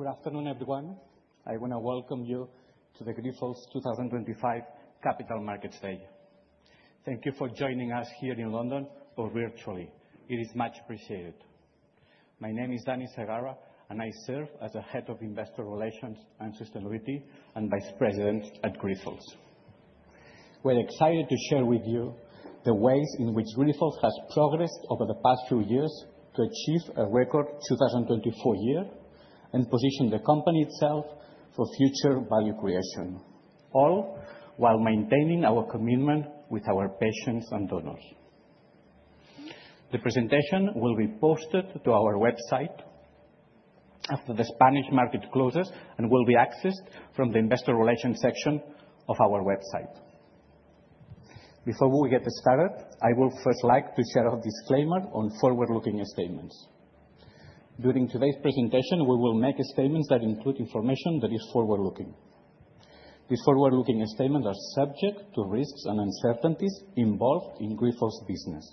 Good afternoon, everyone. I want to welcome you to the Grifols 2025 Capital Markets Day. Thank you for joining us here in London, or virtually. It is much appreciated. My name is Dani Segarra, and I serve as the Head of Investor Relations and Sustainability and Vice President at Grifols. We're excited to share with you the ways in which Grifols has progressed over the past few years to achieve a record 2024 year and position the company itself for future value creation, all while maintaining our commitment with our patients and donors. The presentation will be posted to our website after the Spanish market closes and will be accessed from the Investor Relations section of our website. Before we get started, I would first like to share a disclaimer on forward-looking statements. During today's presentation, we will make statements that include information that is forward-looking. These forward-looking statements are subject to risks and uncertainties involved in Grifols' business.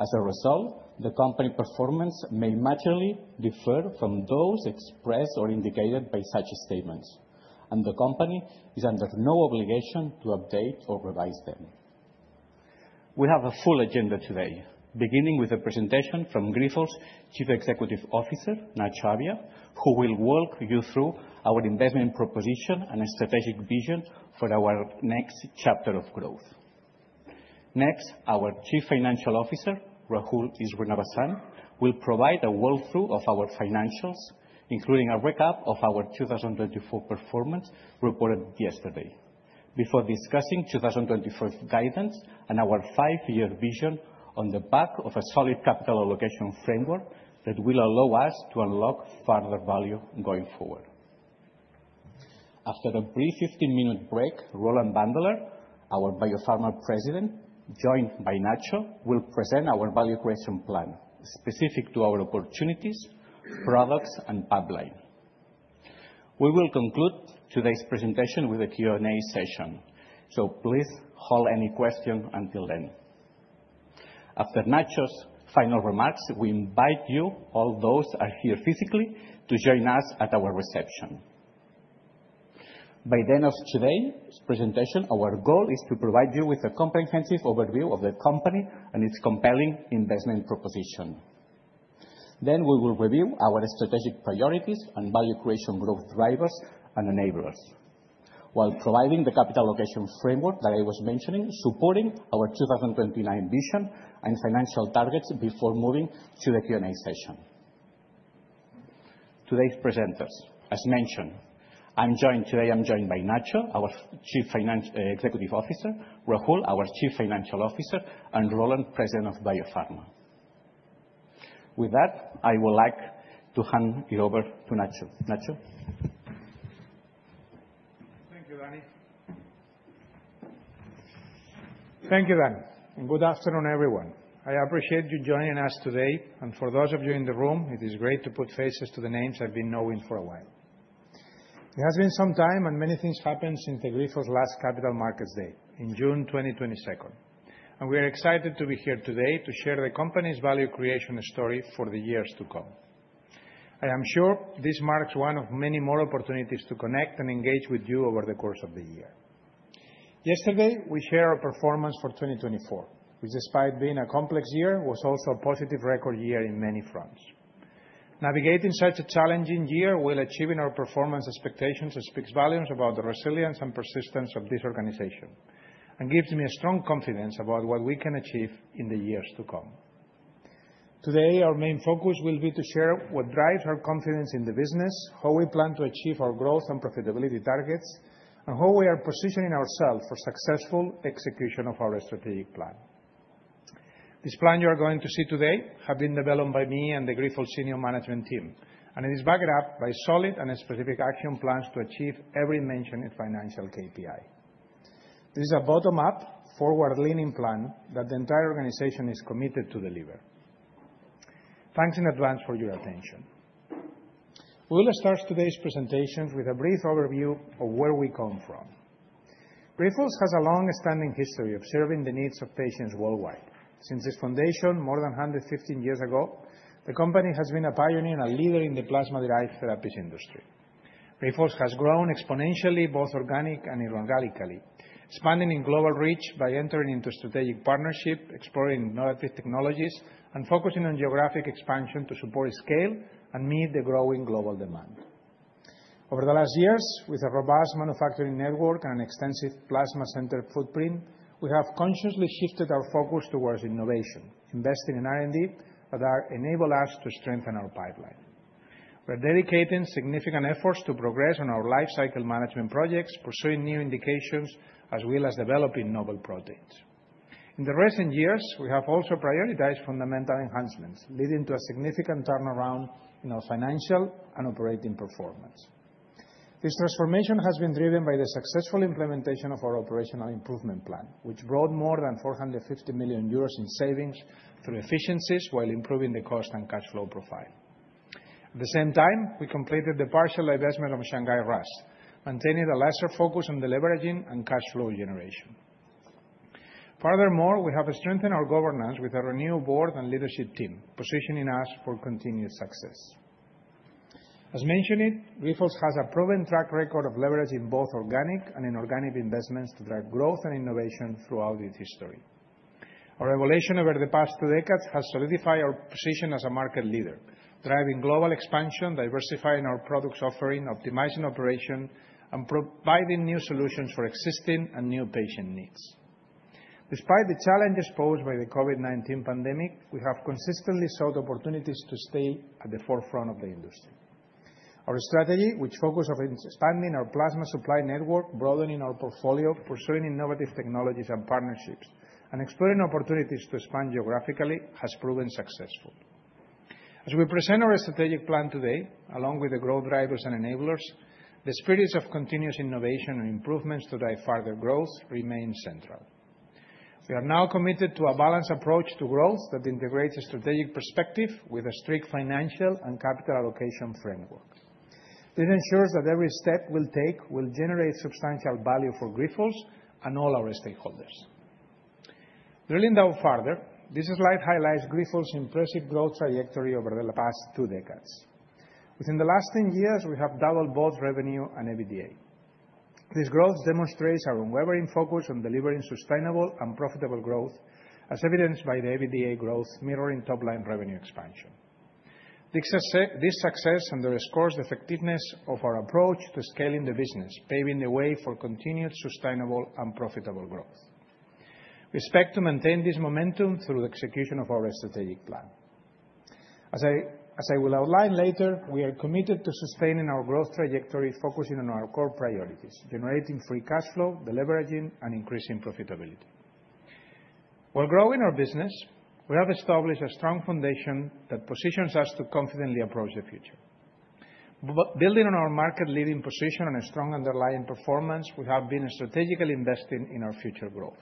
As a result, the company performance may materially differ from those expressed or indicated by such statements, and the company is under no obligation to update or revise them. We have a full agenda today, beginning with a presentation from Grifols' Chief Executive Officer, Nacho Abia, who will walk you through our investment proposition and strategic vision for our next chapter of growth. Next, our Chief Financial Officer, Rahul Srinivasan, will provide a walkthrough of our financials, including a recap of our 2024 performance reported yesterday, before discussing 2024's guidance and our five-year vision on the back of a solid capital allocation framework that will allow us to unlock further value going forward. After a brief 15-minute break, Roland Wandeler, our Biopharma President, joined by Nacho, will present our value creation plan specific to our opportunities, products, and pipeline. We will conclude today's presentation with a Q&A session, so please hold any questions until then. After Nacho's final remarks, we invite you, all those who are here physically, to join us at our reception. By the end of today's presentation, our goal is to provide you with a comprehensive overview of the company and its compelling investment proposition, then we will review our strategic priorities and value creation growth drivers and enablers, while providing the capital allocation framework that I was mentioning, supporting our 2029 vision and financial targets before moving to the Q&A session. Today's presenters, as mentioned, I'm joined by Nacho, our Chief Executive Officer; Rahul, our Chief Financial Officer; and Roland, President of Biopharma. With that, I would like to hand it over to Nacho. Nacho? Thank you, Dani. Thank you, Dani. And good afternoon, everyone. I appreciate you joining us today. And for those of you in the room, it is great to put faces to the names I've been knowing for a while. It has been some time, and many things happened since the Grifols' last Capital Markets Day in June 2022. And we are excited to be here today to share the company's value creation story for the years to come. I am sure this marks one of many more opportunities to connect and engage with you over the course of the year. Yesterday, we shared our performance for 2024, which, despite being a complex year, was also a positive record year in many fronts. Navigating such a challenging year while achieving our performance expectations speaks volumes about the resilience and persistence of this organization and gives me a strong confidence about what we can achieve in the years to come. Today, our main focus will be to share what drives our confidence in the business, how we plan to achieve our growth and profitability targets, and how we are positioning ourselves for successful execution of our strategic plan. This plan you are going to see today has been developed by me and the Grifols Senior Management Team, and it is backed up by solid and specific action plans to achieve every mentioned financial KPI. This is a bottom-up, forward-leaning plan that the entire organization is committed to deliver. Thanks in advance for your attention. We will start today's presentations with a brief overview of where we come from. Grifols has a long-standing history of serving the needs of patients worldwide. Since its foundation more than 115 years ago, the company has been a pioneer and a leader in the plasma-derived therapies industry. Grifols has grown exponentially, both organically and inorganically, expanding in global reach by entering into strategic partnerships, exploring innovative technologies, and focusing on geographic expansion to support scale and meet the growing global demand. Over the last years, with a robust manufacturing network and an extensive plasma-centered footprint, we have consciously shifted our focus towards innovation, investing in R&D that enables us to strengthen our pipeline. We are dedicating significant efforts to progress on our life cycle management projects, pursuing new indications, as well as developing novel proteins. In the recent years, we have also prioritized fundamental enhancements, leading to a significant turnaround in our financial and operating performance. This transformation has been driven by the successful implementation of our operational improvement plan, which brought more than 450 million euros in savings through efficiencies while improving the cost and cash flow profile. At the same time, we completed the partial investment on Shanghai RAAS, maintaining a lesser focus on the leveraging and cash flow generation. Furthermore, we have strengthened our governance with a renewed board and leadership team, positioning us for continued success. As mentioned, Grifols has a proven track record of leveraging both organic and inorganic investments to drive growth and innovation throughout its history. Our evolution over the past two decades has solidified our position as a market leader, driving global expansion, diversifying our product offering, optimizing operations, and providing new solutions for existing and new patient needs. Despite the challenges posed by the COVID-19 pandemic, we have consistently sought opportunities to stay at the forefront of the industry. Our strategy, which focuses on expanding our plasma supply network, broadening our portfolio, pursuing innovative technologies and partnerships, and exploring opportunities to expand geographically, has proven successful. As we present our strategic plan today, along with the growth drivers and enablers, the spirit of continuous innovation and improvements to drive further growth remains central. We are now committed to a balanced approach to growth that integrates a strategic perspective with a strict financial and capital allocation framework. This ensures that every step we take will generate substantial value for Grifols and all our stakeholders. Drilling down further, this slide highlights Grifols' impressive growth trajectory over the past two decades. Within the last ten years, we have doubled both revenue and EBITDA. This growth demonstrates our unwavering focus on delivering sustainable and profitable growth, as evidenced by the EBITDA growth mirroring top-line revenue expansion. This success underscores the effectiveness of our approach to scaling the business, paving the way for continued sustainable and profitable growth. We expect to maintain this momentum through the execution of our strategic plan. As I will outline later, we are committed to sustaining our growth trajectory, focusing on our core priorities: generating free cash flow, delivering, and increasing profitability. While growing our business, we have established a strong foundation that positions us to confidently approach the future. Building on our market-leading position and a strong underlying performance, we have been strategically investing in our future growth.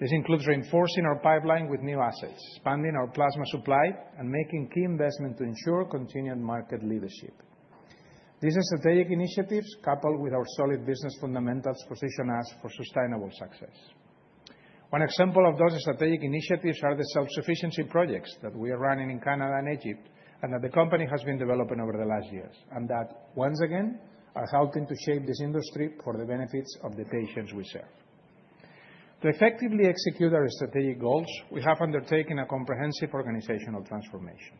This includes reinforcing our pipeline with new assets, expanding our plasma supply, and making key investments to ensure continued market leadership. These strategic initiatives, coupled with our solid business fundamentals, position us for sustainable success. One example of those strategic initiatives is the self-sufficiency projects that we are running in Canada and Egypt, and that the company has been developing over the last years, and that, once again, are helping to shape this industry for the benefits of the patients we serve. To effectively execute our strategic goals, we have undertaken a comprehensive organizational transformation.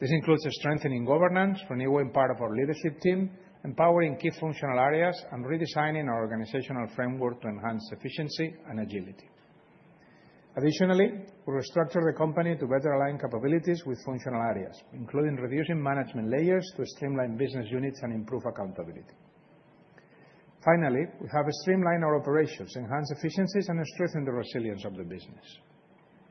This includes strengthening governance for a new part of our leadership team, empowering key functional areas, and redesigning our organizational framework to enhance efficiency and agility. Additionally, we restructured the company to better align capabilities with functional areas, including reducing management layers to streamline business units and improve accountability. Finally, we have streamlined our operations, enhanced efficiencies, and strengthened the resilience of the business.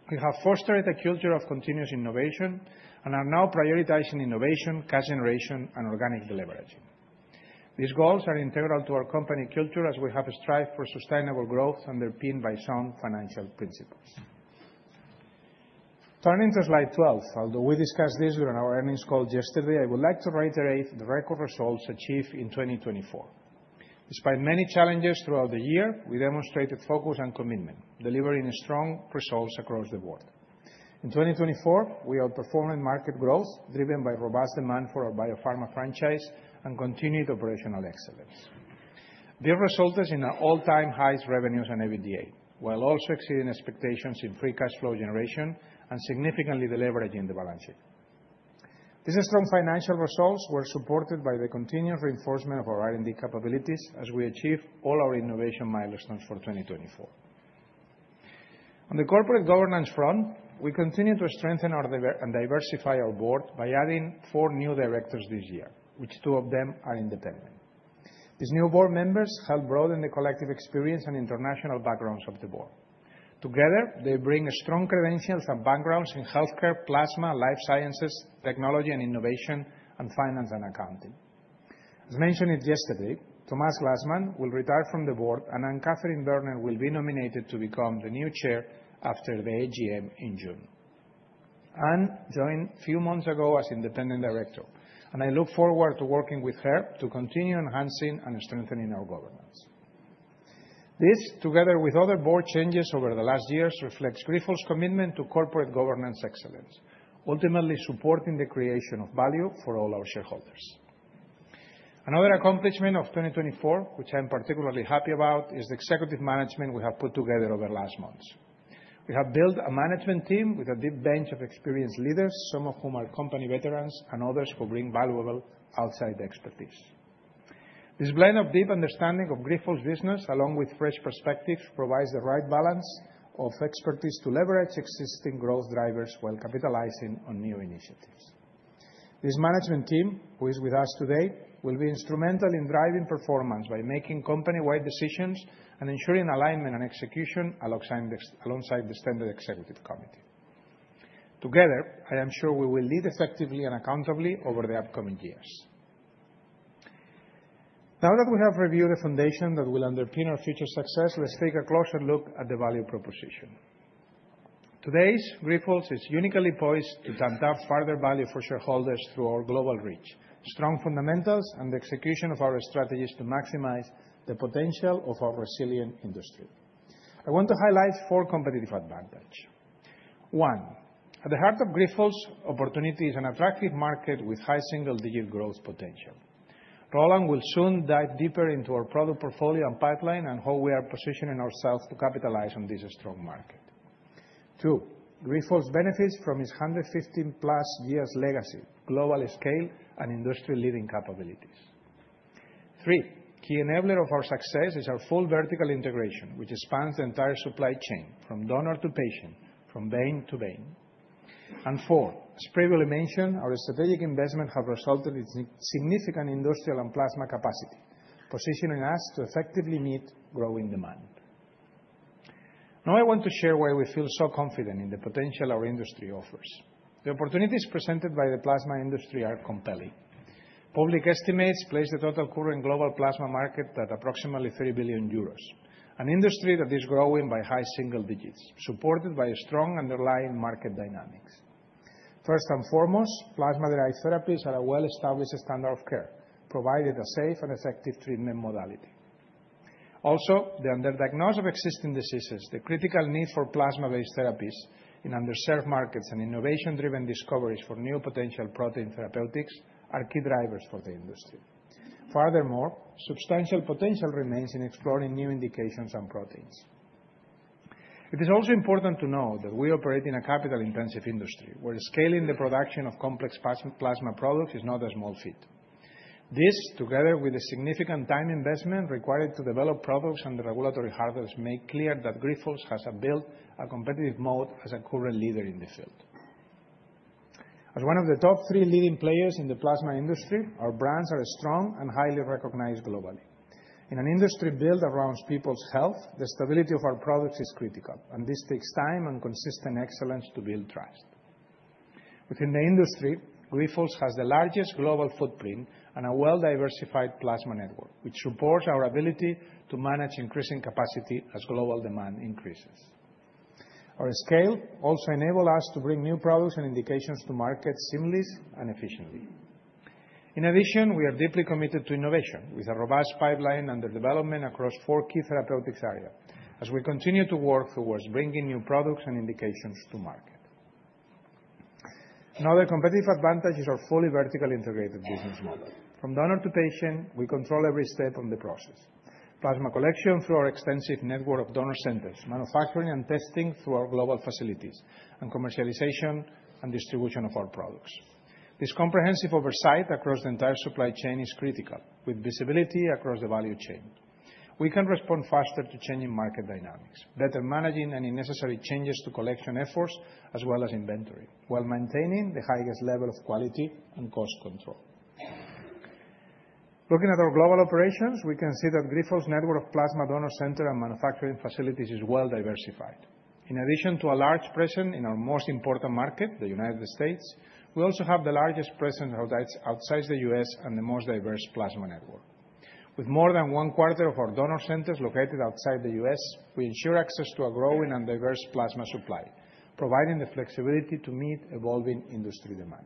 We have fostered a culture of continuous innovation and are now prioritizing innovation, cash generation, and organic leveraging. These goals are integral to our company culture, as we have strived for sustainable growth underpinned by some financial principles. Turning to slide 12, although we discussed this during our earnings call yesterday, I would like to reiterate the record results achieved in 2024. Despite many challenges throughout the year, we demonstrated focus and commitment, delivering strong results across the board. In 2024, we outperformed market growth driven by robust demand for our biopharma franchise and continued operational excellence. This resulted in our all-time highest revenues and EBITDA, while also exceeding expectations in free cash flow generation and significantly delivering in the balance sheet. These strong financial results were supported by the continued reinforcement of our R&D capabilities as we achieved all our innovation milestones for 2024. On the corporate governance front, we continue to strengthen and diversify our board by adding four new directors this year, which two of them are independent. These new board members help broaden the collective experience and international backgrounds of the board. Together, they bring strong credentials and backgrounds in healthcare, plasma, life sciences, technology and innovation, and finance and accounting. As mentioned yesterday, Thomas Glanzmann will retire from the board, and Anne-Catherine Berner will be nominated to become the new chair after the AGM in June. Anne joined a few months ago as independent director, and I look forward to working with her to continue enhancing and strengthening our governance. This, together with other board changes over the last years, reflects Grifols' commitment to corporate governance excellence, ultimately supporting the creation of value for all our shareholders. Another accomplishment of 2024, which I'm particularly happy about, is the executive management we have put together over the last months. We have built a management team with a deep bench of experienced leaders, some of whom are company veterans and others who bring valuable outside expertise. This blend of deep understanding of Grifols' business, along with fresh perspectives, provides the right balance of expertise to leverage existing growth drivers while capitalizing on new initiatives. This management team, who is with us today, will be instrumental in driving performance by making company-wide decisions and ensuring alignment and execution alongside the Standard Executive Committee. Together, I am sure we will lead effectively and accountably over the upcoming years. Now that we have reviewed the foundation that will underpin our future success, let's take a closer look at the value proposition. Today's Grifols is uniquely poised to tap further value for shareholders through our global reach, strong fundamentals, and the execution of our strategies to maximize the potential of our resilient industry. I want to highlight four competitive advantages. One, at the heart of Grifols' opportunity is an attractive market with high single-digit growth potential. Roland will soon dive deeper into our product portfolio and pipeline and how we are positioning ourselves to capitalize on this strong market. Two, Grifols benefits from its 115+ years' legacy, global scale, and industry-leading capabilities. Three, key enabler of our success is our full vertical integration, which spans the entire supply chain from donor to patient, from vein to vein, and four, as previously mentioned, our strategic investments have resulted in significant industrial and plasma capacity, positioning us to effectively meet growing demand. Now I want to share why we feel so confident in the potential our industry offers. The opportunities presented by the plasma industry are compelling. Public estimates place the total current global plasma market at approximately 3 billion euros, an industry that is growing by high single digits, supported by strong underlying market dynamics. First and foremost, plasma-derived therapies are a well-established standard of care, providing a safe and effective treatment modality. Also, the underdiagnosis of existing diseases, the critical need for plasma-based therapies in underserved markets, and innovation-driven discoveries for new potential protein therapeutics are key drivers for the industry. Furthermore, substantial potential remains in exploring new indications and proteins. It is also important to note that we operate in a capital-intensive industry where scaling the production of complex plasma products is not a small feat. This, together with the significant time investment required to develop products and the regulatory hurdles, makes clear that Grifols has built a competitive moat as a current leader in the field. As one of the top three leading players in the plasma industry, our brands are strong and highly recognized globally. In an industry built around people's health, the stability of our products is critical, and this takes time and consistent excellence to build trust. Within the industry, Grifols has the largest global footprint and a well-diversified plasma network, which supports our ability to manage increasing capacity as global demand increases. Our scale also enables us to bring new products and indications to market seamlessly and efficiently. In addition, we are deeply committed to innovation, with a robust pipeline under development across four key therapeutics areas, as we continue to work towards bringing new products and indications to market. Another competitive advantage is our fully vertically integrated business model. From donor to patient, we control every step of the process: plasma collection through our extensive network of donor centers, manufacturing and testing through our global facilities, and commercialization and distribution of our products. This comprehensive oversight across the entire supply chain is critical, with visibility across the value chain. We can respond faster to changing market dynamics, better managing any necessary changes to collection efforts as well as inventory, while maintaining the highest level of quality and cost control. Looking at our global operations, we can see that Grifols' network of plasma donor centers and manufacturing facilities is well-diversified. In addition to a large presence in our most important market, the United States, we also have the largest presence outside the U.S. and the most diverse plasma network. With more than one quarter of our donor centers located outside the U.S., we ensure access to a growing and diverse plasma supply, providing the flexibility to meet evolving industry demand.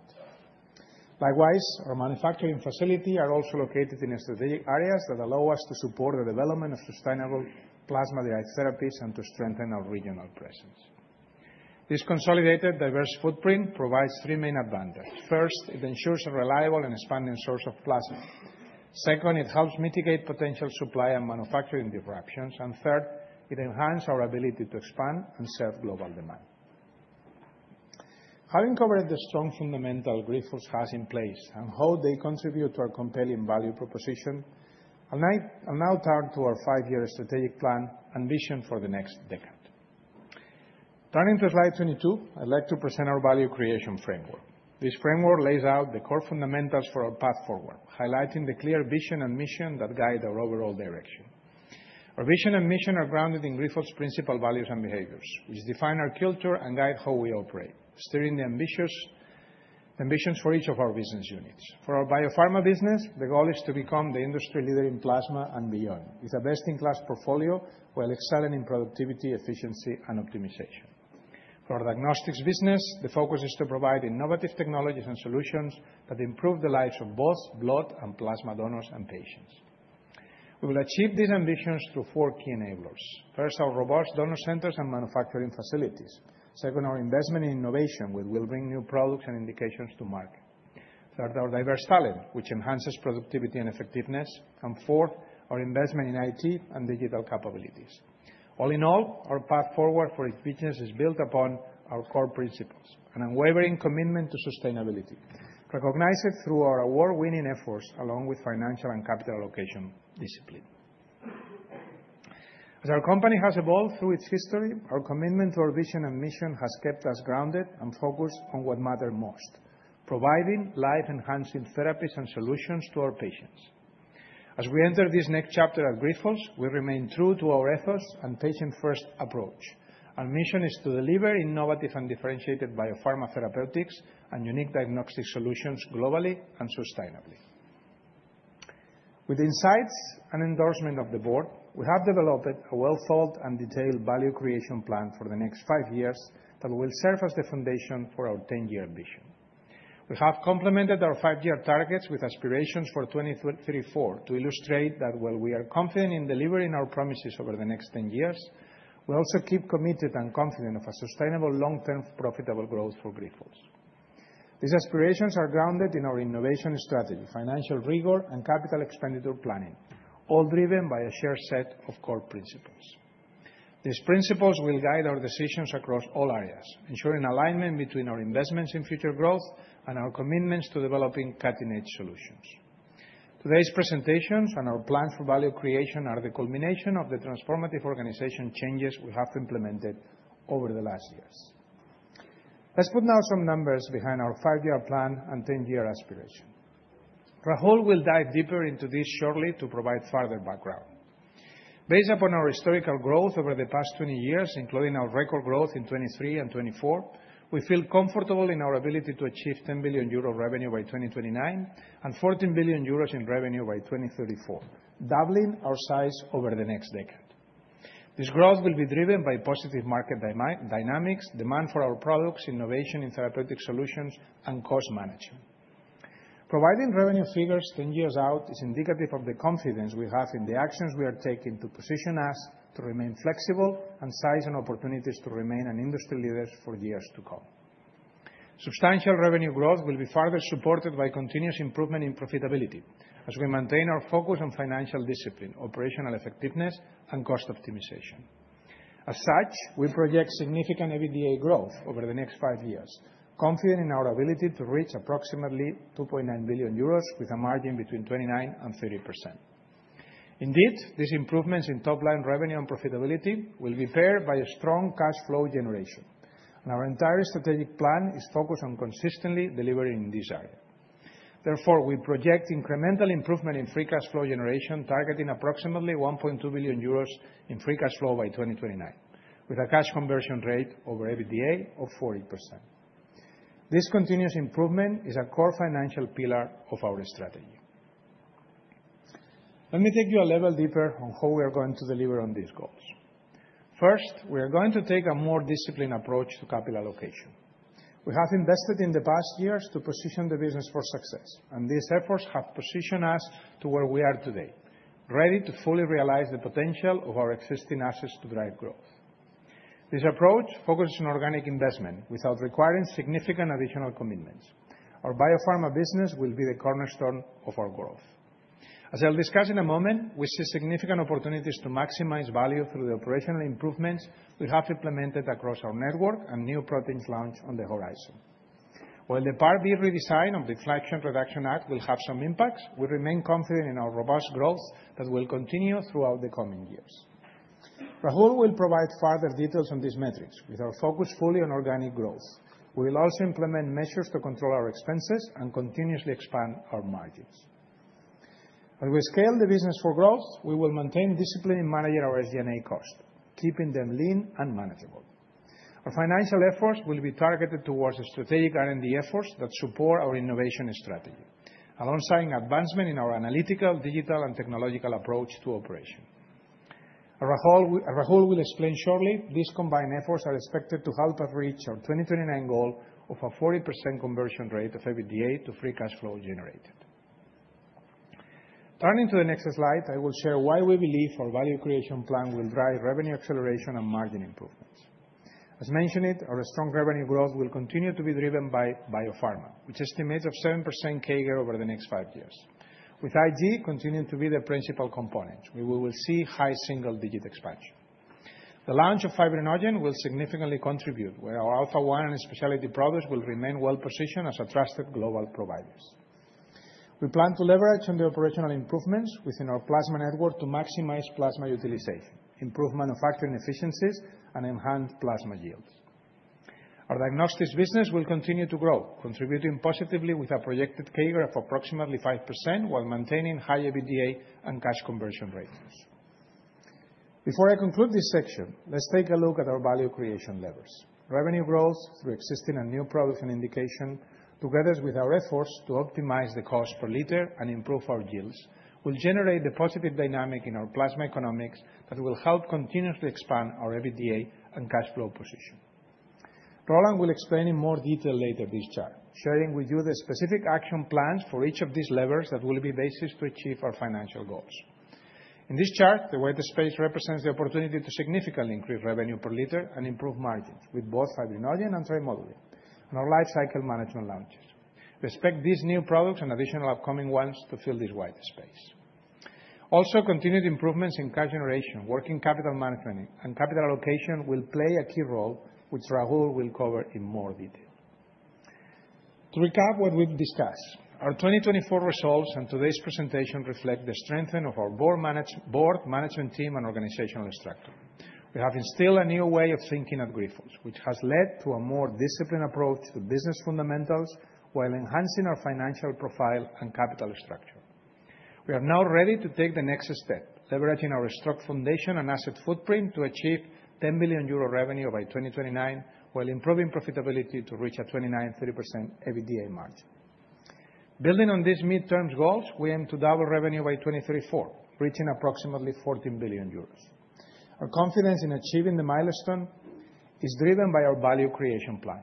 Likewise, our manufacturing facilities are also located in strategic areas that allow us to support the development of sustainable plasma-derived therapies and to strengthen our regional presence. This consolidated, diverse footprint provides three main advantages. First, it ensures a reliable and expanding source of plasma. Second, it helps mitigate potential supply and manufacturing disruptions. And third, it enhances our ability to expand and serve global demand. Having covered the strong fundamentals Grifols has in place and how they contribute to our compelling value proposition, I'll now turn to our five-year strategic plan and vision for the next decade. Turning to slide 22, I'd like to present our value creation framework. This framework lays out the core fundamentals for our path forward, highlighting the clear vision and mission that guide our overall direction. Our vision and mission are grounded in Grifols' principal values and behaviors, which define our culture and guide how we operate, steering the ambitions for each of our business units. For our biopharma business, the goal is to become the industry leader in plasma and beyond with a best-in-class portfolio while excelling in productivity, efficiency, and optimization. For our diagnostics business, the focus is to provide innovative technologies and solutions that improve the lives of both blood and plasma donors and patients. We will achieve these ambitions through four key enablers. First, our robust donor centers and manufacturing facilities. Second, our investment in innovation, which will bring new products and indications to market. Third, our diverse talent, which enhances productivity and effectiveness. And fourth, our investment in IT and digital capabilities. All in all, our path forward for its business is built upon our core principles: an unwavering commitment to sustainability, recognized through our award-winning efforts, along with financial and capital allocation discipline. As our company has evolved through its history, our commitment to our vision and mission has kept us grounded and focused on what matters most: providing life-enhancing therapies and solutions to our patients. As we enter this next chapter at Grifols, we remain true to our ethos and patient-first approach. Our mission is to deliver innovative and differentiated biopharma therapeutics and unique diagnostic solutions globally and sustainably. With insights and endorsement of the board, we have developed a well-thought-out and detailed value creation plan for the next five years that will serve as the foundation for our 10-year vision. We have complemented our five-year targets with aspirations for 2034 to illustrate that while we are confident in delivering our promises over the next 10 years, we also keep committed and confident in a sustainable, long-term, profitable growth for Grifols. These aspirations are grounded in our innovation strategy, financial rigor, and capital expenditure planning, all driven by a shared set of core principles. These principles will guide our decisions across all areas, ensuring alignment between our investments in future growth and our commitments to developing cutting-edge solutions. Today's presentations and our plans for value creation are the culmination of the transformative organization changes we have implemented over the last years. Let's put now some numbers behind our five-year plan and 10-year aspiration. Rahul will dive deeper into this shortly to provide further background. Based upon our historical growth over the past 20 years, including our record growth in 2023 and 2024, we feel comfortable in our ability to achieve 10 billion euro revenue by 2029 and 14 billion euros in revenue by 2034, doubling our size over the next decade. This growth will be driven by positive market dynamics, demand for our products, innovation in therapeutic solutions, and cost management. Providing revenue figures 10 years out is indicative of the confidence we have in the actions we are taking to position us to remain flexible and seize opportunities to remain an industry leader for years to come. Substantial revenue growth will be further supported by continuous improvement in profitability as we maintain our focus on financial discipline, operational effectiveness, and cost optimization. As such, we project significant EBITDA growth over the next five years, confident in our ability to reach approximately 2.9 billion euros with a margin between 29%–30%. Indeed, these improvements in top-line revenue and profitability will be paired by a strong cash flow generation, and our entire strategic plan is focused on consistently delivering in this area. Therefore, we project incremental improvement in free cash flow generation, targeting approximately 1.2 billion euros in free cash flow by 2029, with a cash conversion rate over EBITDA of 40%. This continuous improvement is a core financial pillar of our strategy. Let me take you a level deeper on how we are going to deliver on these goals. First, we are going to take a more disciplined approach to capital allocation. We have invested in the past years to position the business for success, and these efforts have positioned us to where we are today, ready to fully realize the potential of our existing assets to drive growth. This approach focuses on organic investment without requiring significant additional commitments. Our biopharma business will be the cornerstone of our growth. As I'll discuss in a moment, we see significant opportunities to maximize value through the operational improvements we have implemented across our network and new proteins launched on the horizon. While the Part B redesign of the Inflation Reduction Act will have some impacts, we remain confident in our robust growth that will continue throughout the coming years. Rahul will provide further details on these metrics with our focus fully on organic growth. We will also implement measures to control our expenses and continuously expand our margins. As we scale the business for growth, we will maintain discipline in managing our SG&A costs, keeping them lean and manageable. Our financial efforts will be targeted towards the strategic R&D efforts that support our innovation strategy, alongside advancement in our analytical, digital, and technological approach to operation. Rahul will explain shortly; these combined efforts are expected to help us reach our 2029 goal of a 40% conversion rate of EBITDA to free cash flow generated. Turning to the next slide, I will share why we believe our value creation plan will drive revenue acceleration and margin improvements. As mentioned, our strong revenue growth will continue to be driven by Biopharma, which estimates a 7% CAGR over the next five years. With IG continuing to be the principal component, we will see high single-digit expansion. The launch of Fibrinogen will significantly contribute, where our Alpha-1 and specialty products will remain well-positioned as trusted global providers. We plan to leverage on the operational improvements within our plasma network to maximize plasma utilization, improve manufacturing efficiencies, and enhance plasma yields. Our diagnostics business will continue to grow, contributing positively with a projected CAGR of approximately 5% while maintaining high EBITDA and cash conversion ratios. Before I conclude this section, let's take a look at our value creation levers. Revenue growth through existing and new products and indications, together with our efforts to optimize the cost per liter and improve our yields, will generate the positive dynamic in our plasma economics that will help continuously expand our EBITDA and cash flow position. Roland will explain in more detail later, this chart, sharing with you the specific action plans for each of these levers that will be basis to achieve our financial goals. In this chart, the white space represents the opportunity to significantly increase revenue per liter and improve margins with both fibrinogen and Trimodulin and our life cycle management launches. We expect these new products and additional upcoming ones to fill this white space. Also, continued improvements in cash generation, working capital management, and capital allocation will play a key role, which Rahul will cover in more detail. To recap what we've discussed, our 2024 results and today's presentation reflect the strengthening of our board management team and organizational structure. We have instilled a new way of thinking at Grifols, which has led to a more disciplined approach to business fundamentals while enhancing our financial profile and capital structure. We are now ready to take the next step, leveraging our strong foundation and asset footprint to achieve 10 billion euro revenue by 2029 while improving profitability to reach a 29%–30% EBITDA margin. Building on these mid-term goals, we aim to double revenue by 2034, reaching approximately 14 billion euros. Our confidence in achieving the milestone is driven by our value creation plan,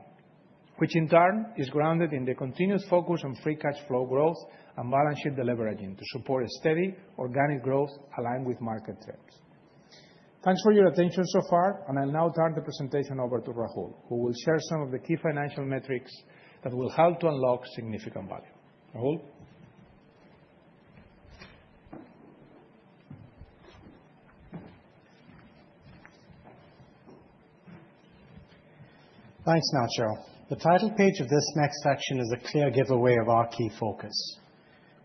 which in turn is grounded in the continued focus on free cash flow growth and balance sheet leveraging to support a steady organic growth aligned with market trends. Thanks for your attention so far, and I'll now turn the presentation over to Rahul, who will share some of the key financial metrics that will help to unlock significant value. Rahul? Thanks, Nacho. The title page of this next section is a clear giveaway of our key focus,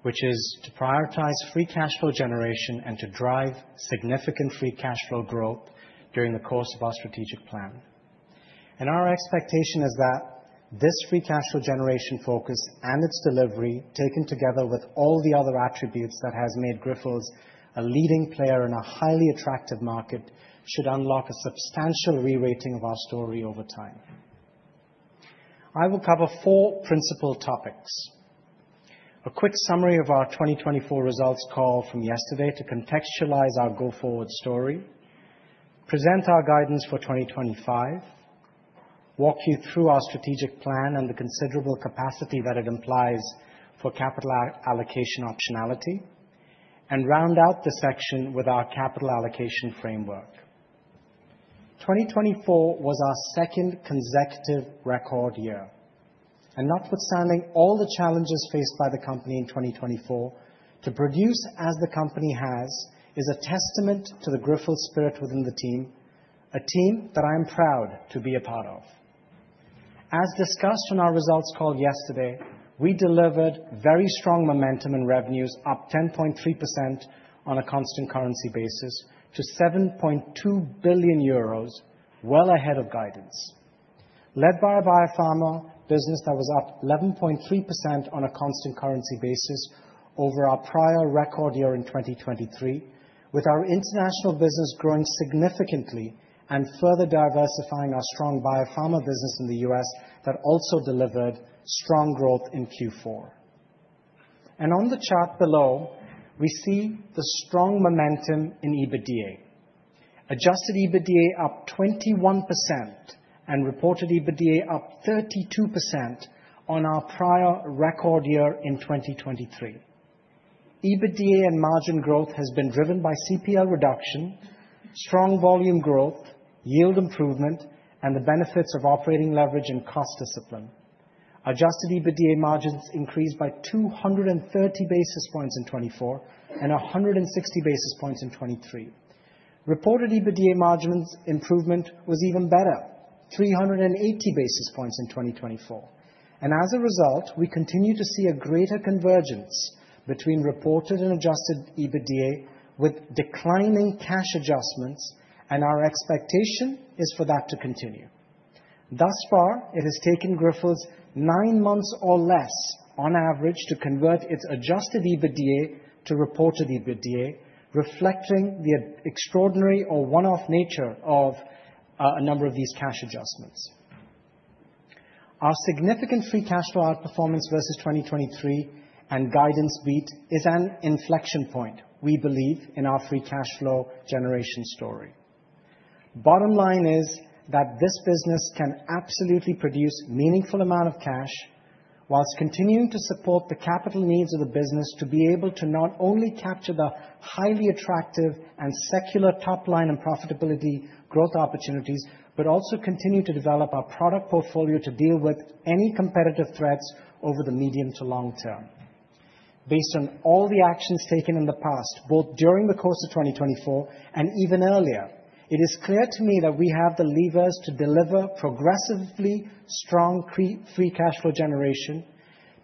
which is to prioritize free cash flow generation and to drive significant free cash flow growth during the course of our strategic plan. And our expectation is that this free cash flow generation focus and its delivery, taken together with all the other attributes that have made Grifols a leading player in a highly attractive market, should unlock a substantial re-rating of our story over time. I will cover four principal topics: a quick summary of our 2024 results call from yesterday to contextualize our go-forward story, present our guidance for 2025, walk you through our strategic plan and the considerable capacity that it implies for capital allocation optionality, and round out the section with our capital allocation framework. 2024 was our second consecutive record year. Notwithstanding all the challenges faced by the company in 2024, to produce as the company has is a testament to the Grifols spirit within the team, a team that I am proud to be a part of. As discussed in our results call yesterday, we delivered very strong momentum in revenues, up 10.3% on a constant currency basis to 7.2 billion euros, well ahead of guidance. Led by a biopharma business that was up 11.3% on a constant currency basis over our prior record year in 2023, with our international business growing significantly and further diversifying our strong biopharma business in the U.S. that also delivered strong growth in Q4. On the chart below, we see the strong momentum in EBITDA, adjusted EBITDA up 21% and reported EBITDA up 32% on our prior record year in 2023. EBITDA and margin growth has been driven by CPL reduction, strong volume growth, yield improvement, and the benefits of operating leverage and cost discipline. Adjusted EBITDA margins increased by 230 basis points in 2024 and 160 basis points in 2023. Reported EBITDA margin improvement was even better, 380 basis points in 2024, and as a result, we continue to see a greater convergence between reported and adjusted EBITDA with declining cash adjustments, and our expectation is for that to continue. Thus far, it has taken Grifols nine months or less, on average, to convert its adjusted EBITDA to reported EBITDA, reflecting the extraordinary or one-off nature of a number of these cash adjustments. Our significant free cash flow outperformance versus 2023 and guidance beat is an inflection point, we believe, in our free cash flow generation story. Bottom line is that this business can absolutely produce a meaningful amount of cash while continuing to support the capital needs of the business to be able to not only capture the highly attractive and secular top-line and profitability growth opportunities, but also continue to develop our product portfolio to deal with any competitive threats over the medium to long term. Based on all the actions taken in the past, both during the course of 2024 and even earlier, it is clear to me that we have the levers to deliver progressively strong free cash flow generation.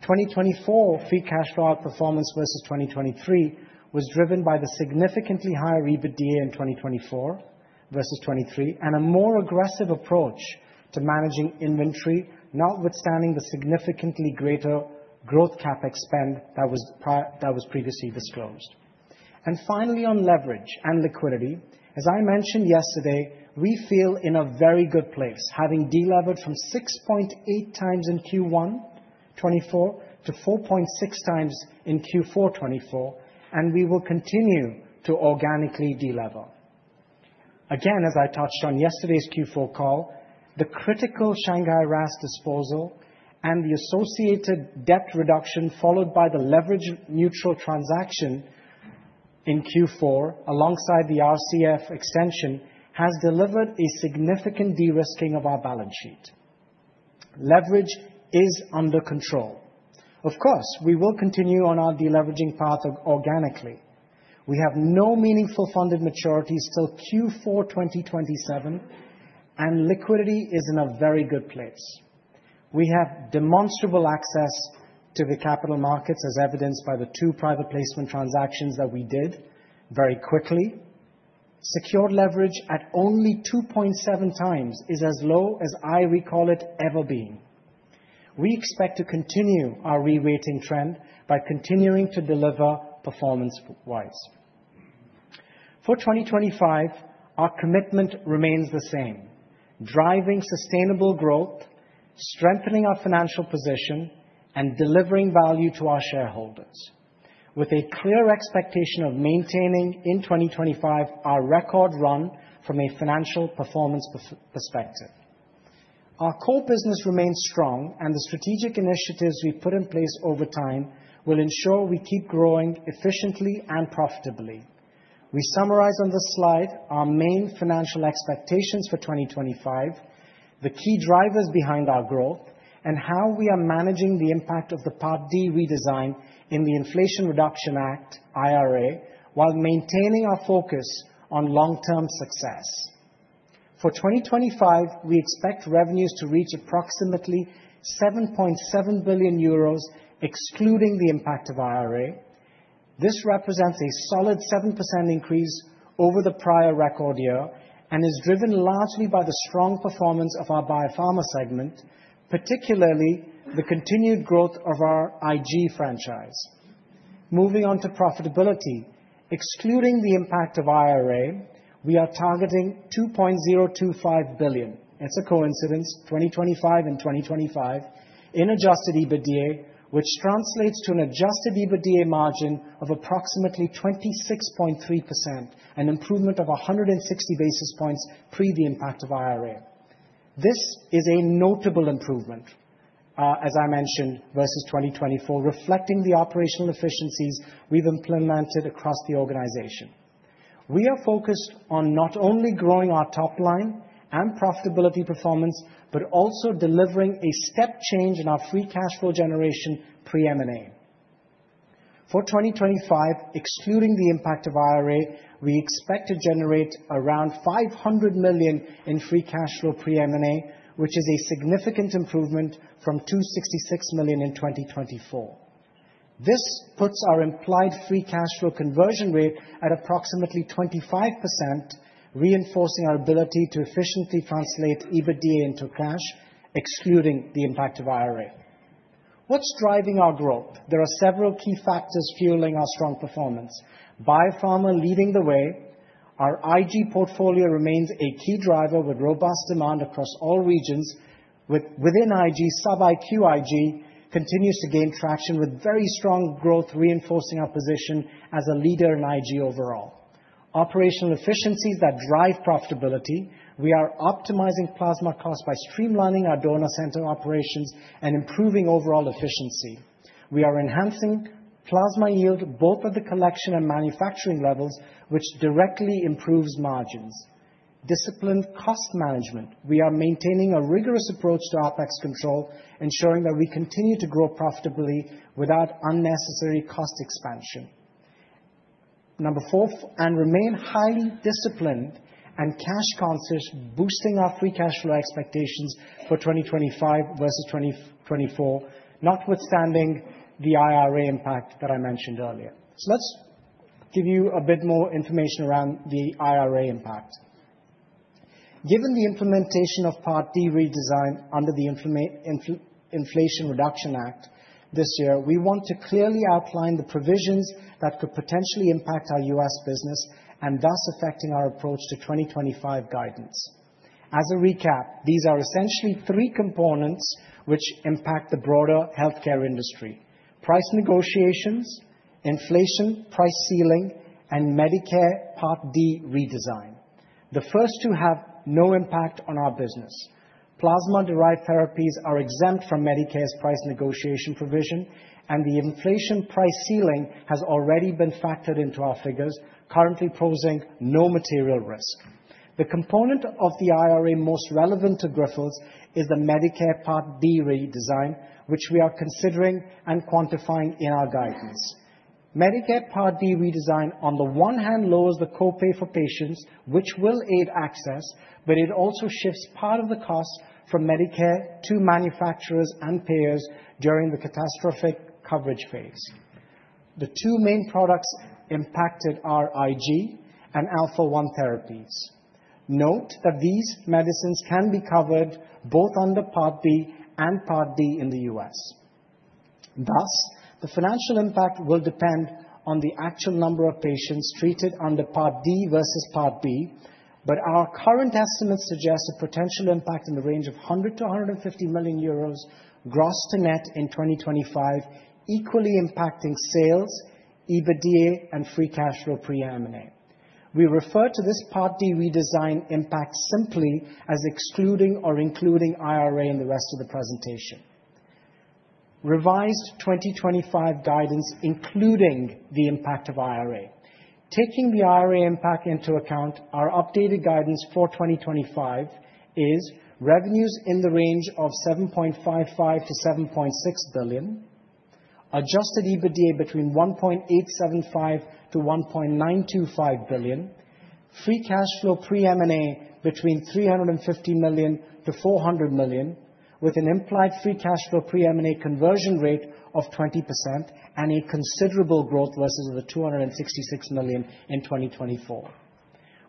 2024 free cash flow outperformance versus 2023 was driven by the significantly higher EBITDA in 2024 versus 2023 and a more aggressive approach to managing inventory, notwithstanding the significantly greater growth CapEx that was previously disclosed. Finally, on leverage and liquidity, as I mentioned yesterday, we feel in a very good place, having delevered from 6.8 times in Q1 2024 to 4.6 times in Q4 2024, and we will continue to organically delever. Again, as I touched on yesterday's Q4 call, the critical Shanghai RAAS disposal and the associated debt reduction followed by the leverage-neutral transaction in Q4 alongside the RCF extension has delivered a significant de-risking of our balance sheet. Leverage is under control. Of course, we will continue on our deleveraging path organically. We have no meaningful funded maturities till Q4 2027, and liquidity is in a very good place. We have demonstrable access to the capital markets, as evidenced by the two private placement transactions that we did very quickly. Secured leverage at only 2.7 times is as low as I recall it ever being. We expect to continue our re-rating trend by continuing to deliver performance-wise. For 2025, our commitment remains the same: driving sustainable growth, strengthening our financial position, and delivering value to our shareholders, with a clear expectation of maintaining in 2025 our record run from a financial performance perspective. Our core business remains strong, and the strategic initiatives we put in place over time will ensure we keep growing efficiently and profitably. We summarize on this slide our main financial expectations for 2025, the key drivers behind our growth, and how we are managing the impact Part D redesign in the Inflation Reduction Act (IRA) while maintaining our focus on long-term success. For 2025, we expect revenues to reach approximately 7.7 billion euros, excluding the impact of IRA. This represents a solid 7% increase over the prior record year and is driven largely by the strong performance of our biopharma segment, particularly the continued growth of our IG franchise. Moving on to profitability, excluding the impact of IRA, we are targeting 2.025 billion, it's a coincidence, 2025 and 2025 in adjusted EBITDA, which translates to an adjusted EBITDA margin of approximately 26.3%, an improvement of 160 basis points pre the impact of IRA. This is a notable improvement, as I mentioned, versus 2024, reflecting the operational efficiencies we've implemented across the organization. We are focused on not only growing our top-line and profitability performance but also delivering a step change in our free cash flow generation pre-M&A. For 2025, excluding the impact of IRA, we expect to generate around 500 million in free cash flow pre-M&A, which is a significant improvement from 266 million in 2024. This puts our implied free cash flow conversion rate at approximately 25%, reinforcing our ability to efficiently translate EBITDA into cash, excluding the impact of IRA. What's driving our growth? There are several key factors fueling our strong performance. Biopharma leading the way. Our IG portfolio remains a key driver with robust demand across all regions. Within IG, sub-Q IG continues to gain traction with very strong growth, reinforcing our position as a leader in IG overall. Operational efficiencies that drive profitability. We are optimizing plasma costs by streamlining our donor center operations and improving overall efficiency. We are enhancing plasma yield, both at the collection and manufacturing levels, which directly improves margins. Disciplined cost management. We are maintaining a rigorous approach to OPEX control, ensuring that we continue to grow profitably without unnecessary cost expansion. Number four, and remain highly disciplined and cash conscious, boosting our free cash flow expectations for 2025 versus 2024, notwithstanding the IRA impact that I mentioned earlier. So let's give you a bit more information around the IRA impact. Given the Part D redesign under the Inflation Reduction Act this year, we want to clearly outline the provisions that could potentially impact our U.S. business and thus affecting our approach to 2025 guidance. As a recap, these are essentially three components which impact the broader healthcare industry: price negotiations, inflation price ceiling, Part D redesign. The first two have no impact on our business. Plasma-derived therapies are exempt from Medicare's price negotiation provision, and the inflation price ceiling has already been factored into our figures, currently posing no material risk. The component of the IRA most relevant to Grifols is Part D redesign, which we are considering and quantifying in our Part D redesign, on the one hand, lowers the copay for patients, which will aid access, but it also shifts part of the cost from Medicare to manufacturers and payers during the catastrophic coverage phase. The two main products impacted are IG and Alpha-1 therapies. Note that these medicines can be covered both under Part B and Part D in the U.S. Thus, the financial impact will depend on the actual number of patients treated under Part D versus Part B, but our current estimates suggest a potential impact in the range of 100–150 million euros gross to net in 2025, equally impacting sales, EBITDA, and free cash flow pre-M&A. We refer Part D redesign impact simply as excluding or including IRA in the rest of the presentation. Revised 2025 guidance, including the impact of IRA. Taking the IRA impact into account, our updated guidance for 2025 is revenues in the range of 7.55–7.6 billion, adjusted EBITDA between 1.875–1.925 billion, free cash flow pre-M&A between 350–400 million, with an implied free cash flow pre-M&A conversion rate of 20% and a considerable growth versus the 266 million in 2024.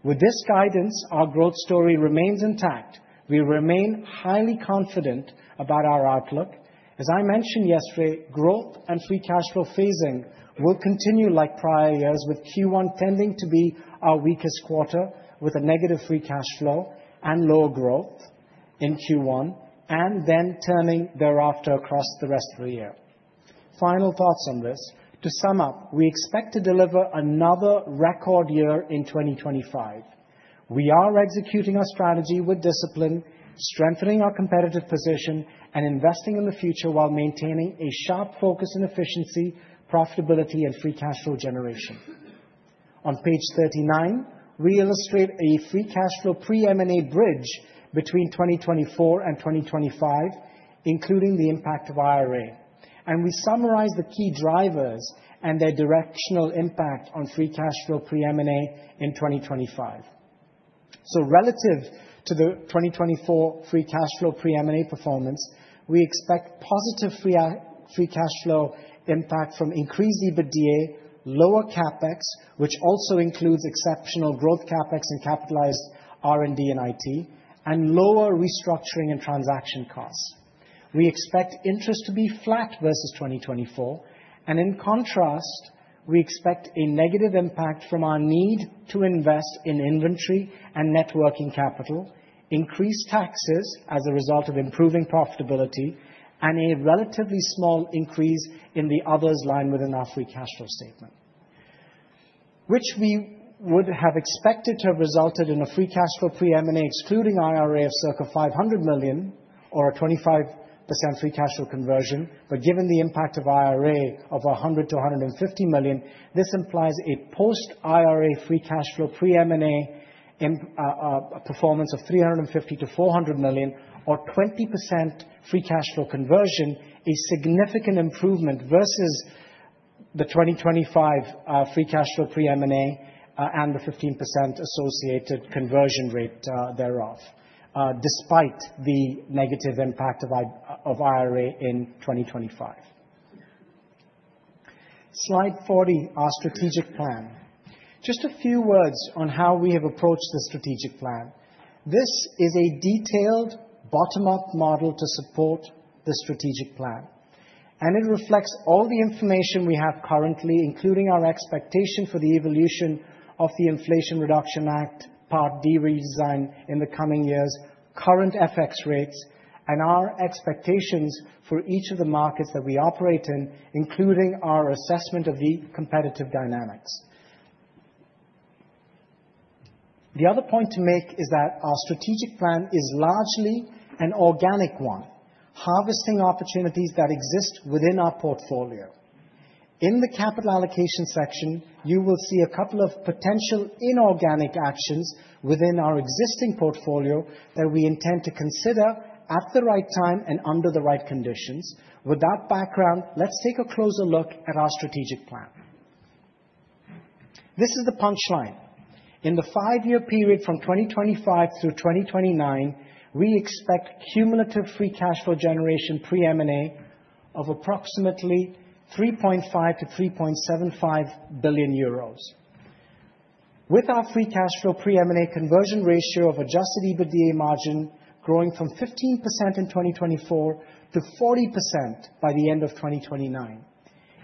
With this guidance, our growth story remains intact. We remain highly confident about our outlook. As I mentioned yesterday, growth and free cash flow phasing will continue like prior years, with Q1 tending to be our weakest quarter with a negative free cash flow and lower growth in Q1 and then turning thereafter across the rest of the year. Final thoughts on this: to sum up, we expect to deliver another record year in 2025. We are executing our strategy with discipline, strengthening our competitive position, and investing in the future while maintaining a sharp focus on efficiency, profitability, and free cash flow generation. On page 39, we illustrate a free cash flow pre-M&A bridge between 2024 and 2025, including the impact of IRA, and we summarize the key drivers and their directional impact on free cash flow pre-M&A in 2025, so relative to the 2024 free cash flow pre-M&A performance, we expect positive free cash flow impact from increased EBITDA, lower CapEx, which also includes exceptional growth CapEx and capitalized R&D and IT, and lower restructuring and transaction costs. We expect interest to be flat versus 2024, and in contrast, we expect a negative impact from our need to invest in inventory and working capital, increased taxes as a result of improving profitability, and a relatively small increase in the others line within our free cash flow statement, which we would have expected to have resulted in a free cash flow pre-M&A excluding IRA of circa 500 million or a 25% free cash flow conversion. But given the impact of IRA of 100–150 million, this implies a post-IRA free cash flow pre-M&A performance of 350–400 million or 20% free cash flow conversion, a significant improvement versus the 2025 free cash flow pre-M&A and the 15% associated conversion rate thereof, despite the negative impact of IRA in 2025. Slide 40, our strategic plan. Just a few words on how we have approached the strategic plan. This is a detailed bottom-up model to support the strategic plan, and it reflects all the information we have currently, including our expectation for the evolution of the Inflation Part D redesign in the coming years, current FX rates, and our expectations for each of the markets that we operate in, including our assessment of the competitive dynamics. The other point to make is that our strategic plan is largely an organic one, harvesting opportunities that exist within our portfolio. In the capital allocation section, you will see a couple of potential inorganic actions within our existing portfolio that we intend to consider at the right time and under the right conditions. With that background, let's take a closer look at our strategic plan. This is the punchline. In the five-year period from 2025 through 2029, we expect cumulative free cash flow generation pre-M&A of approximately 3.5–3.75 billion euros. With our free cash flow pre-M&A conversion ratio of adjusted EBITDA margin growing from 15% in 2024 to 40% by the end of 2029.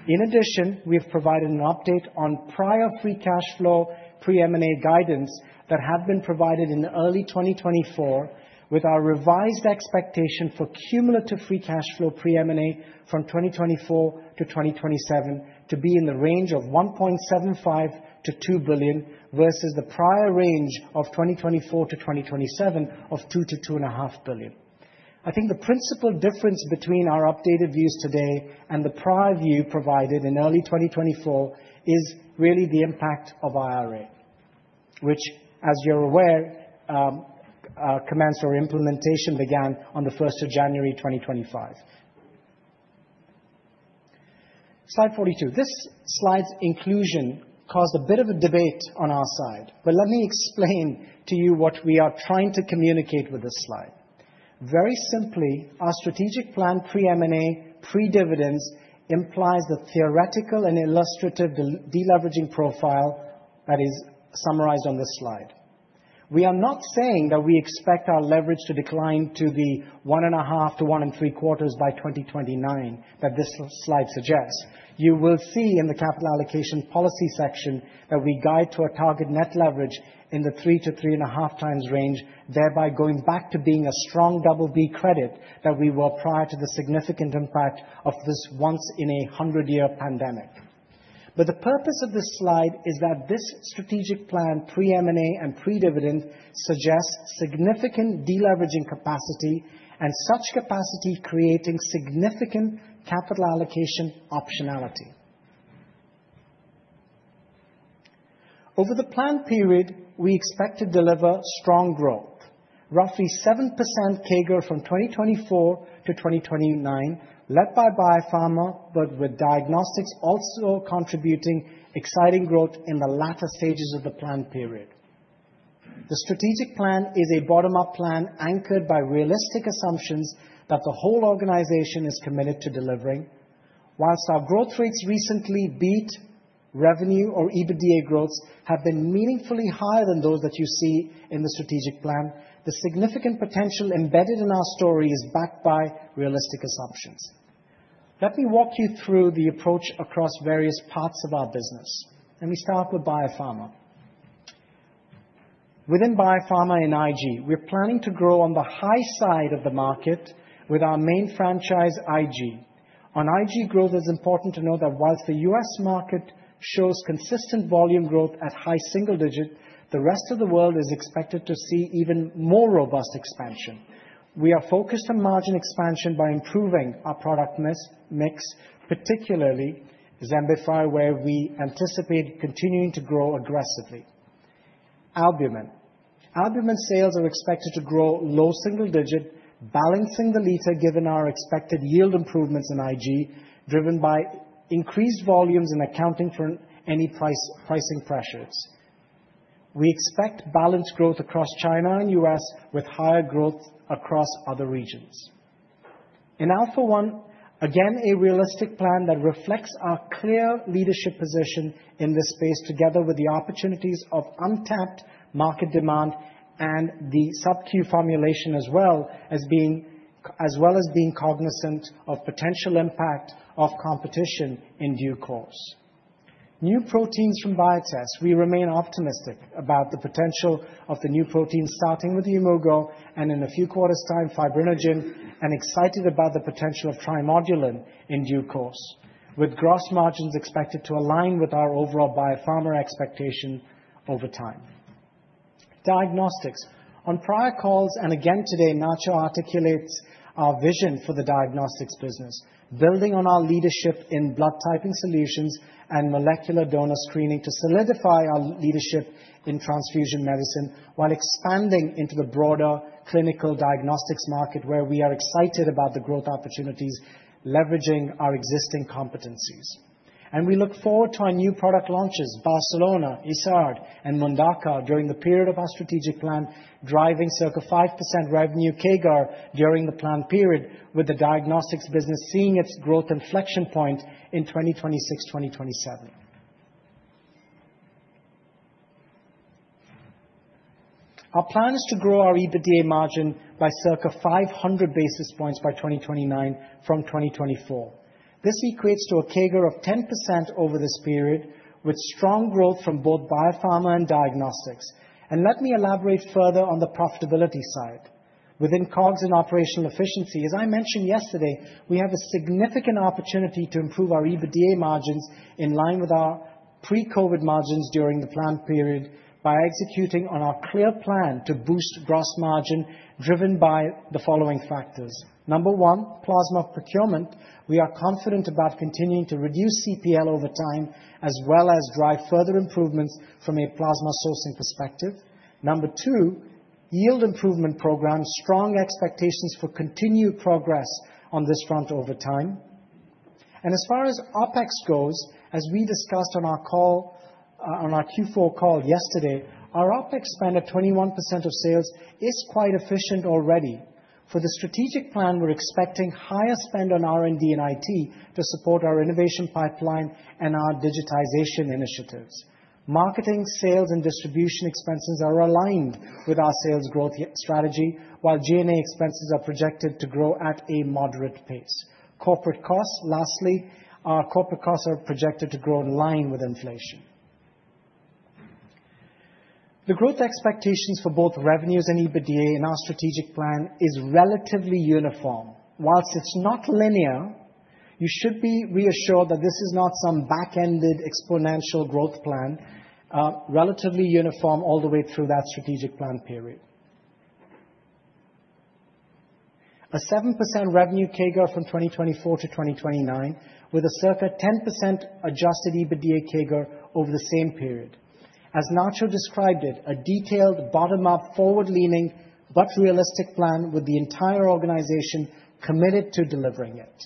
In addition, we have provided an update on prior free cash flow pre-M&A guidance that had been provided in early 2024, with our revised expectation for cumulative free cash flow pre-M&A from 2024 to 2027 to be in the range of 1.75–2 billion versus the prior range of 2024 to 2027 of 2–2.5 billion. I think the principal difference between our updated views today and the prior view provided in early 2024 is really the impact of IRA, which, as you're aware, commenced or implementation began on the 1st of January 2025. Slide 42. This slide's inclusion caused a bit of a debate on our side, but let me explain to you what we are trying to communicate with this slide. Very simply, our strategic plan pre-M&A pre-dividends implies the theoretical and illustrative deleveraging profile that is summarized on this slide. We are not saying that we expect our leverage to decline to the one and a half to one and three quarters by 2029 that this slide suggests. You will see in the capital allocation policy section that we guide to a target net leverage in the three to three and a half times range, thereby going back to being a strong Double B credit that we were prior to the significant impact of this once-in-a-hundred-year pandemic. But the purpose of this slide is that this strategic plan pre-M&A and pre-dividend suggests significant deleveraging capacity and such capacity creating significant capital allocation optionality. Over the planned period, we expect to deliver strong growth, roughly 7% CAGR from 2024 to 2029, led by biopharma, but with diagnostics also contributing exciting growth in the latter stages of the planned period. The strategic plan is a bottom-up plan anchored by realistic assumptions that the whole organization is committed to delivering. While our growth rates recently beat revenue or EBITDA, growths have been meaningfully higher than those that you see in the strategic plan. The significant potential embedded in our story is backed by realistic assumptions. Let me walk you through the approach across various parts of our business. Let me start with biopharma. Within biopharma in IG, we're planning to grow on the high side of the market with our main franchise IG. On IG growth, it's important to know that while the US market shows consistent volume growth at high single digits, the rest of the world is expected to see even more robust expansion. We are focused on margin expansion by improving our product mix, particularly Xembify, where we anticipate continuing to grow aggressively. Albumin. Albumin sales are expected to grow low single digit, balancing the leader given our expected yield improvements in IG, driven by increased volumes and accounting for any pricing pressures. We expect balanced growth across China and US, with higher growth across other regions. In Alpha-1, again, a realistic plan that reflects our clear leadership position in this space, together with the opportunities of untapped market demand and the sub-Q formulation as well as being cognizant of potential impact of competition in due course. New proteins from Biotest. We remain optimistic about the potential of the new protein, starting with the Yimmugo and in a few quarters' time, Fibrinogen, and excited about the potential of Trimodulin in due course, with gross margins expected to align with our overall biopharma expectation over time. Diagnostics. On prior calls and again today, Nacho articulates our vision for the diagnostics business, building on our leadership in blood typing solutions and molecular donor screening to solidify our leadership in transfusion medicine while expanding into the broader clinical diagnostics market, where we are excited about the growth opportunities, leveraging our existing competencies, and we look forward to our new product launches, Barcelona, Isard, and Mundaka during the period of our strategic plan, driving circa 5% revenue CAGR during the planned period, with the diagnostics business seeing its growth inflection point in 2026–2027. Our plan is to grow our EBITDA margin by circa 500 basis points by 2029 from 2024. This equates to a CAGR of 10% over this period, with strong growth from both biopharma and diagnostics, and let me elaborate further on the profitability side. Within COGS and operational efficiency, as I mentioned yesterday, we have a significant opportunity to improve our EBITDA margins in line with our pre-COVID margins during the planned period by executing on our clear plan to boost gross margin driven by the following factors. Number one, plasma procurement. We are confident about continuing to reduce CPL over time as well as drive further improvements from a plasma sourcing perspective. Number two, yield improvement program, strong expectations for continued progress on this front over time. As far as OpEx goes, as we discussed on our Q4 call yesterday, our OpEx spend at 21% of sales is quite efficient already. For the strategic plan, we're expecting higher spend on R&D and IT to support our innovation pipeline and our digitization initiatives. Marketing, sales, and distribution expenses are aligned with our sales growth strategy, while G&A expenses are projected to grow at a moderate pace. Lastly, our corporate costs are projected to grow in line with inflation. The growth expectations for both revenues and EBITDA in our strategic plan are relatively uniform. While it's not linear, you should be reassured that this is not some back-ended exponential growth plan, relatively uniform all the way through that strategic plan period. A 7% revenue CAGR from 2024–2029, with a circa 10% adjusted EBITDA CAGR over the same period. As Nacho described it, a detailed bottom-up forward-leaning but realistic plan with the entire organization committed to delivering it.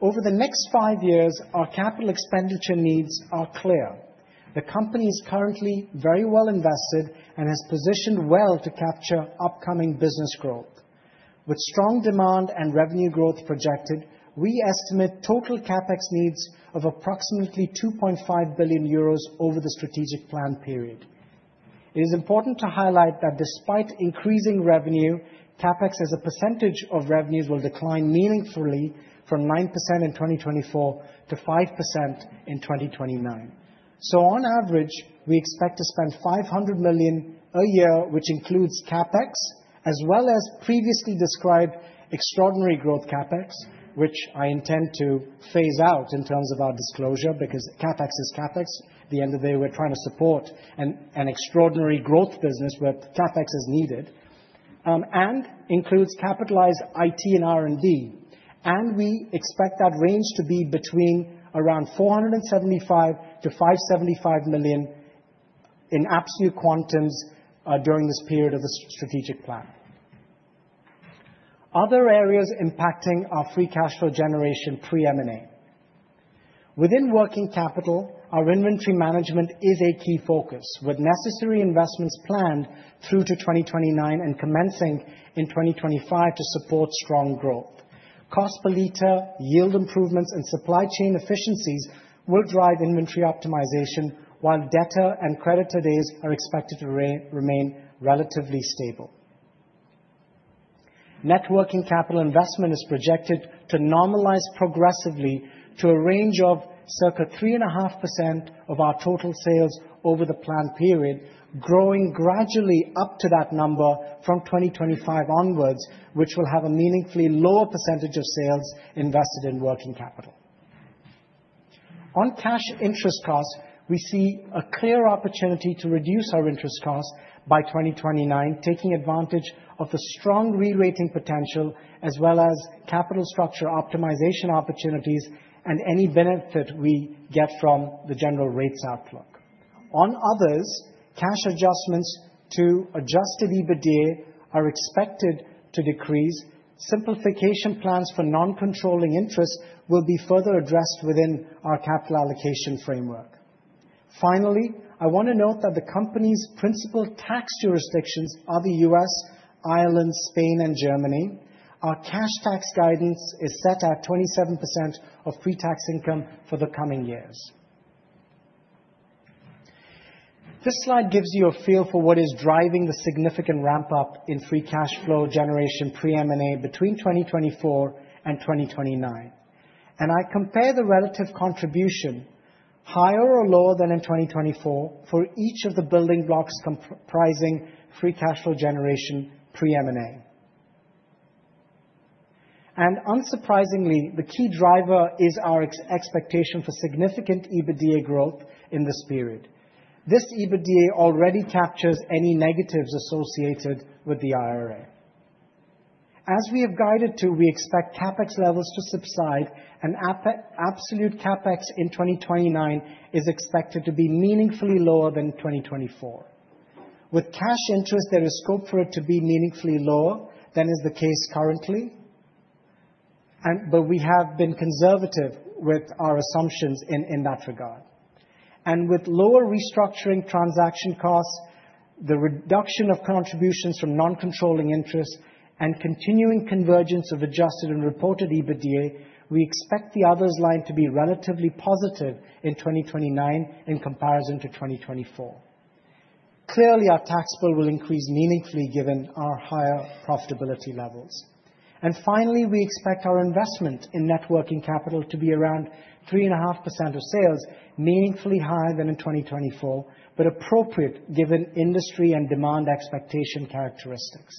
Over the next five years, our capital expenditure needs are clear. The company is currently very well invested and has positioned well to capture upcoming business growth. With strong demand and revenue growth projected, we estimate total CapEx needs of approximately 2.5 billion euros over the strategic plan period. It is important to highlight that despite increasing revenue, CapEx as a percentage of revenues will decline meaningfully from 9% in 2024 to 5% in 2029. So, on average, we expect to spend 500 million a year, which includes CapEx, as well as previously described extraordinary growth CapEx, which I intend to phase out in terms of our disclosure because CapEx is CapEx. At the end of the day, we're trying to support an extraordinary growth business where CapEx is needed and includes capitalized IT and R&D. And we expect that range to be between around 475–575 million in absolute quantum during this period of the strategic plan. Other areas impacting our free cash flow generation pre-M&A. Within working capital, our inventory management is a key focus with necessary investments planned through to 2029 and commencing in 2025 to support strong growth. Cost per liter, yield improvements, and supply chain efficiencies will drive inventory optimization, while debtor and creditor days are expected to remain relatively stable. Net working capital investment is projected to normalize progressively to a range of circa 3.5% of our total sales over the planned period, growing gradually up to that number from 2025 onwards, which will have a meaningfully lower percentage of sales invested in working capital. On cash interest costs, we see a clear opportunity to reduce our interest costs by 2029, taking advantage of the strong re-rating potential as well as capital structure optimization opportunities and any benefit we get from the general rates outlook. On others, cash adjustments to adjusted EBITDA are expected to decrease. Simplification plans for non-controlling interest will be further addressed within our capital allocation framework. Finally, I want to note that the company's principal tax jurisdictions are the U.S., Ireland, Spain, and Germany. Our cash tax guidance is set at 27% of pre-tax income for the coming years. This slide gives you a feel for what is driving the significant ramp-up in free cash flow generation pre-M&A between 2024 and 2029. I compare the relative contribution, higher or lower than in 2024, for each of the building blocks comprising free cash flow generation pre-M&A. Unsurprisingly, the key driver is our expectation for significant EBITDA growth in this period. This EBITDA already captures any negatives associated with the IRA. As we have guided to, we expect CapEx levels to subside, and absolute CapEx in 2029 is expected to be meaningfully lower than 2024. With cash interest, there is scope for it to be meaningfully lower than is the case currently, but we have been conservative with our assumptions in that regard. With lower restructuring transaction costs, the reduction of contributions from non-controlling interest, and continuing convergence of adjusted and reported EBITDA, we expect the others line to be relatively positive in 2029 in comparison to 2024. Clearly, our tax bill will increase meaningfully given our higher profitability levels. Finally, we expect our investment in net working capital to be around 3.5% of sales, meaningfully higher than in 2024, but appropriate given industry and demand expectation characteristics.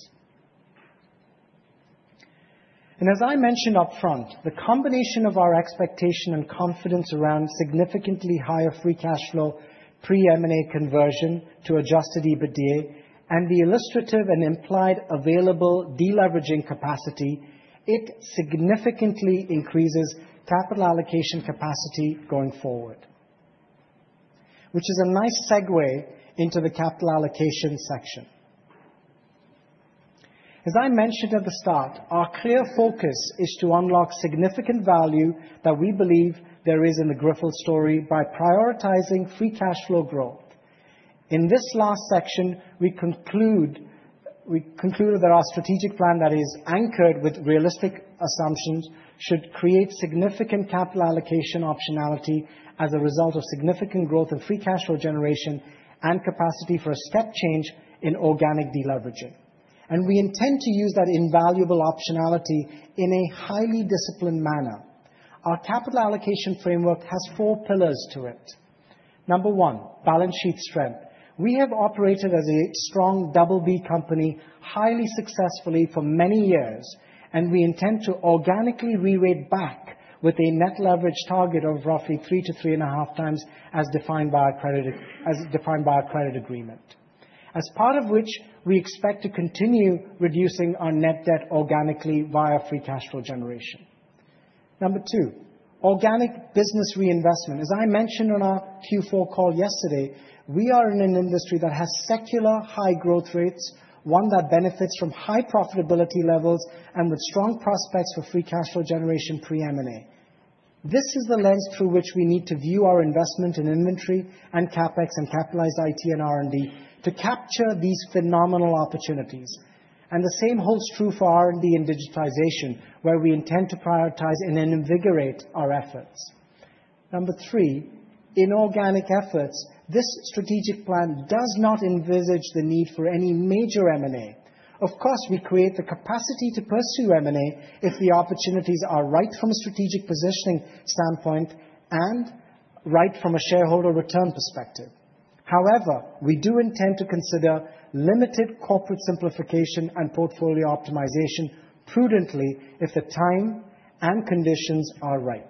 As I mentioned upfront, the combination of our expectation and confidence around significantly higher free cash flow pre-M&A conversion to adjusted EBITDA and the illustrative and implied available deleveraging capacity, it significantly increases capital allocation capacity going forward, which is a nice segue into the capital allocation section. As I mentioned at the start, our clear focus is to unlock significant value that we believe there is in the Grifols story by prioritizing free cash flow growth. In this last section, we conclude that our strategic plan that is anchored with realistic assumptions should create significant capital allocation optionality as a result of significant growth in free cash flow generation and capacity for a step change in organic deleveraging. We intend to use that invaluable optionality in a highly disciplined manner. Our capital allocation framework has four pillars to it. Number one, balance sheet strength. We have operated as a strong Double B company highly successfully for many years, and we intend to organically re-rate back with a net leverage target of roughly three to three and a half times as defined by our credit agreement, as part of which we expect to continue reducing our net debt organically via free cash flow generation. Number two, organic business reinvestment. As I mentioned on our Q4 call yesterday, we are in an industry that has secular high growth rates, one that benefits from high profitability levels and with strong prospects for free cash flow generation pre-M&A. This is the lens through which we need to view our investment in inventory and CapEx and capitalized IT and R&D to capture these phenomenal opportunities. And the same holds true for R&D and digitization, where we intend to prioritize and invigorate our efforts. Number three, inorganic efforts. This strategic plan does not envisage the need for any major M&A. Of course, we create the capacity to pursue M&A if the opportunities are right from a strategic positioning standpoint and right from a shareholder return perspective. However, we do intend to consider limited corporate simplification and portfolio optimization prudently if the time and conditions are right.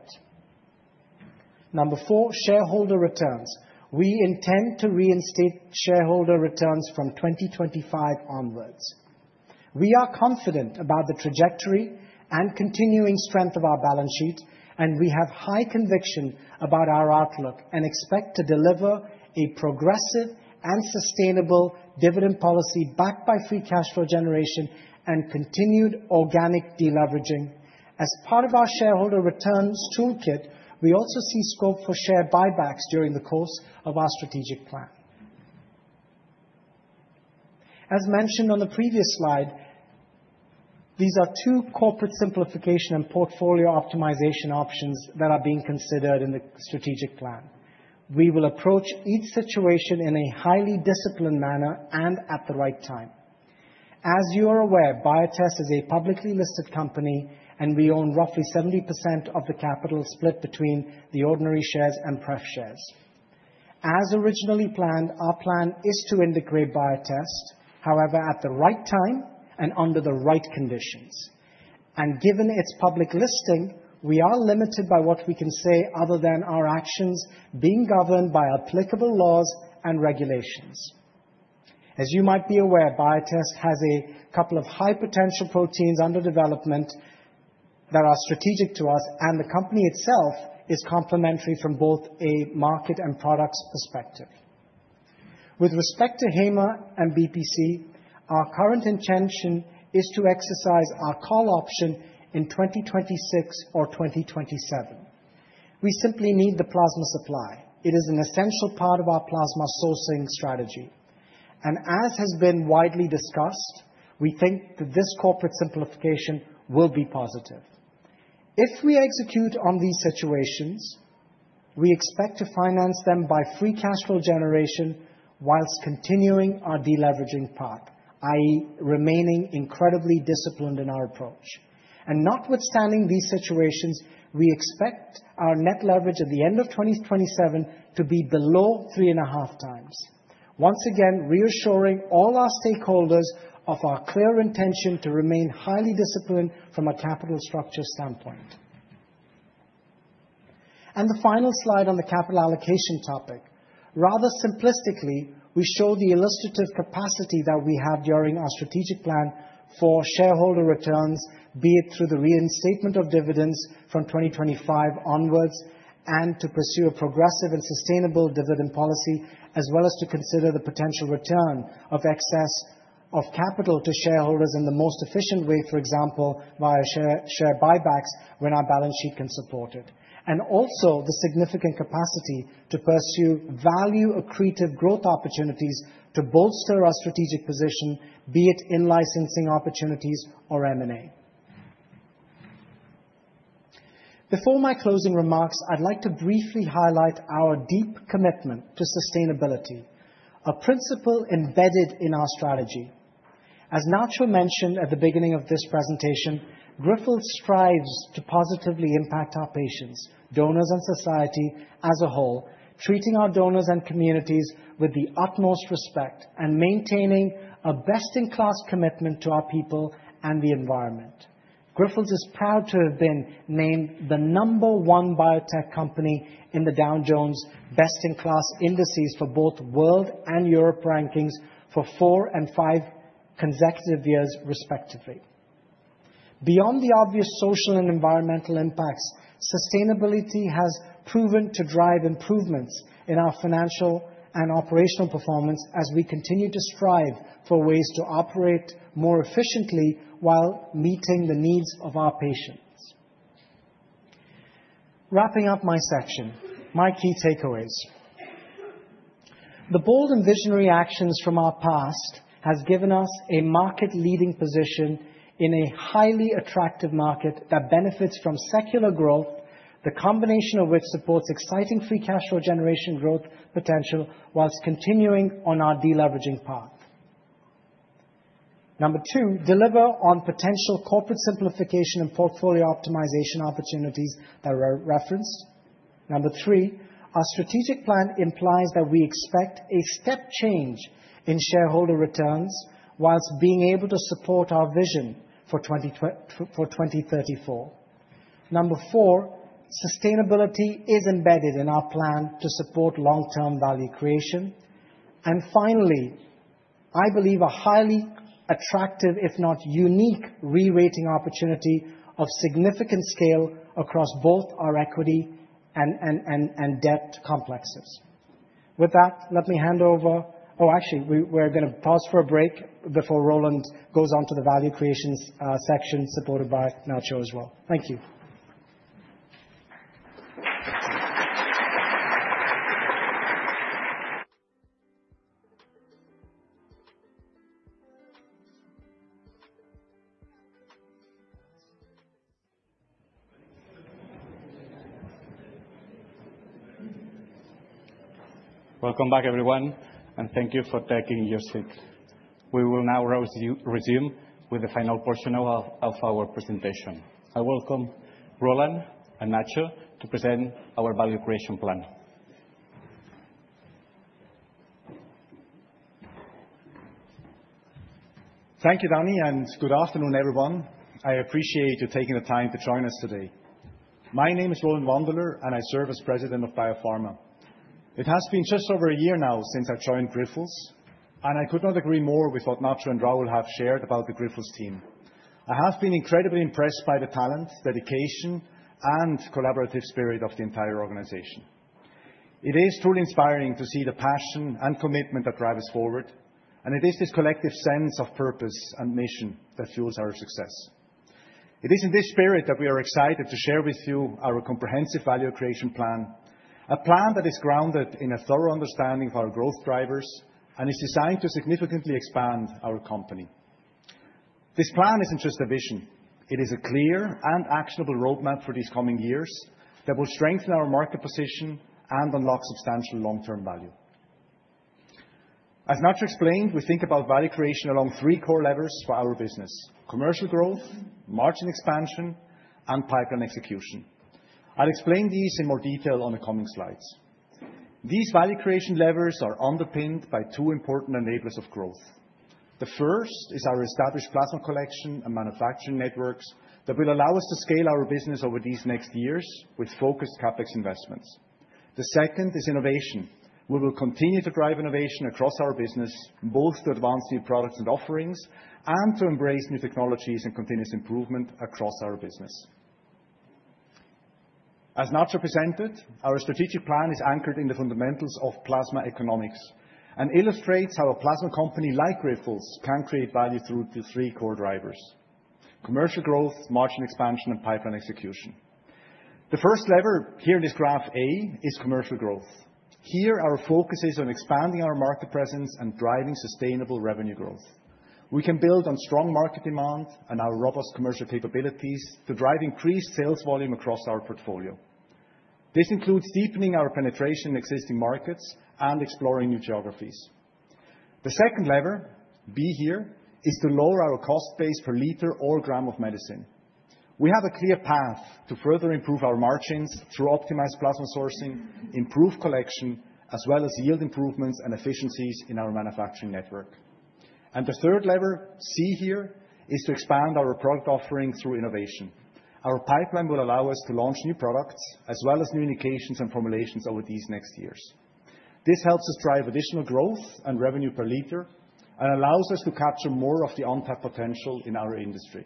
Number four, shareholder returns. We intend to reinstate shareholder returns from 2025 onwards. We are confident about the trajectory and continuing strength of our balance sheet, and we have high conviction about our outlook and expect to deliver a progressive and sustainable dividend policy backed by free cash flow generation and continued organic deleveraging. As part of our shareholder returns toolkit, we also see scope for share buybacks during the course of our strategic plan. As mentioned on the previous slide, these are two corporate simplification and portfolio optimization options that are being considered in the strategic plan. We will approach each situation in a highly disciplined manner and at the right time. As you are aware, Biotest is a publicly listed company, and we own roughly 70% of the capital split between the ordinary shares and pref shares. As originally planned, our plan is to integrate Biotest, however, at the right time and under the right conditions. Given its public listing, we are limited by what we can say other than our actions being governed by applicable laws and regulations. As you might be aware, Biotest has a couple of high potential proteins under development that are strategic to us, and the company itself is complementary from both a market and products perspective. With respect to HAMA and BPC, our current intention is to exercise our call option in 2026 or 2027. We simply need the plasma supply. It is an essential part of our plasma sourcing strategy. As has been widely discussed, we think that this corporate simplification will be positive. If we execute on these situations, we expect to finance them by free cash flow generation while continuing our deleveraging path, i.e., remaining incredibly disciplined in our approach. Notwithstanding these situations, we expect our net leverage at the end of 2027 to be below three and a half times. Once again, reassuring all our stakeholders of our clear intention to remain highly disciplined from a capital structure standpoint. The final slide on the capital allocation topic. Rather simplistically, we show the illustrative capacity that we have during our strategic plan for shareholder returns, be it through the reinstatement of dividends from 2025 onwards and to pursue a progressive and sustainable dividend policy, as well as to consider the potential return of excess of capital to shareholders in the most efficient way, for example, via share buybacks when our balance sheet can support it. Also the significant capacity to pursue value-accretive growth opportunities to bolster our strategic position, be it in licensing opportunities or M&A. Before my closing remarks, I'd like to briefly highlight our deep commitment to sustainability, a principle embedded in our strategy. As Nacho mentioned at the beginning of this presentation, Grifols strives to positively impact our patients, donors, and society as a whole, treating our donors and communities with the utmost respect and maintaining a best-in-class commitment to our people and the environment. Grifols is proud to have been named the number one biotech company in the Dow Jones best-in-class indices for both world and Europe rankings for four and five consecutive years, respectively. Beyond the obvious social and environmental impacts, sustainability has proven to drive improvements in our financial and operational performance as we continue to strive for ways to operate more efficiently while meeting the needs of our patients. Wrapping up my section, my key takeaways. The bold and visionary actions from our past have given us a market-leading position in a highly attractive market that benefits from secular growth, the combination of which supports exciting free cash flow generation growth potential while continuing on our deleveraging path. Number two, deliver on potential corporate simplification and portfolio optimization opportunities that were referenced. Number three, our strategic plan implies that we expect a step change in shareholder returns while being able to support our vision for 2034. Number four, sustainability is embedded in our plan to support long-term value creation. And finally, I believe a highly attractive, if not unique, re-rating opportunity of significant scale across both our equity and debt complexes. With that, let me hand over. Oh, actually, we're going to pause for a break before Roland goes on to the value creation section supported by Nacho as well. Thank you. Welcome back, everyone, and thank you for taking your seat. We will now resume with the final portion of our presentation. I welcome Roland and Nacho to present our value creation plan. Thank you, Dani, and good afternoon, everyone. I appreciate you taking the time to join us today. My name is Roland Wandeler, and I serve as president of Biopharma. It has been just over a year now since I joined Grifols, and I could not agree more with what Nacho and Rahul have shared about the Grifols team. I have been incredibly impressed by the talent, dedication, and collaborative spirit of the entire organization. It is truly inspiring to see the passion and commitment that drive us forward, and it is this collective sense of purpose and mission that fuels our success. It is in this spirit that we are excited to share with you our comprehensive value creation plan, a plan that is grounded in a thorough understanding of our growth drivers and is designed to significantly expand our company. This plan isn't just a vision. It is a clear and actionable roadmap for these coming years that will strengthen our market position and unlock substantial long-term value. As Nacho explained, we think about value creation along three core levers for our business: commercial growth, margin expansion, and pipeline execution. I'll explain these in more detail on the coming slides. These value creation levers are underpinned by two important enablers of growth. The first is our established plasma collection and manufacturing networks that will allow us to scale our business over these next years with focused CapEx investments. The second is innovation. We will continue to drive innovation across our business, both to advance new products and offerings and to embrace new technologies and continuous improvement across our business. As Nacho presented, our strategic plan is anchored in the fundamentals of plasma economics and illustrates how a plasma company like Grifols can create value through the three core drivers: commercial growth, margin expansion, and pipeline execution. The first lever here in this graph A is commercial growth. Here, our focus is on expanding our market presence and driving sustainable revenue growth. We can build on strong market demand and our robust commercial capabilities to drive increased sales volume across our portfolio. This includes deepening our penetration in existing markets and exploring new geographies. The second lever, B here, is to lower our cost base per liter or gram of medicine. We have a clear path to further improve our margins through optimized plasma sourcing, improved collection, as well as yield improvements and efficiencies in our manufacturing network, and the third lever, C here, is to expand our product offering through innovation. Our pipeline will allow us to launch new products as well as new indications and formulations over these next years. This helps us drive additional growth and revenue per liter and allows us to capture more of the untapped potential in our industry.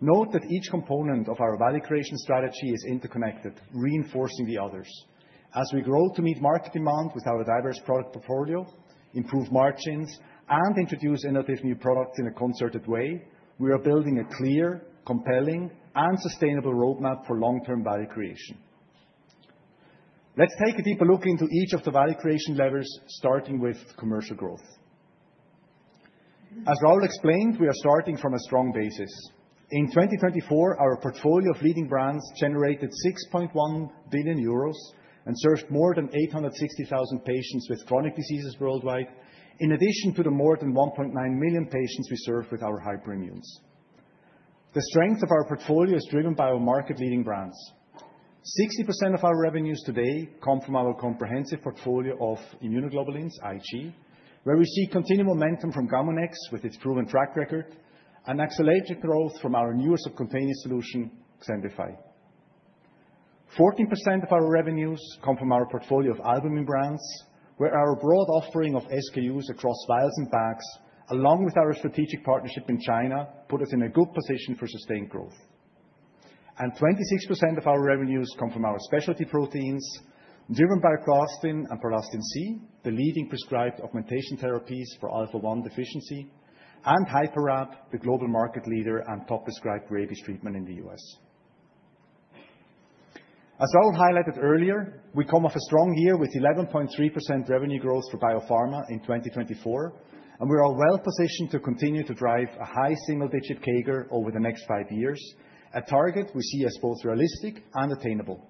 Note that each component of our value creation strategy is interconnected, reinforcing the others. As we grow to meet market demand with our diverse product portfolio, improve margins, and introduce innovative new products in a concerted way, we are building a clear, compelling, and sustainable roadmap for long-term value creation. Let's take a deeper look into each of the value creation levers, starting with commercial growth. As Rahul explained, we are starting from a strong basis. In 2024, our portfolio of leading brands generated 6.1 billion euros and served more than 860,000 patients with chronic diseases worldwide, in addition to the more than 1.9 million patients we serve with our hyperimmunes. The strength of our portfolio is driven by our market-leading brands. 60% of our revenues today come from our comprehensive portfolio of immunoglobulins, i.e., where we see continued momentum from Gamunex with its proven track record and explosive growth from our newest subcutaneous solution, Xembify. 14% of our revenues come from our portfolio of albumin brands, where our broad offering of SKUs across vials and bags, along with our strategic partnership in China, put us in a good position for sustained growth. 26% of our revenues come from our specialty proteins, driven by Prolastin and Prolastin-C, the leading prescribed augmentation therapies for alpha-1 deficiency, and HyperRAB, the global market leader and top prescribed rabies treatment in the U.S. As Rahul highlighted earlier, we come off a strong year with 11.3% revenue growth for Biopharma in 2024, and we are well positioned to continue to drive a high single-digit CAGR over the next five years, a target we see as both realistic and attainable.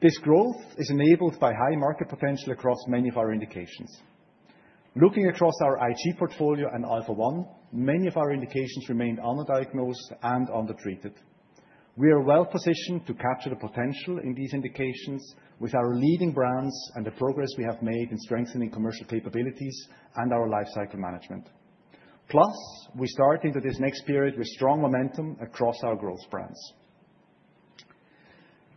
This growth is enabled by high market potential across many of our indications. Looking across our IG portfolio and alpha-1, many of our indications remained undiagnosed and undertreated. We are well positioned to capture the potential in these indications with our leading brands and the progress we have made in strengthening commercial capabilities and our lifecycle management. Plus, we start into this next period with strong momentum across our growth brands.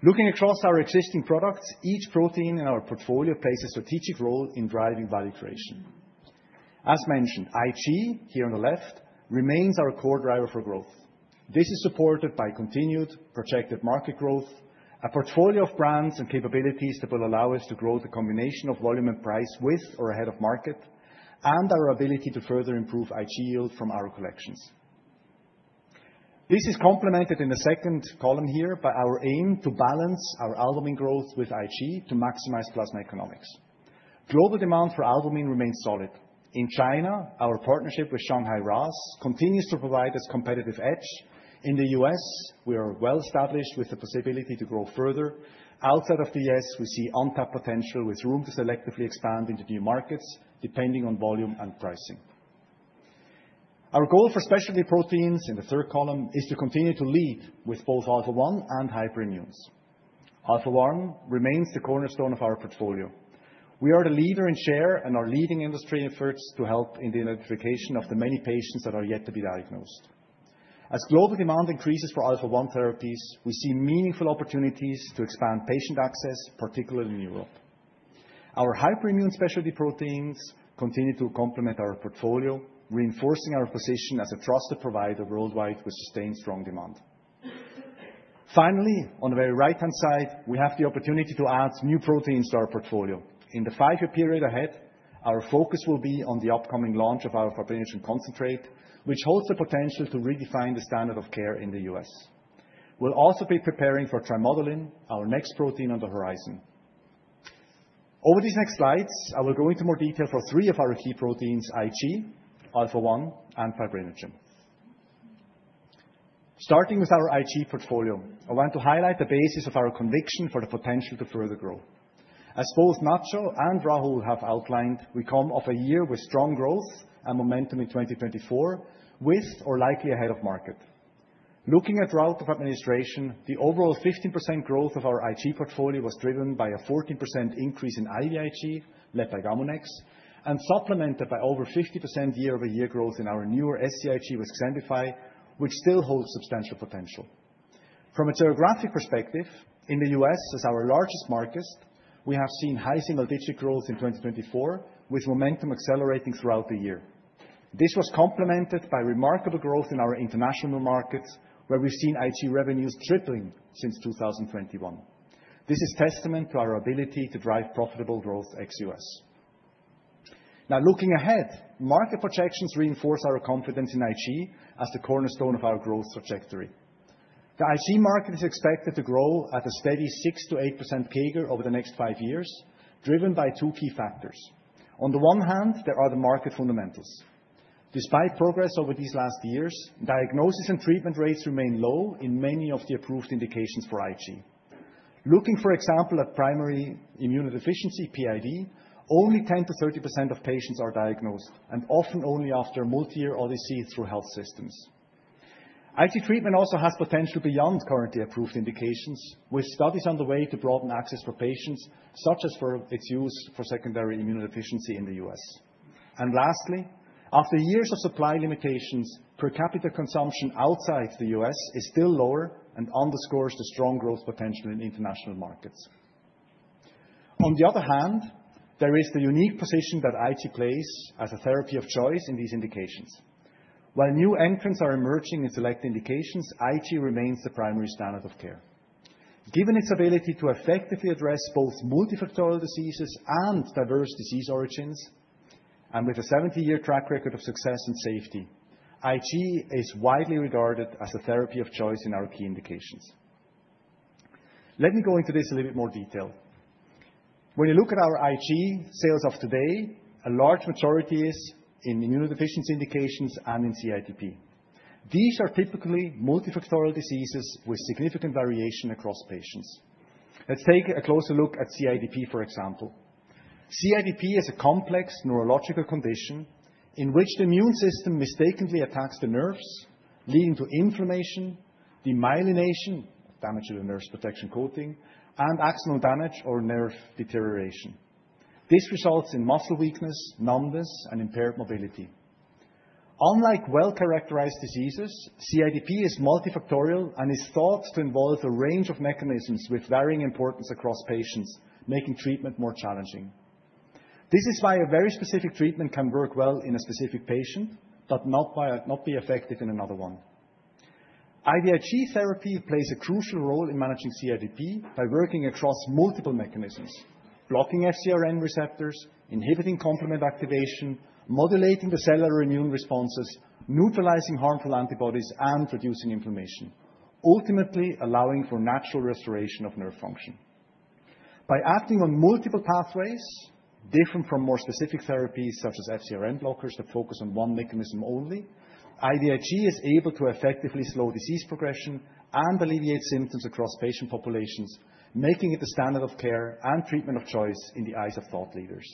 Looking across our existing products, each protein in our portfolio plays a strategic role in driving value creation. As mentioned, IG here on the left remains our core driver for growth. This is supported by continued projected market growth, a portfolio of brands and capabilities that will allow us to grow the combination of volume and price with or ahead of market, and our ability to further improve IG yield from our collections. This is complemented in the second column here by our aim to balance our albumin growth with IG to maximize plasma economics. Global demand for albumin remains solid. In China, our partnership with Shanghai RAAS continues to provide us a competitive edge. In the U.S., we are well established with the possibility to grow further. Outside of the U.S., we see untapped potential with room to selectively expand into new markets depending on volume and pricing. Our goal for specialty proteins in the third column is to continue to lead with both Alpha-1 and Hyperimmunes. Alpha-1 remains the cornerstone of our portfolio. We are the leader in share and our leading industry efforts to help in the identification of the many patients that are yet to be diagnosed. As global demand increases for Alpha-1 therapies, we see meaningful opportunities to expand patient access, particularly in Europe. Our hyperimmune specialty proteins continue to complement our portfolio, reinforcing our position as a trusted provider worldwide with sustained strong demand. Finally, on the very right-hand side, we have the opportunity to add new proteins to our portfolio. In the five-year period ahead, our focus will be on the upcoming launch of our Fibrinogen concentrate, which holds the potential to redefine the standard of care in the U.S. We'll also be preparing for Trimodulin, our next protein on the horizon. Over these next slides, I will go into more detail for three of our key proteins, IG, Alpha-1 and Fibrinogen. Starting with our IG portfolio, I want to highlight the basis of our conviction for the potential to further grow. As both Nacho and Rahul have outlined, we come off a year with strong growth and momentum in 2024, with IG likely ahead of market. Looking at route of administration, the overall 15% growth of our IG portfolio was driven by a 14% increase in IVIG led by Gamunex and supplemented by over 50% year-over-year growth in our newer SCIG with Xembify, which still holds substantial potential. From a geographic perspective, in the U.S., as our largest market, we have seen high single-digit growth in 2024, with momentum accelerating throughout the year. This was complemented by remarkable growth in our international markets, where we've seen IG revenues tripling since 2021. This is testament to our ability to drive profitable growth ex U.S. Now, looking ahead, market projections reinforce our confidence in IG as the cornerstone of our growth trajectory. The IG market is expected to grow at a steady 6%–8% CAGR over the next five years, driven by two key factors. On the one hand, there are the market fundamentals. Despite progress over these last years, diagnosis and treatment rates remain low in many of the approved indications for IG. Looking, for example, at primary immunodeficiency, PID, only 10%–30% of patients are diagnosed, and often only after a multi-year odyssey through health systems. IG treatment also has potential beyond currently approved indications, with studies underway to broaden access for patients, such as for its use for secondary immunodeficiency in the U.S. And lastly, after years of supply limitations, per capita consumption outside the U.S. is still lower and underscores the strong growth potential in international markets. On the other hand, there is the unique position that IG plays as a therapy of choice in these indications. While new entrants are emerging in select indications, IG remains the primary standard of care. Given its ability to effectively address both multifactorial diseases and diverse disease origins, and with a 70-year track record of success and safety, IG is widely regarded as a therapy of choice in our key indications. Let me go into this a little bit more detail. When you look at our IG. Sales of today, a large majority is in immunodeficiency indications and in CIDP. These are typically multifactorial diseases with significant variation across patients. Let's take a closer look at CIDP, for example. CIDP is a complex neurological condition in which the immune system mistakenly attacks the nerves, leading to inflammation, demyelination (damage to the nerve's protection coating), and axonal damage or nerve deterioration. This results in muscle weakness, numbness, and impaired mobility. Unlike well-characterized diseases, CIDP is multifactorial and is thought to involve a range of mechanisms with varying importance across patients, making treatment more challenging. This is why a very specific treatment can work well in a specific patient, but not be effective in another one. IVIG therapy plays a crucial role in managing CIDP by working across multiple mechanisms: blocking FCRN receptors, inhibiting complement activation, modulating the cellular immune responses, neutralizing harmful antibodies, and reducing inflammation, ultimately allowing for natural restoration of nerve function. By acting on multiple pathways, different from more specific therapies such as FCRN blockers that focus on one mechanism only, IVIG is able to effectively slow disease progression and alleviate symptoms across patient populations, making it the standard of care and treatment of choice in the eyes of thought leaders.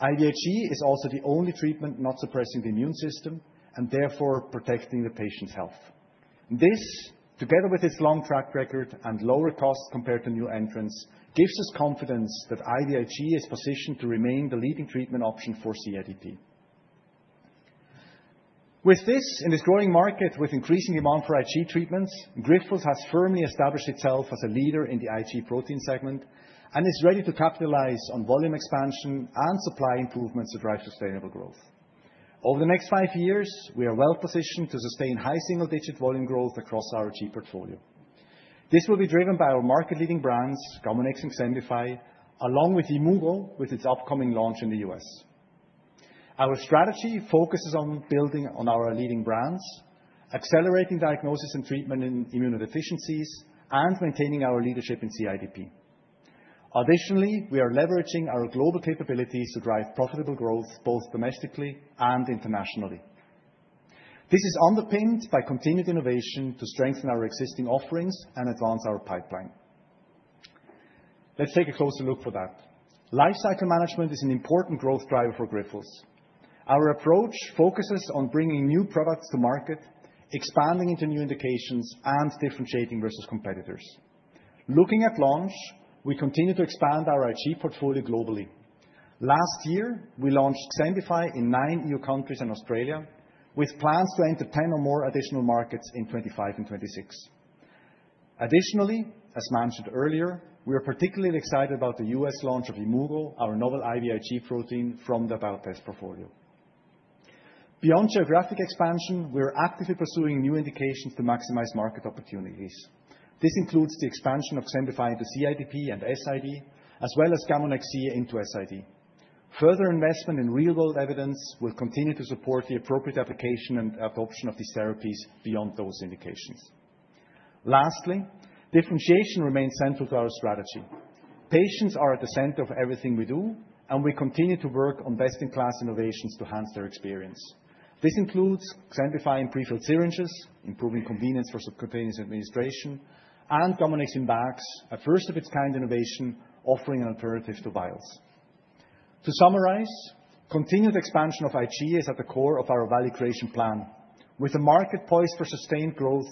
IVIG is also the only treatment not suppressing the immune system and therefore protecting the patient's health. This, together with its long track record and lower cost compared to new entrants, gives us confidence that IVIG is positioned to remain the leading treatment option for CIDP. With this, in this growing market with increasing demand for IG. treatments, Grifols has firmly established itself as a leader in the IG protein segment and is ready to capitalize on volume expansion and supply improvements to drive sustainable growth. Over the next five years, we are well positioned to sustain high single-digit volume growth across our IG portfolio. This will be driven by our market-leading brands, Gamunex and Xembify, along with Yimmugo with its upcoming launch in the U.S. Our strategy focuses on building on our leading brands, accelerating diagnosis and treatment in immunodeficiencies, and maintaining our leadership in CIDP. Additionally, we are leveraging our global capabilities to drive profitable growth both domestically and internationally. This is underpinned by continued innovation to strengthen our existing offerings and advance our pipeline. Let's take a closer look at that. Lifecycle management is an important growth driver for Grifols. Our approach focuses on bringing new products to market, expanding into new indications, and differentiating versus competitors. Looking at launch, we continue to expand our IG portfolio globally. Last year, we launched Xembify in nine EU countries and Australia, with plans to enter 10 or more additional markets in 2025 and 2026. Additionally, as mentioned earlier, we are particularly excited about the U.S. launch of Yimmugo, our novel IVIG protein from the Biotest portfolio. Beyond geographic expansion, we are actively pursuing new indications to maximize market opportunities. This includes the expansion of Xembify into CIDP and SID, as well as Gamunex-C into SID. Further investment in real-world evidence will continue to support the appropriate application and adoption of these therapies beyond those indications. Lastly, differentiation remains central to our strategy. Patients are at the center of everything we do, and we continue to work on best-in-class innovations to enhance their experience. This includes Xembify in prefilled syringes, improving convenience for subcutaneous administration, and Gamunex in bags, a first-of-its-kind innovation offering an alternative to vials. To summarize, continued expansion of IG is at the core of our value creation plan. With a market poised for sustained growth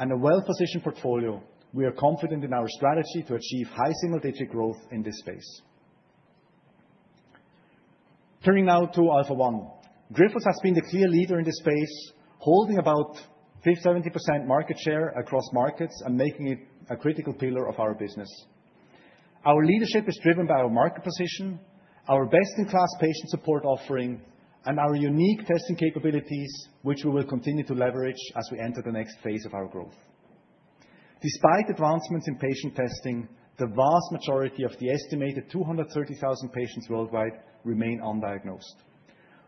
and a well-positioned portfolio, we are confident in our strategy to achieve high single-digit growth in this space. Turning now to Alpha-1, Grifols has been the clear leader in this space, holding about 70% market share across markets and making it a critical pillar of our business. Our leadership is driven by our market position, our best-in-class patient support offering, and our unique testing capabilities, which we will continue to leverage as we enter the next phase of our growth. Despite advancements in patient testing, the vast majority of the estimated 230,000 patients worldwide remain undiagnosed.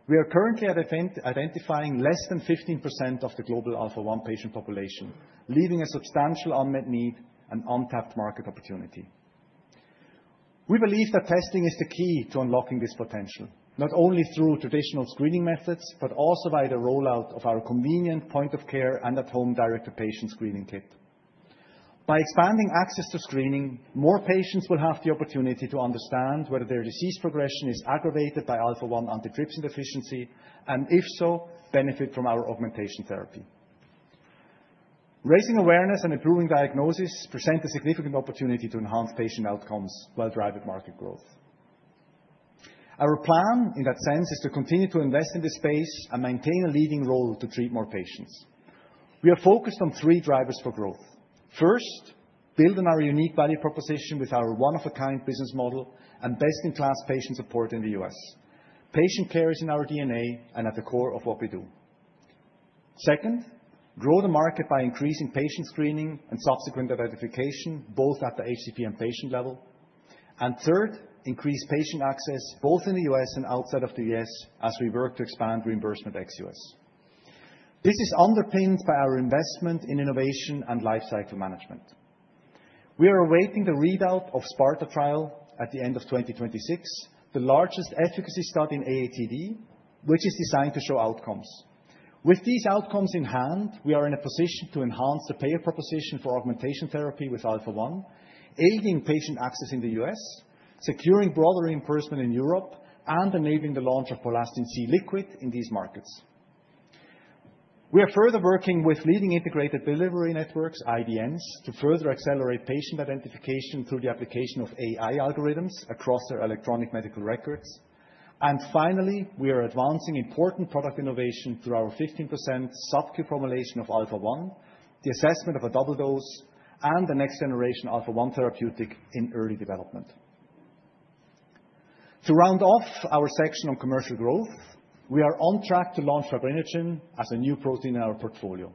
We are currently identifying less than 15% of the global Alpha-1 patient population, leaving a substantial unmet need and untapped market opportunity. We believe that testing is the key to unlocking this potential, not only through traditional screening methods, but also by the rollout of our convenient point-of-care and at-home direct-to-patient screening kit. By expanding access to screening, more patients will have the opportunity to understand whether their disease progression is aggravated by Alpha-1 antitrypsin deficiency, and if so, benefit from our augmentation therapy. Raising awareness and improving diagnosis present a significant opportunity to enhance patient outcomes while driving market growth. Our plan, in that sense, is to continue to invest in this space and maintain a leading role to treat more patients. We are focused on three drivers for growth. First, building our unique value proposition with our one-of-a-kind business model and best-in-class patient support in the U.S. Patient care is in our DNA and at the core of what we do. Second, grow the market by increasing patient screening and subsequent identification, both at the HCP and patient level. And third, increase patient access, both in the U.S. and outside of the U.S., as we work to expand reimbursement ex U.S. This is underpinned by our investment in innovation and lifecycle management. We are awaiting the readout of the SPARTA Trial at the end of 2026, the largest efficacy study in AATD, which is designed to show outcomes. With these outcomes in hand, we are in a position to enhance the payer proposition for augmentation therapy with Alpha-1, aiding patient access in the U.S., securing broader reimbursement in Europe, and enabling the launch of Prolastin-C liquid in these markets. We are further working with leading integrated delivery networks, IDNs, to further accelerate patient identification through the application of AI algorithms across their electronic medical records. Finally, we are advancing important product innovation through our 15% Sub-Q formulation of Alpha-1, the assessment of a double dose, and the next-generation Alpha-1 therapeutic in early development. To round off our section on commercial growth, we are on track to launch Fibrinogen as a new protein in our portfolio.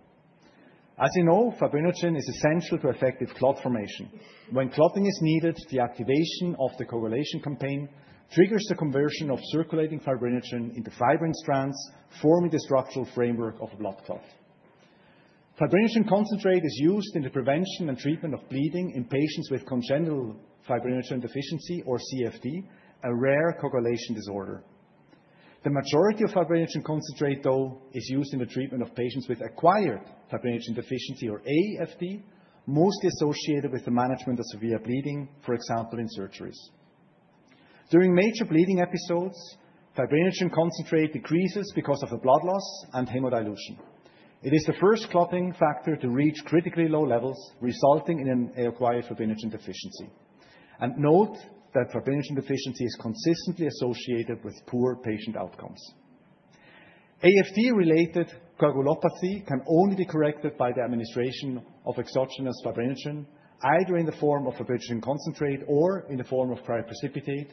As you know, Fibrinogen is essential to effective clot formation. When clotting is needed, the activation of the coagulation cascade triggers the conversion of circulating Fibrinogen into fibrin strands, forming the structural framework of a blood clot. Fibrinogen concentrate is used in the prevention and treatment of bleeding in patients with congenital Fibrinogen deficiency, or CFD, a rare coagulation disorder. The majority of Fibrinogen concentrate, though, is used in the treatment of patients with acquired Fibrinogen deficiency, or AFD, mostly associated with the management of severe bleeding, for example, in surgeries. During major bleeding episodes, Fibrinogen concentrate decreases because of the blood loss and hemodilution. It is the first clotting factor to reach critically low levels, resulting in an acquired Fibrinogen deficiency. And note that Fibrinogen deficiency is consistently associated with poor patient outcomes. AFD-related coagulopathy can only be corrected by the administration of exogenous Fibrinogen, either in the form of Fibrinogen concentrate or in the form of cryoprecipitate,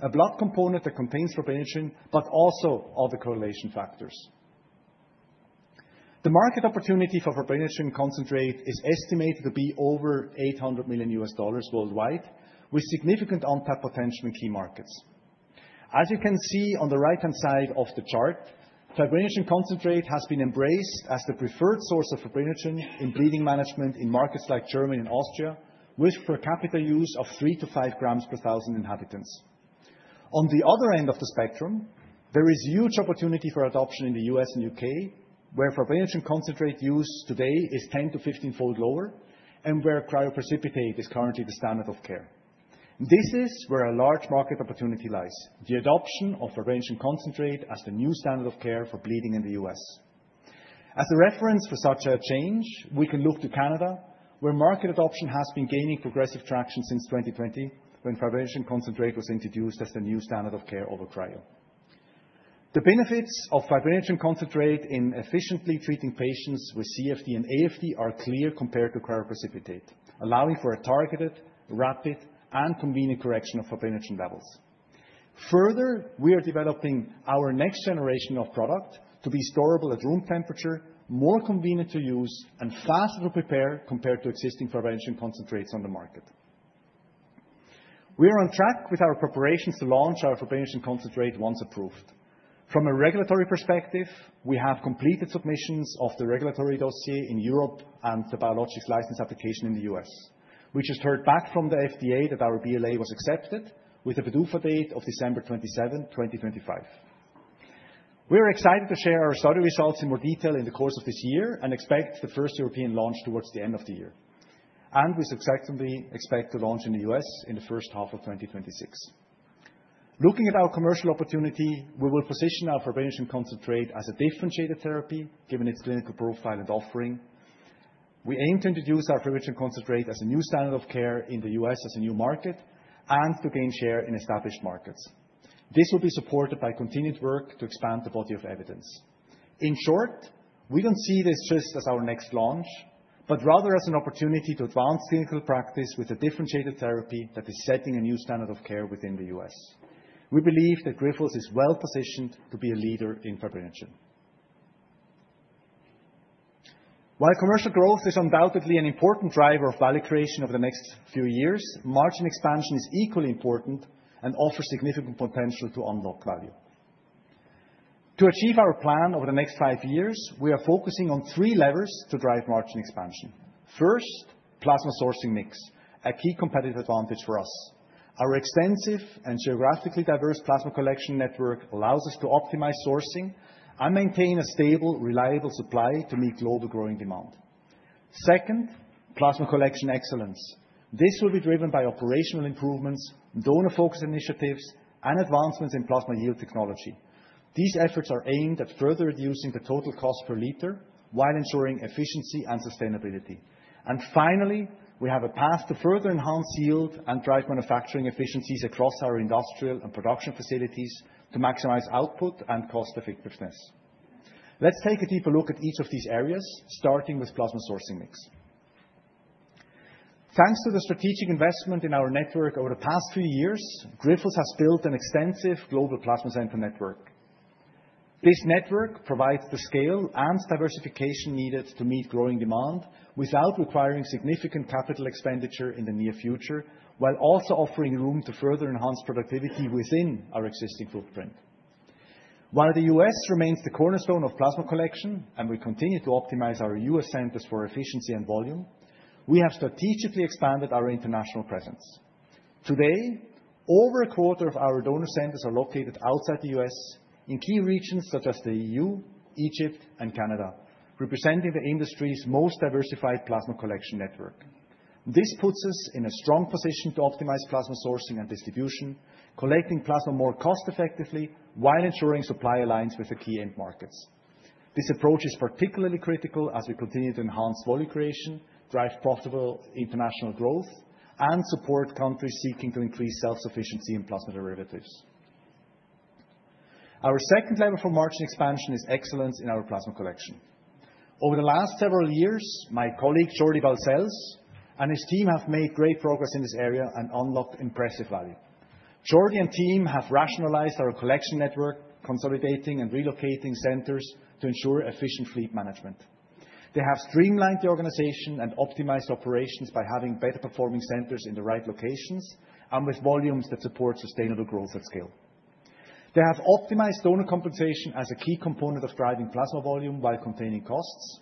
a blood component that contains Fibrinogen, but also other coagulation factors. The market opportunity for Fibrinogen concentrate is estimated to be over $800 million worldwide, with significant untapped potential in key markets. As you can see on the right-hand side of the chart, Fibrinogen concentrate has been embraced as the preferred source of Fibrinogen in bleeding management in markets like Germany and Austria, with per capita use of three to five grams per thousand inhabitants. On the other end of the spectrum, there is huge opportunity for adoption in the U.S. and U.K., where Fibrinogen concentrate use today is 10- to 15-fold lower, and where cryoprecipitate is currently the standard of care. This is where a large market opportunity lies: the adoption of Fibrinogen concentrate as the new standard of care for bleeding in the U.S. As a reference for such a change, we can look to Canada, where market adoption has been gaining progressive traction since 2020, when Fibrinogen concentrate was introduced as the new standard of care over Cryo. The benefits of Fibrinogen concentrate in efficiently treating patients with CFD and AFD are clear compared to cryoprecipitate, allowing for a targeted, rapid, and convenient correction of Fibrinogen levels. Further, we are developing our next generation of product to be storable at room temperature, more convenient to use, and faster to prepare compared to existing Fibrinogen concentrates on the market. We are on track with our preparations to launch our Fibrinogen concentrate once approved. From a regulatory perspective, we have completed submissions of the regulatory dossier in Europe and the biologics license application in the U.S. We just heard back from the FDA that our BLA was accepted, with a PDUFA date of December 27, 2025. We are excited to share our study results in more detail in the course of this year and expect the first European launch towards the end of the year. We successfully expect to launch in the U.S. in the first half of 2026. Looking at our commercial opportunity, we will position our Fibrinogen concentrate as a differentiated therapy, given its clinical profile and offering. We aim to introduce our Fibrinogen concentrate as a new standard of care in the U.S. as a new market and to gain share in established markets. This will be supported by continued work to expand the body of evidence. In short, we don't see this just as our next launch, but rather as an opportunity to advance clinical practice with a differentiated therapy that is setting a new standard of care within the U.S. We believe that Grifols is well positioned to be a leader in Fibrinogen. While commercial growth is undoubtedly an important driver of value creation over the next few years, margin expansion is equally important and offers significant potential to unlock value. To achieve our plan over the next five years, we are focusing on three levers to drive margin expansion. First, plasma sourcing mix, a key competitive advantage for us. Our extensive and geographically diverse plasma collection network allows us to optimize sourcing and maintain a stable, reliable supply to meet global growing demand. Second, plasma collection excellence. This will be driven by operational improvements, donor-focused initiatives, and advancements in plasma yield technology. These efforts are aimed at further reducing the total cost per liter while ensuring efficiency and sustainability. And finally, we have a path to further enhance yield and drive manufacturing efficiencies across our industrial and production facilities to maximize output and cost-effectiveness. Let's take a deeper look at each of these areas, starting with plasma sourcing mix. Thanks to the strategic investment in our network over the past few years, Grifols has built an extensive global plasma center network. This network provides the scale and diversification needed to meet growing demand without requiring significant capital expenditure in the near future, while also offering room to further enhance productivity within our existing footprint. While the U.S. remains the cornerstone of plasma collection, and we continue to optimize our U.S. centers for efficiency and volume, we have strategically expanded our international presence. Today, over a quarter of our donor centers are located outside the U.S. in key regions such as the EU, Egypt, and Canada, representing the industry's most diversified plasma collection network. This puts us in a strong position to optimize plasma sourcing and distribution, collecting plasma more cost-effectively while ensuring supply aligns with the key end markets. This approach is particularly critical as we continue to enhance volume creation, drive profitable international growth, and support countries seeking to increase self-sufficiency in plasma derivatives. Our second level for margin expansion is excellence in our plasma collection. Over the last several years, my colleague Jordi Valsells and his team have made great progress in this area and unlocked impressive value. Jordi and team have rationalized our collection network, consolidating and relocating centers to ensure efficient fleet management. They have streamlined the organization and optimized operations by having better-performing centers in the right locations and with volumes that support sustainable growth at scale. They have optimized donor compensation as a key component of driving plasma volume while containing costs,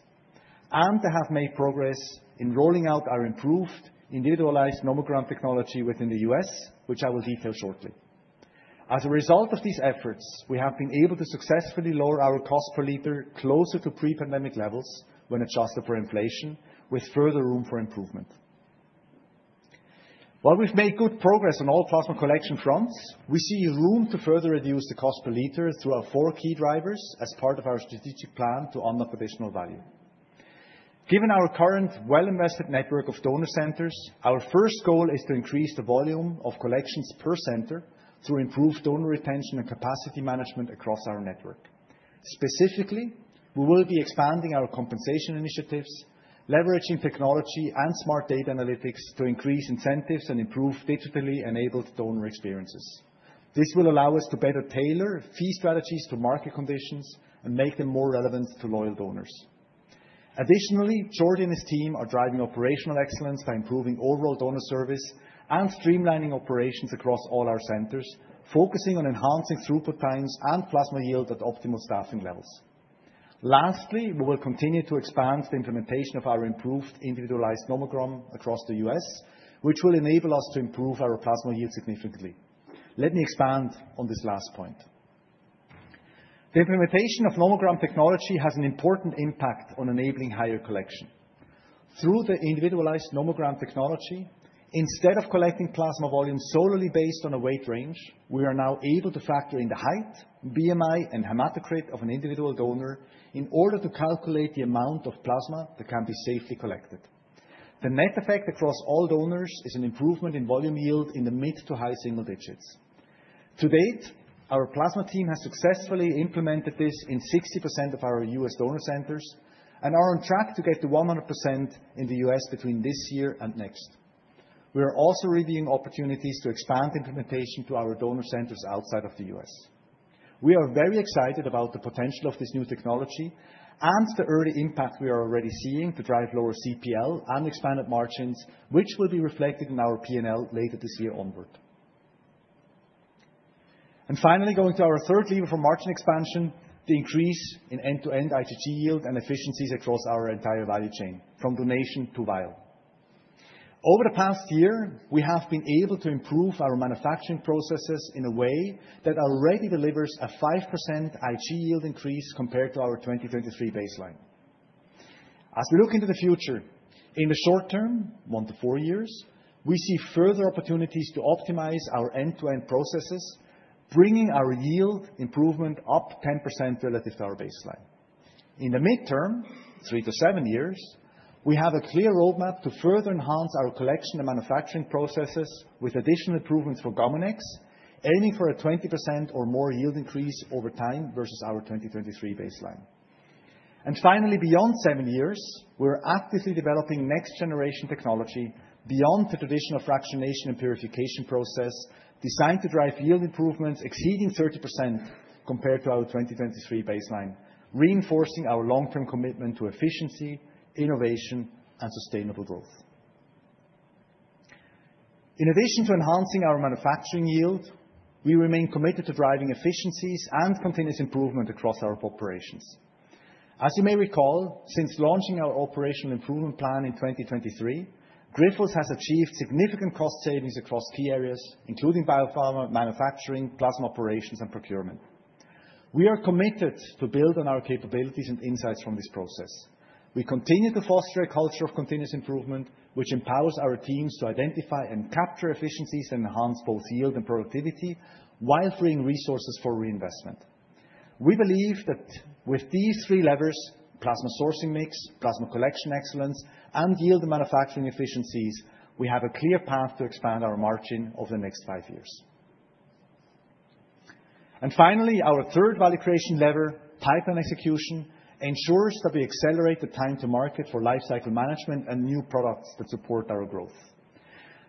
and they have made progress in rolling out our improved individualized nomogram technology within the U.S., which I will detail shortly. As a result of these efforts, we have been able to successfully lower our cost per liter closer to pre-pandemic levels when adjusted for inflation, with further room for improvement. While we've made good progress on all plasma collection fronts, we see room to further reduce the cost per liter through our four key drivers as part of our strategic plan to unlock additional value. Given our current well-invested network of donor centers, our first goal is to increase the volume of collections per center through improved donor retention and capacity management across our network. Specifically, we will be expanding our compensation initiatives, leveraging technology and smart data analytics to increase incentives and improve digitally enabled donor experiences. This will allow us to better tailor fee strategies to market conditions and make them more relevant to loyal donors. Additionally, Jordi and his team are driving operational excellence by improving overall donor service and streamlining operations across all our centers, focusing on enhancing throughput times and plasma yield at optimal staffing levels. Lastly, we will continue to expand the implementation of our improved individualized nomogram across the U.S., which will enable us to improve our plasma yield significantly. Let me expand on this last point. The implementation of nomogram technology has an important impact on enabling higher collection. Through the individualized nomogram technology, instead of collecting plasma volume solely based on a weight range, we are now able to factor in the height, BMI, and hematocrit of an individual donor in order to calculate the amount of plasma that can be safely collected. The net effect across all donors is an improvement in volume yield in the mid to high single digits. To date, our plasma team has successfully implemented this in 60% of our U.S. donor centers and are on track to get to 100% in the U.S. between this year and next. We are also reviewing opportunities to expand implementation to our donor centers outside of the U.S. We are very excited about the potential of this new technology and the early impact we are already seeing to drive lower CPL and expanded margins, which will be reflected in our P&L later this year onward. Finally, going to our third lever for margin expansion, the increase in end-to-end IVIG yield and efficiencies across our entire value chain, from donation to vial. Over the past year, we have been able to improve our manufacturing processes in a way that already delivers a 5% IVIG yield increase compared to our 2023 baseline. As we look into the future, in the short term, one to four years, we see further opportunities to optimize our end-to-end processes, bringing our yield improvement up 10% relative to our baseline. In the midterm, three to seven years, we have a clear roadmap to further enhance our collection and manufacturing processes with additional improvements for Gamunex, aiming for a 20% or more yield increase over time versus our 2023 baseline. Finally, beyond seven years, we're actively developing next-generation technology beyond the traditional fractionation and purification process, designed to drive yield improvements exceeding 30% compared to our 2023 baseline, reinforcing our long-term commitment to efficiency, innovation, and sustainable growth. In addition to enhancing our manufacturing yield, we remain committed to driving efficiencies and continuous improvement across our operations. As you may recall, since launching our operational improvement plan in 2023, Grifols has achieved significant cost savings across key areas, including biopharma manufacturing, plasma operations, and procurement. We are committed to build on our capabilities and insights from this process. We continue to foster a culture of continuous improvement, which empowers our teams to identify and capture efficiencies and enhance both yield and productivity while freeing resources for reinvestment. We believe that with these three levers, plasma sourcing mix, plasma collection excellence, and yield and manufacturing efficiencies, we have a clear path to expand our margin over the next five years. And finally, our third value creation lever, pipeline execution, ensures that we accelerate the time to market for lifecycle management and new products that support our growth.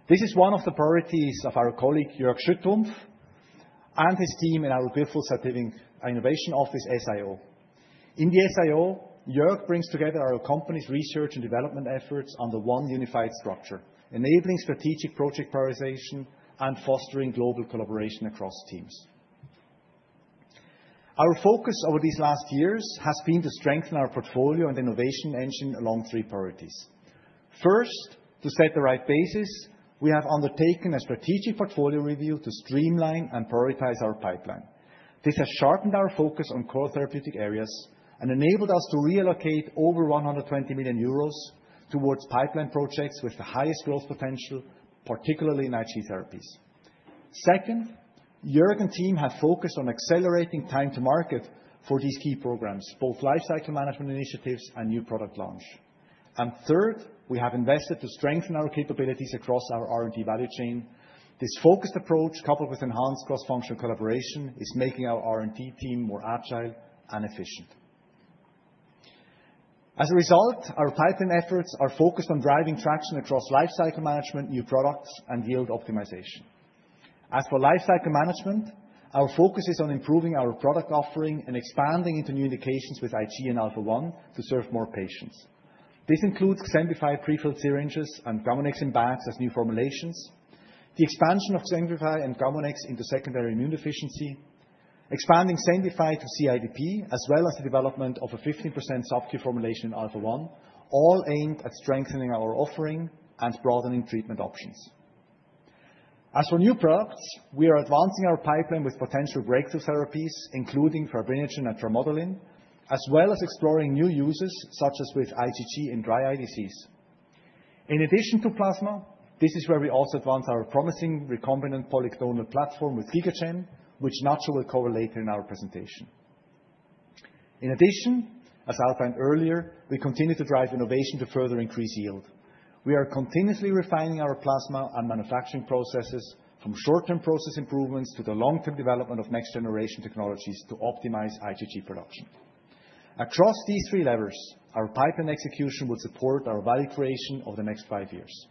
This is one of the priorities of our colleague Jörg Schütrumpf and his team in our Grifols Active Innovation Office SIO. In the SIO, Jörg brings together our company's research and development efforts under one unified structure, enabling strategic project prioritization and fostering global collaboration across teams. Our focus over these last years has been to strengthen our portfolio and innovation engine along three priorities. First, to set the right basis, we have undertaken a strategic portfolio review to streamline and prioritize our pipeline. This has sharpened our focus on core therapeutic areas and enabled us to reallocate over 120 million euros towards pipeline projects with the highest growth potential, particularly in IVIG therapies. Second, Jörg and team have focused on accelerating time to market for these key programs, both lifecycle management initiatives and new product launch. And third, we have invested to strengthen our capabilities across our R&D value chain. This focused approach, coupled with enhanced cross-functional collaboration, is making our R&D team more agile and efficient. As a result, our pipeline efforts are focused on driving traction across lifecycle management, new products, and yield optimization. As for lifecycle management, our focus is on improving our product offering and expanding into new indications with IVIG and Alpha-1 to serve more patients. This includes Xembify pre-filled syringes and Gamunex in bags as new formulations, the expansion of Xembify and Gamunex into secondary immunodeficiency, expanding Xembify to CIDP, as well as the development of a 15% subQ formulation in Alpha-1, all aimed at strengthening our offering and broadening treatment options. As for new products, we are advancing our pipeline with potential breakthrough therapies, including Fibrinogen and Trimodulin, as well as exploring new uses, such as with IVIG in dry IDCs. In addition to plasma, this is where we also advance our promising recombinant polyclonal platform with GigaGen, which Nacho will cover later in our presentation. In addition, as outlined earlier, we continue to drive innovation to further increase yield. We are continuously refining our plasma and manufacturing processes, from short-term process improvements to the long-term development of next-generation technologies to optimize IVIG production. Across these three levers, our pipeline execution will support our value creation over the next five years.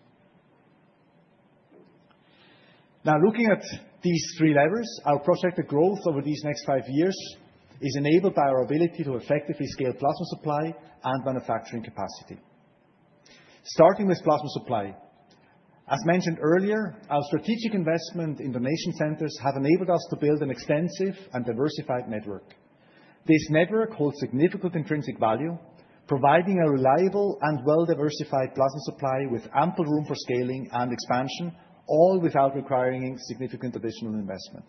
Now, looking at these three levers, our projected growth over these next five years is enabled by our ability to effectively scale plasma supply and manufacturing capacity. Starting with plasma supply. As mentioned earlier, our strategic investment in donation centers has enabled us to build an extensive and diversified network. This network holds significant intrinsic value, providing a reliable and well-diversified plasma supply with ample room for scaling and expansion, all without requiring significant additional investment.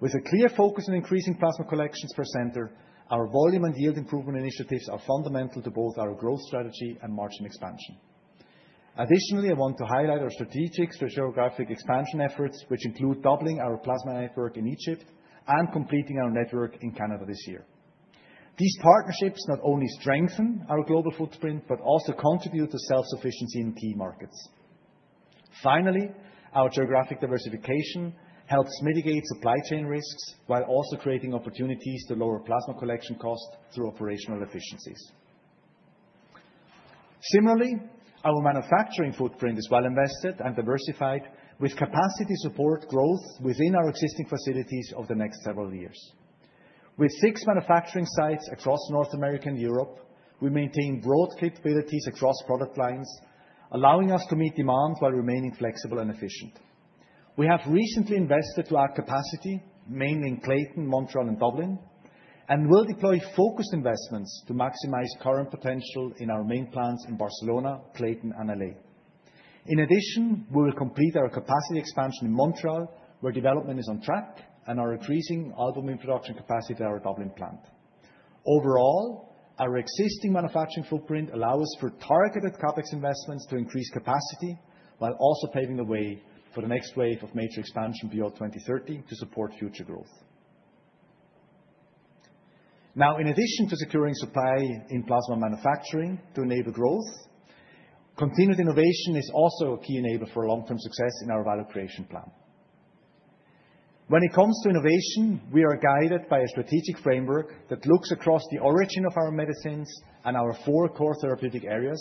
With a clear focus on increasing plasma collections per center, our volume and yield improvement initiatives are fundamental to both our growth strategy and margin expansion. Additionally, I want to highlight our strategic geographic expansion efforts, which include doubling our plasma network in Egypt and completing our network in Canada this year. These partnerships not only strengthen our global footprint, but also contribute to self-sufficiency in key markets. Finally, our geographic diversification helps mitigate supply chain risks while also creating opportunities to lower plasma collection costs through operational efficiencies. Similarly, our manufacturing footprint is well invested and diversified, with capacity to support growth within our existing facilities over the next several years. With six manufacturing sites across North America and Europe, we maintain broad capabilities across product lines, allowing us to meet demand while remaining flexible and efficient. We have recently invested to our capacity, mainly in Clayton, Montreal, and Dublin, and will deploy focused investments to maximize current potential in our main plants in Barcelona, Clayton, and LA. In addition, we will complete our capacity expansion in Montreal, where development is on track, and our increasing albumin production capacity at our Dublin plant. Overall, our existing manufacturing footprint allows for targeted CapEx investments to increase capacity while also paving the way for the next wave of major expansion beyond 2030 to support future growth. Now, in addition to securing supply in plasma manufacturing to enable growth, continued innovation is also a key enabler for long-term success in our value creation plan. When it comes to innovation, we are guided by a strategic framework that looks across the origin of our medicines and our four core therapeutic areas,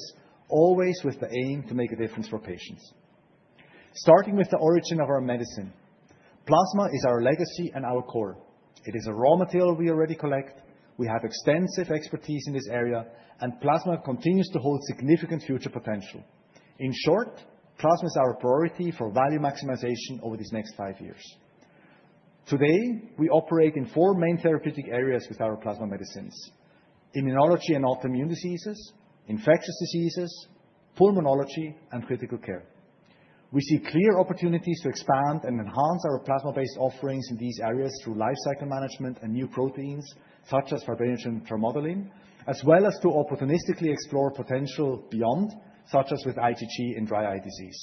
always with the aim to make a difference for patients. Starting with the origin of our medicine, plasma is our legacy and our core. It is a raw material we already collect. We have extensive expertise in this area, and plasma continues to hold significant future potential. In short, plasma is our priority for value maximization over these next five years. Today, we operate in four main therapeutic areas with our plasma medicines: immunology and autoimmune diseases, infectious diseases, pulmonology, and critical care. We see clear opportunities to expand and enhance our plasma-based offerings in these areas through lifecycle management and new proteins such as Fibrinogen and Trimodulin, as well as to opportunistically explore potential beyond, such as with IG in dry eye disease.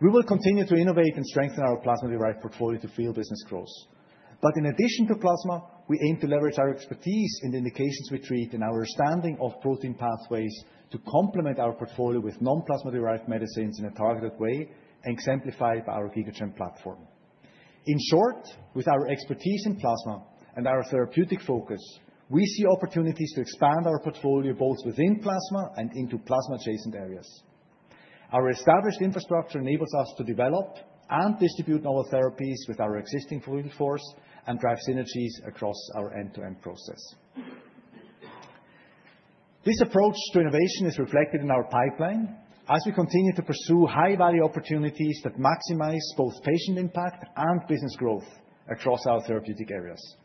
We will continue to innovate and strengthen our plasma-derived portfolio to fuel business growth. But in addition to plasma, we aim to leverage our expertise in the indications we treat and our understanding of protein pathways to complement our portfolio with non-plasma-derived medicines in a targeted way and exemplified by our GigaGen platform. In short, with our expertise in plasma and our therapeutic focus, we see opportunities to expand our portfolio both within plasma and into plasma-adjacent areas. Our established infrastructure enables us to develop and distribute novel therapies with our existing workforce and drive synergies across our end-to-end process. This approach to innovation is reflected in our pipeline as we continue to pursue high-value opportunities that maximize both patient impact and business growth across our therapeutic areas.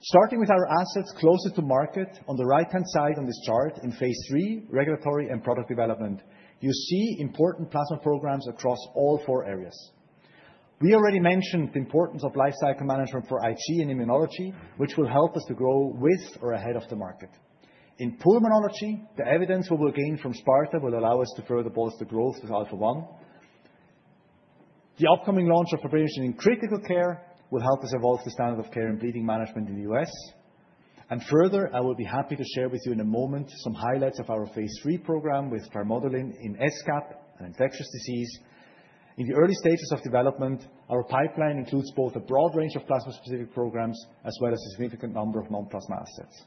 Starting with our assets closer to market on the right-hand side on this chart in phase three, regulatory and product development, you see important plasma programs across all four areas. We already mentioned the importance of lifecycle management for IVIG and immunology, which will help us to grow with or ahead of the market. In pulmonology, the evidence we will gain from SPARTA will allow us to further bolster growth with Alpha-1. The upcoming launch of Fibrinogen in critical care will help us evolve the standard of care in bleeding management in the U.S. Further, I will be happy to share with you in a moment some highlights of our phase three program with Trimodulin in SCAP and infectious disease. In the early stages of development, our pipeline includes both a broad range of plasma-specific programs as well as a significant number of non-plasma assets.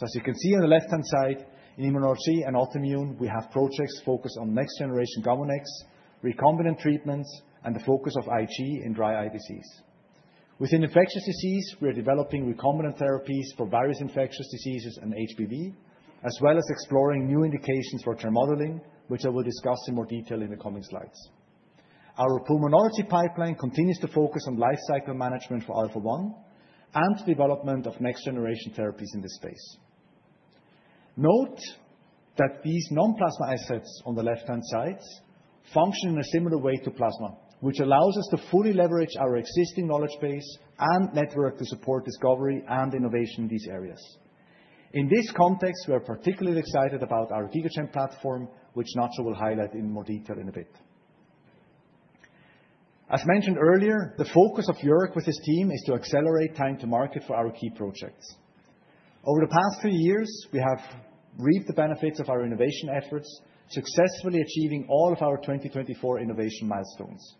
As you can see on the left-hand side, in immunology and autoimmune, we have projects focused on next-generation Gamunex, recombinant treatments, and the focus of IG in dry eye disease. Within infectious disease, we are developing recombinant therapies for various infectious diseases and HPV, as well as exploring new indications for Trimodulin, which I will discuss in more detail in the coming slides. Our pulmonology pipeline continues to focus on lifecycle management for Alpha-1 and the development of next-generation therapies in this space. Note that these non-plasma assets on the left-hand side function in a similar way to plasma, which allows us to fully leverage our existing knowledge base and network to support discovery and innovation in these areas. In this context, we are particularly excited about our GigaGen platform, which Jörg will highlight in more detail in a bit. As mentioned earlier, the focus of Jörg with his team is to accelerate time to market for our key projects. Over the past three years, we have reaped the benefits of our innovation efforts, successfully achieving all of our 2024 innovation milestones.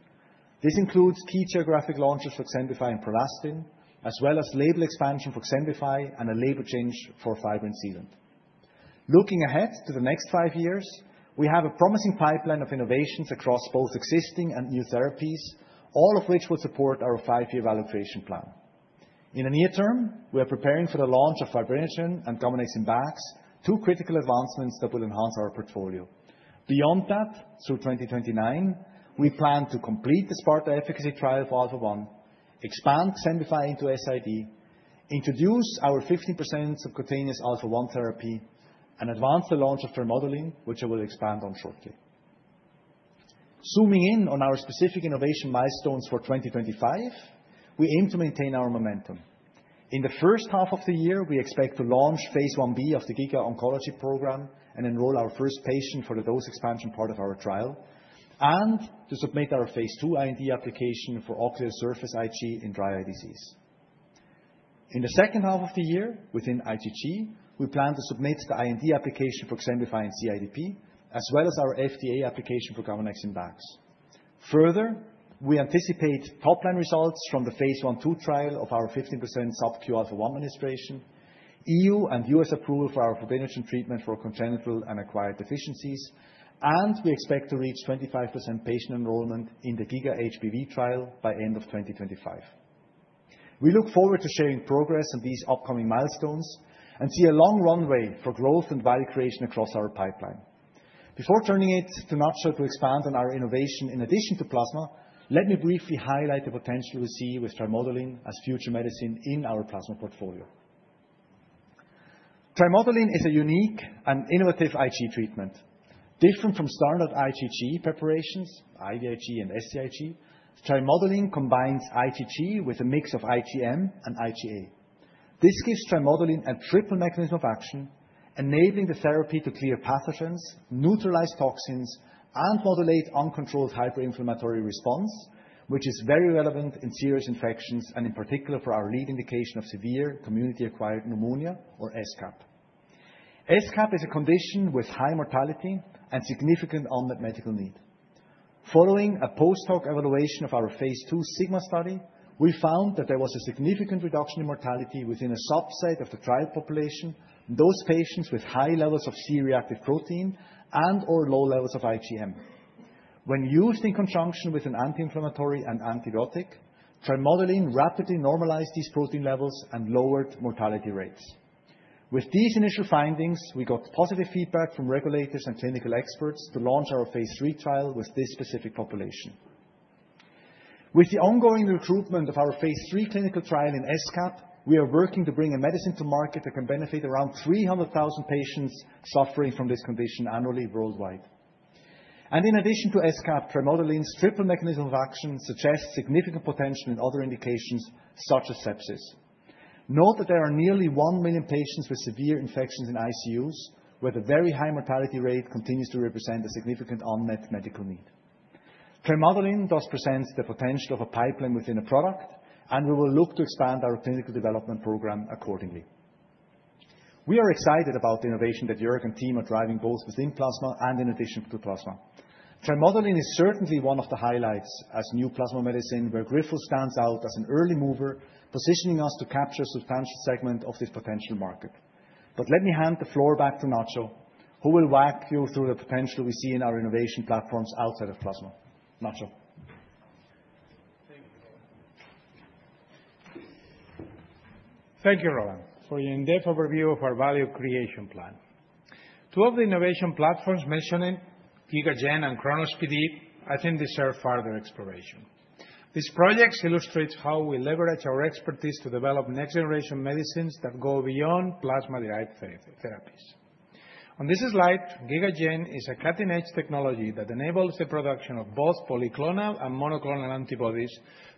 This includes key geographic launches for Xembify and Prolastin, as well as label expansion for Xembify and a label change for fibrin sealant. Looking ahead to the next five years, we have a promising pipeline of innovations across both existing and new therapies, all of which will support our five-year value creation plan. In the near term, we are preparing for the launch of Fibrinogen and Gamunex in bags, two critical advancements that will enhance our portfolio. Beyond that, through 2029, we plan to complete the SPARTA efficacy trial for Alpha-1, expand Xembify into SID, introduce our 15% subcutaneous Alpha-1 therapy, and advance the launch of Trimodulin, which I will expand on shortly. Zooming in on our specific innovation milestones for 2025, we aim to maintain our momentum. In the first half of the year, we expect to launch phase 1B of the GigaOncology program and enroll our first patient for the dose expansion part of our trial and to submit our phase 2 IND application for ocular surface IG in dry eye disease. In the second half of the year, within IG, we plan to submit the IND application for Xembify and CIDP, as well as our FDA application for Gamunex in bags. Further, we anticipate top-line results from the phase 1-2 trial of our 15% subQ Alpha-1 administration, EU and U.S. approval for our Fibrinogen treatment for congenital and acquired deficiencies, and we expect to reach 25% patient enrollment in the GigaHBV trial by the end of 2025. We look forward to sharing progress on these upcoming milestones and see a long runway for growth and value creation across our pipeline. Before turning it to Nacho to expand on our innovation in addition to plasma, let me briefly highlight the potential we see with Trimodulin as future medicine in our plasma portfolio. Trimodulin is a unique and innovative IG treatment. Different from standard IG preparations, IVIG and SCIG, Trimodulin combines IG with a mix of IgM and IgA. This gives Trimodulin a triple mechanism of action, enabling the therapy to clear pathogens, neutralize toxins, and modulate uncontrolled hyperinflammatory response, which is very relevant in serious infections and in particular for our lead indication of severe community-acquired pneumonia or SCAP. SCAP is a condition with high mortality and significant unmet medical need. Following a post-hoc evaluation of our phase 2 SIGMA study, we found that there was a significant reduction in mortality within a subset of the trial population, those patients with high levels of C-reactive protein and/or low levels of IgM. When used in conjunction with an anti-inflammatory and antibiotic, Trimodulin rapidly normalized these protein levels and lowered mortality rates. With these initial findings, we got positive feedback from regulators and clinical experts to launch our phase 3 trial with this specific population. With the ongoing recruitment of our phase 3 clinical trial in SCAP, we are working to bring a medicine to market that can benefit around 300,000 patients suffering from this condition annually worldwide and in addition to SCAP, Trimodulin's triple mechanism of action suggests significant potential in other indications such as sepsis. Note that there are nearly 1 million patients with severe infections in ICUs, where the very high mortality rate continues to represent a significant unmet medical need. Trimodulin does present the potential of a pipeline within a product, and we will look to expand our clinical development program accordingly. We are excited about the innovation that Jörg and team are driving both within plasma and in addition to plasma. Trimodulin is certainly one of the highlights as new plasma medicine, where Grifols stands out as an early mover, positioning us to capture a substantial segment of this potential market, but let me hand the floor back to Nacho, who will walk you through the potential we see in our innovation platforms outside of plasma. Nacho. Thank you, Roland. Thank you, Roland, for your in-depth overview of our value creation plan. Two of the innovation platforms, mentioning GigaGen and Chronos PD, I think deserve further exploration. These projects illustrate how we leverage our expertise to develop next-generation medicines that go beyond plasma-derived therapies. On this slide, GigaGen is a cutting-edge technology that enables the production of both polyclonal and monoclonal antibodies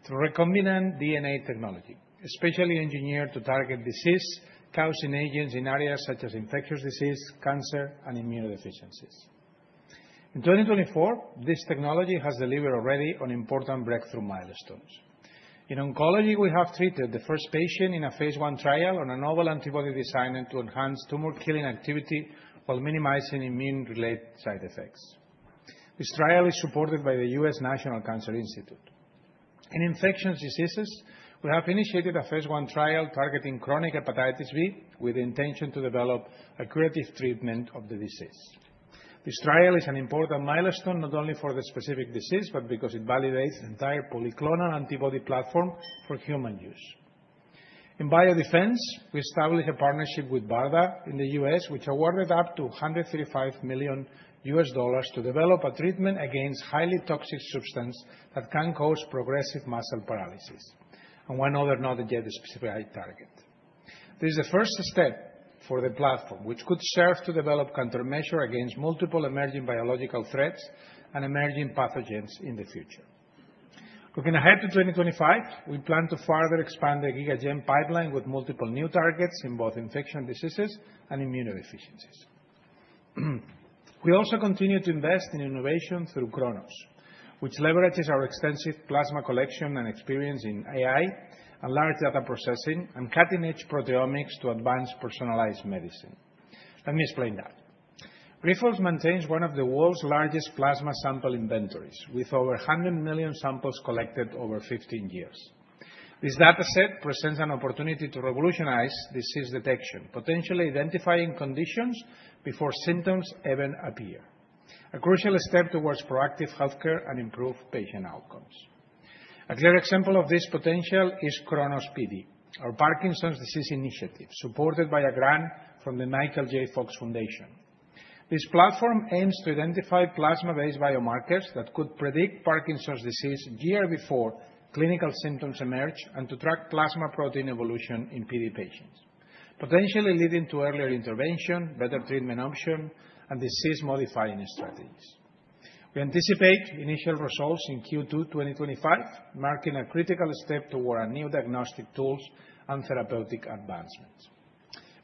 through recombinant DNA technology, specially engineered to target disease-causing agents in areas such as infectious disease, cancer, and immunodeficiencies. In 2024, this technology has delivered already on important breakthrough milestones. In oncology, we have treated the first patient in a phase 1 trial on a novel antibody designed to enhance tumor-killing activity while minimizing immune-related side effects. This trial is supported by the U.S. National Cancer Institute. In infectious diseases, we have initiated a phase 1 trial targeting chronic hepatitis B with the intention to develop a curative treatment of the disease. This trial is an important milestone not only for the specific disease, but because it validates the entire polyclonal antibody platform for human use. In biodefense, we established a partnership with BARDA in the U.S., which awarded up to $135 million U.S. dollars to develop a treatment against highly toxic substances that can cause progressive muscle paralysis and one other not yet specified target. This is the first step for the platform, which could serve to develop countermeasures against multiple emerging biological threats and emerging pathogens in the future. Looking ahead to 2025, we plan to further expand the GigaGen pipeline with multiple new targets in both infectious diseases and immunodeficiencies. We also continue to invest in innovation through Chronos, which leverages our extensive plasma collection and experience in AI and large data processing and cutting-edge proteomics to advance personalized medicine. Let me explain that. Grifols maintains one of the world's largest plasma sample inventories, with over 100 million samples collected over 15 years. This data set presents an opportunity to revolutionize disease detection, potentially identifying conditions before symptoms even appear, a crucial step towards proactive healthcare and improved patient outcomes. A clear example of this potential is Chronos PD, our Parkinson's Disease Initiative, supported by a grant from the Michael J. Fox Foundation. This platform aims to identify plasma-based biomarkers that could predict Parkinson's disease a year before clinical symptoms emerge and to track plasma protein evolution in PD patients, potentially leading to earlier intervention, better treatment options, and disease-modifying strategies. We anticipate initial results in Q2 2025, marking a critical step toward new diagnostic tools and therapeutic advancements.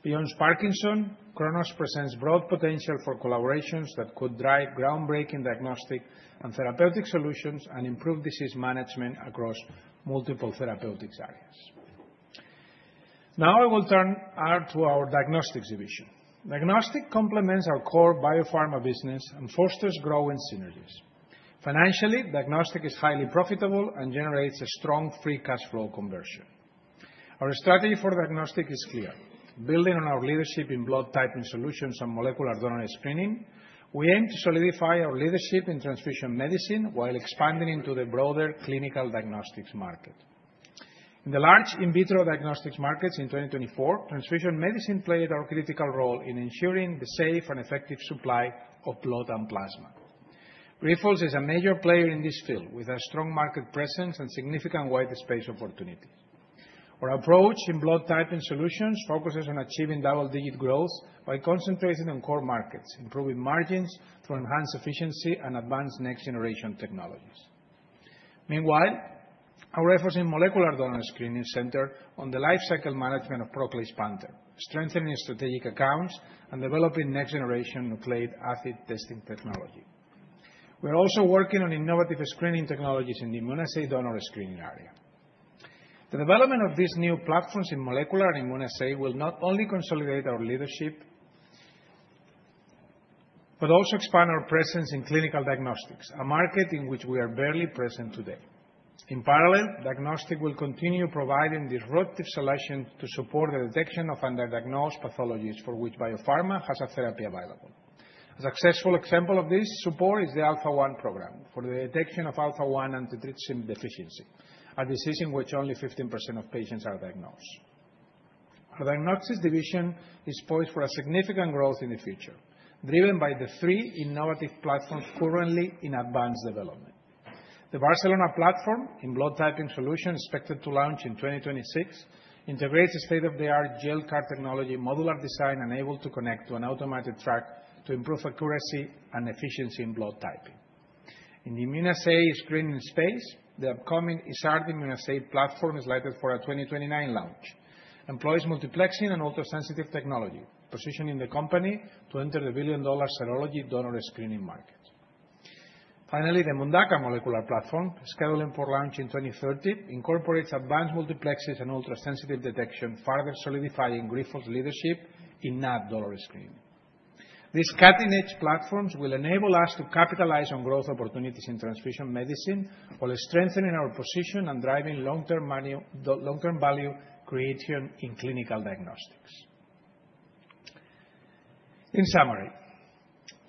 Beyond Parkinson's, Chronos presents broad potential for collaborations that could drive groundbreaking diagnostic and therapeutic solutions and improve disease management across multiple therapeutic areas. Now, I will turn to our diagnostics division. Diagnostics complements our core biopharma business and fosters growth in synergies. Financially, diagnostics is highly profitable and generates a strong free cash flow conversion. Our strategy for diagnostics is clear. Building on our leadership in blood typing solutions and molecular donor screening, we aim to solidify our leadership in transfusion medicine while expanding into the broader clinical diagnostics market. In the large in vitro diagnostics markets in 2024, transfusion medicine played a critical role in ensuring the safe and effective supply of blood and plasma. Grifols is a major player in this field with a strong market presence and significant white space opportunities. Our approach in blood typing solutions focuses on achieving double-digit growth by concentrating on core markets, improving margins to enhance efficiency and advance next-generation technologies. Meanwhile, our efforts in molecular donor screening center on the lifecycle management of Procleix Panther, strengthening strategic accounts and developing next-generation nucleic acid testing technology. We are also working on innovative screening technologies in the immunoassay donor screening area. The development of these new platforms in molecular and immunoassay will not only consolidate our leadership, but also expand our presence in clinical diagnostics, a market in which we are barely present today. In parallel, diagnostics will continue providing disruptive selection to support the detection of underdiagnosed pathologies for which Biopharma has a therapy available. A successful example of this support is the Alpha-1 program for the detection of Alpha-1 antitrypsin deficiency, a disease in which only 15% of patients are diagnosed. Our diagnostics division is poised for significant growth in the future, driven by the three innovative platforms currently in advanced development. The Barcelona platform in blood typing solutions, expected to launch in 2026, integrates state-of-the-art gel card technology, modular design, and is able to connect to an automated track to improve accuracy and efficiency in blood typing. In the immunoassay screening space, the upcoming Isard immunoassay platform is slated for a 2029 launch, employs multiplexing and ultrasensitive technology, positioning the company to enter the billion-dollar serology donor screening market. Finally, the Mundaka molecular platform, scheduled for launch in 2030, incorporates advanced multiplexers and ultrasensitive detection, further solidifying Grifols' leadership in NAT donor screening. These cutting-edge platforms will enable us to capitalize on growth opportunities in transfusion medicine while strengthening our position and driving long-term value creation in clinical diagnostics. In summary,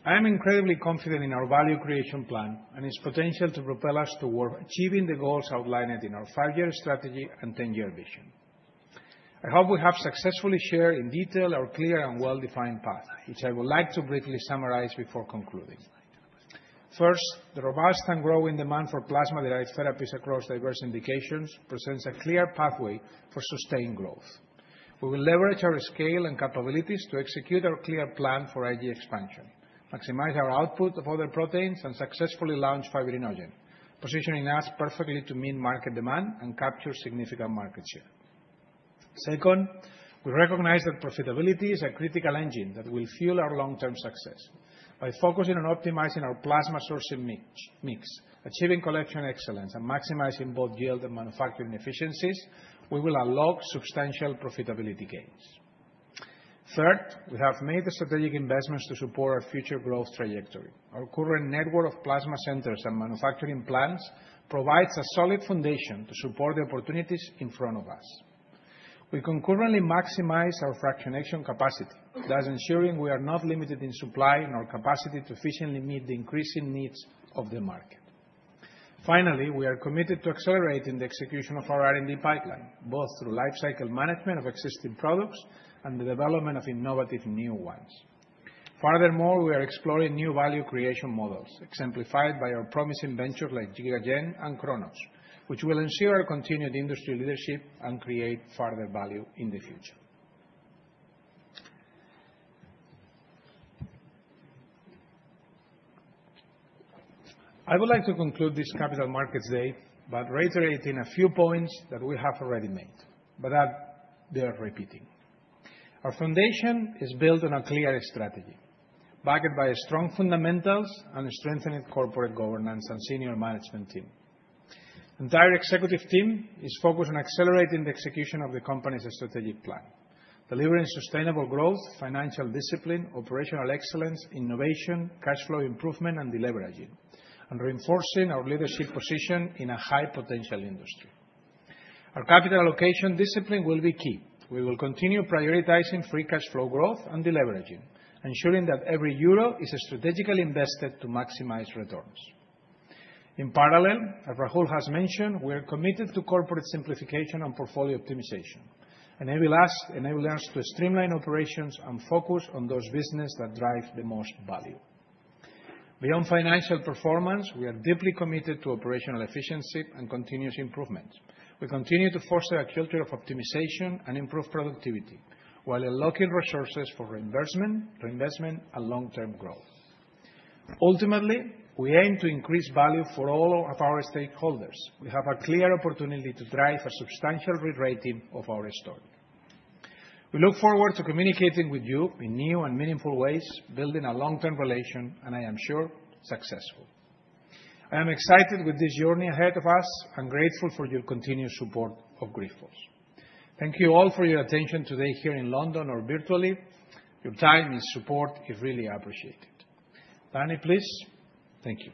I am incredibly confident in our value creation plan and its potential to propel us toward achieving the goals outlined in our five-year strategy and 10-year vision. I hope we have successfully shared in detail our clear and well-defined path, which I would like to briefly summarize before concluding. First, the robust and growing demand for plasma-derived therapies across diverse indications presents a clear pathway for sustained growth. We will leverage our scale and capabilities to execute our clear plan for IG expansion, maximize our output of other proteins, and successfully launch fibrinogen, positioning us perfectly to meet market demand and capture significant market share. Second, we recognize that profitability is a critical engine that will fuel our long-term success. By focusing on optimizing our plasma sourcing mix, achieving collection excellence, and maximizing both yield and manufacturing efficiencies, we will unlock substantial profitability gains. Third, we have made the strategic investments to support our future growth trajectory. Our current network of plasma centers and manufacturing plants provides a solid foundation to support the opportunities in front of us. We concurrently maximize our fractionation capacity, thus ensuring we are not limited in supply nor capacity to efficiently meet the increasing needs of the market. Finally, we are committed to accelerating the execution of our R&D pipeline, both through lifecycle management of existing products and the development of innovative new ones. Furthermore, we are exploring new value creation models, exemplified by our promising ventures like GigaGen and Chronos, which will ensure continued industry leadership and create further value in the future. I would like to conclude this Capital Markets Day by reiterating a few points that we have already made, but they bear repeating. Our foundation is built on a clear strategy, backed by strong fundamentals and strengthened corporate governance and senior management team. The entire executive team is focused on accelerating the execution of the company's strategic plan, delivering sustainable growth, financial discipline, operational excellence, innovation, cash flow improvement, and deleveraging, and reinforcing our leadership position in a high-potential industry. Our capital allocation discipline will be key. We will continue prioritizing free cash flow growth and deleveraging, ensuring that every euro is strategically invested to maximize returns. In parallel, as Rahul has mentioned, we are committed to corporate simplification and portfolio optimization, enabling us to streamline operations and focus on those businesses that drive the most value. Beyond financial performance, we are deeply committed to operational efficiency and continuous improvement. We continue to foster a culture of optimization and improved productivity while allocating resources for reinvestment and long-term growth. Ultimately, we aim to increase value for all of our stakeholders. We have a clear opportunity to drive a substantial re-rating of our story. We look forward to communicating with you in new and meaningful ways, building a long-term relation, and I am sure successful. I am excited with this journey ahead of us and grateful for your continued support of Grifols. Thank you all for your attention today here in London or virtually. Your time and support are really appreciated. Danny, please. Thank you.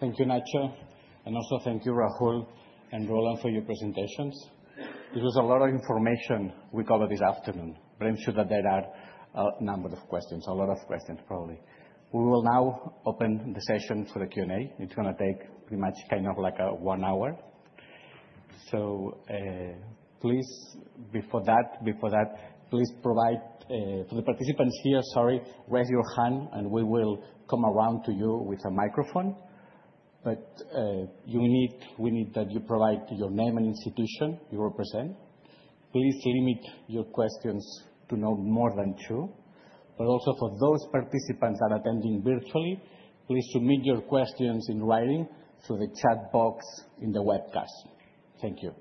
Thank you, Nacho, and also thank you, Rahul and Roland, for your presentations. It was a lot of information we covered this afternoon, but I'm sure that there are a number of questions, a lot of questions, probably. We will now open the session for the Q&A. It's going to take pretty much kind of like one hour. So please, before that, please provide for the participants here, sorry, raise your hand and we will come around to you with a microphone. But we need that you provide your name and institution you represent. Please limit your questions to no more than two. But also for those participants that are attending virtually, please submit your questions in writing through the chat box in the webcast. Thank you.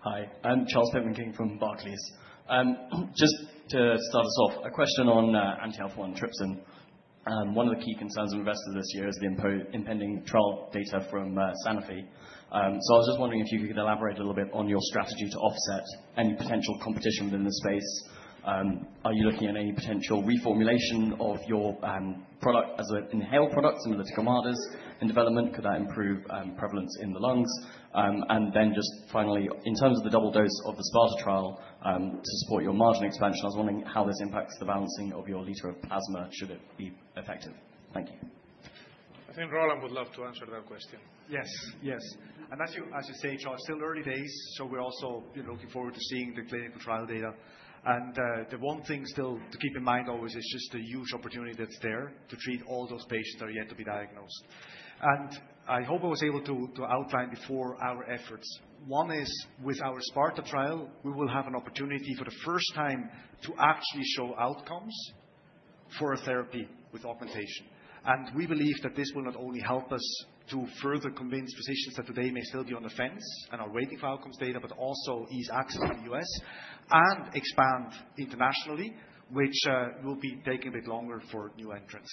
Hi, I'm Charles Stefansen King from Barclays. Just to start us off, a question on Alpha-1 antitrypsin. One of the key concerns of investors this year is the impending trial data from Sanofi. So I was just wondering if you could elaborate a little bit on your strategy to offset any potential competition within the space. Are you looking at any potential reformulation of your product as an inhaled product, similar to Kamada's in development? Could that improve prevalence in the lungs? And then just finally, in terms of the double dose of the SPARTA trial to support your margin expansion, I was wondering how this impacts the balancing of your liter of plasma should it be effective. Thank you. I think Roland would love to answer that question. Yes, yes. As you say, Charles, still early days, so we're also looking forward to seeing the clinical trial data. The one thing still to keep in mind always is just the huge opportunity that's there to treat all those patients that are yet to be diagnosed. I hope I was able to outline before our efforts. One is with our SPARTA trial, we will have an opportunity for the first time to actually show outcomes for a therapy with augmentation. And we believe that this will not only help us to further convince physicians that today may still be on the fence and are waiting for outcomes data, but also ease access in the U.S. and expand internationally, which will be taking a bit longer for new entrants.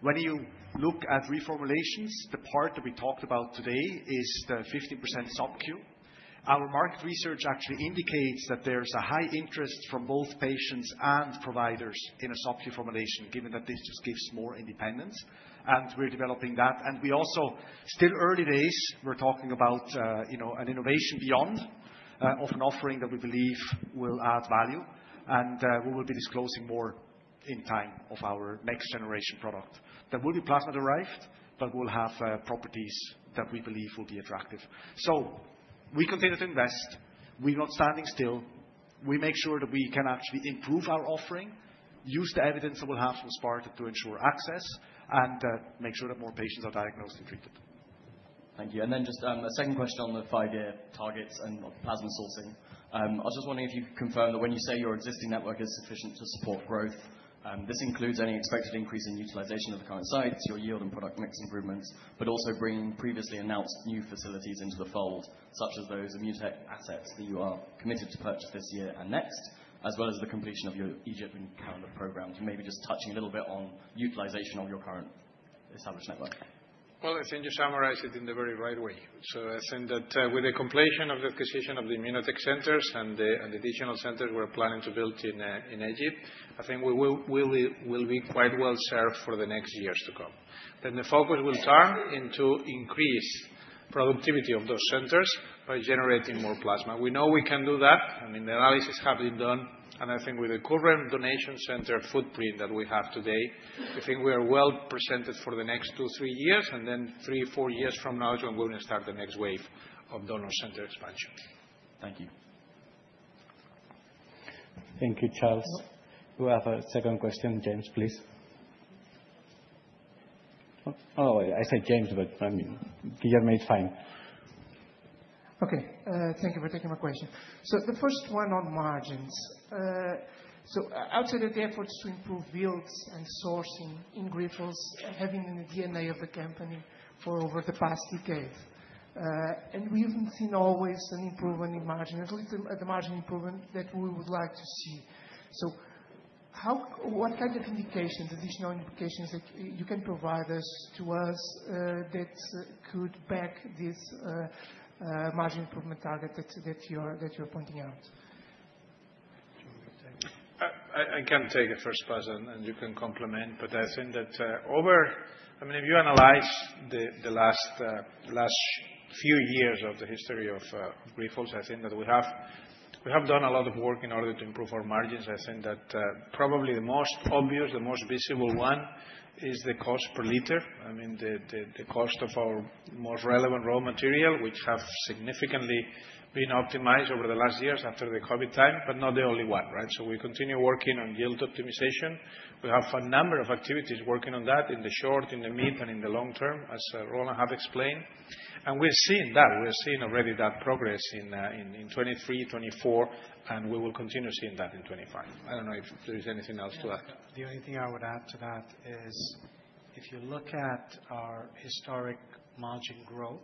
When you look at reformulations, the part that we talked about today is the 15% sub-Q. Our market research actually indicates that there's a high interest from both patients and providers in a sub-Q formulation, given that this just gives more independence. And we're developing that. And we also, still early days, we're talking about an innovation beyond of an offering that we believe will add value. And we will be disclosing more in time of our next-generation product that will be plasma-derived, but will have properties that we believe will be attractive. So we continue to invest. We're not standing still. We make sure that we can actually improve our offering, use the evidence that we'll have from Sparta to ensure access, and make sure that more patients are diagnosed and treated. Thank you. And then just a second question on the five-year targets and plasma sourcing. I was just wondering if you could confirm that when you say your existing network is sufficient to support growth, this includes any expected increase in utilization of the current sites, your yield and product mix improvements, but also bringing previously announced new facilities into the fold, such as those ImmunoTek assets that you are committed to purchase this year and next, as well as the completion of your Egypt and Canada programs. Maybe just touching a little bit on utilization of your current established network. Well, I think you summarized it in the very right way. So I think that with the completion of the acquisition of the ImmunoTek centers and the additional centers we're planning to build in Egypt, I think we will be quite well served for the next years to come. Then the focus will turn into increased productivity of those centers by generating more plasma. We know we can do that. I mean, the analysis has been done. And I think with the current donation center footprint that we have today, I think we are well presented for the next two, three years, and then three, four years from now is when we're going to start the next wave of donor center expansion. Thank you. Thank you, Charles. We have a second question. James, please. Oh, I said James, but I mean, Giger made it fine. Okay. Thank you for taking my question. So the first one on margins. So outside of the efforts to improve yields and sourcing in Grifols', having been in the DNA of the company for over the past decade, and we haven't seen always an improvement in margin, at least the margin improvement that we would like to see. So what kind of indications, additional indications that you can provide us that could back this margin improvement target that you're pointing out? I can take the first question and you can complement, but I think that over, I mean, if you analyze the last few years of the history of Grifols', I think that we have done a lot of work in order to improve our margins. I think that probably the most obvious, the most visible one is the cost per liter. I mean, the cost of our most relevant raw material, which has significantly been optimized over the last years after the COVID time, but not the only one, right? So we continue working on yield optimization. We have a number of activities working on that in the short, in the mid, and in the long term, as Roland has explained. And we're seeing that. We're seeing already that progress in 2023, 2024, and we will continue seeing that in 2025. I don't know if there is anything else to add. The only thing I would add to that is if you look at our historic margin growth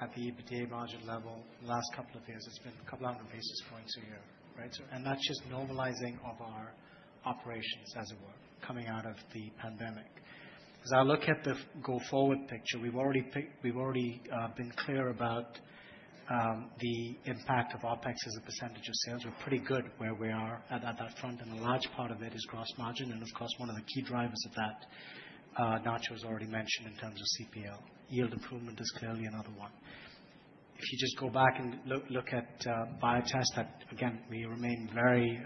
at the EBITDA margin level in the last couple of years, it's been a couple hundred basis points a year, right? And that's just normalizing of our operations, as it were, coming out of the pandemic. As I look at the go-forward picture, we've already been clear about the impact of OpEx as a percentage of sales. We're pretty good where we are at that front, and a large part of it is gross margin. And of course, one of the key drivers of that, Nacho has already mentioned in terms of CPL. Yield improvement is clearly another one. If you just go back and look at Biotest, that, again, we remain very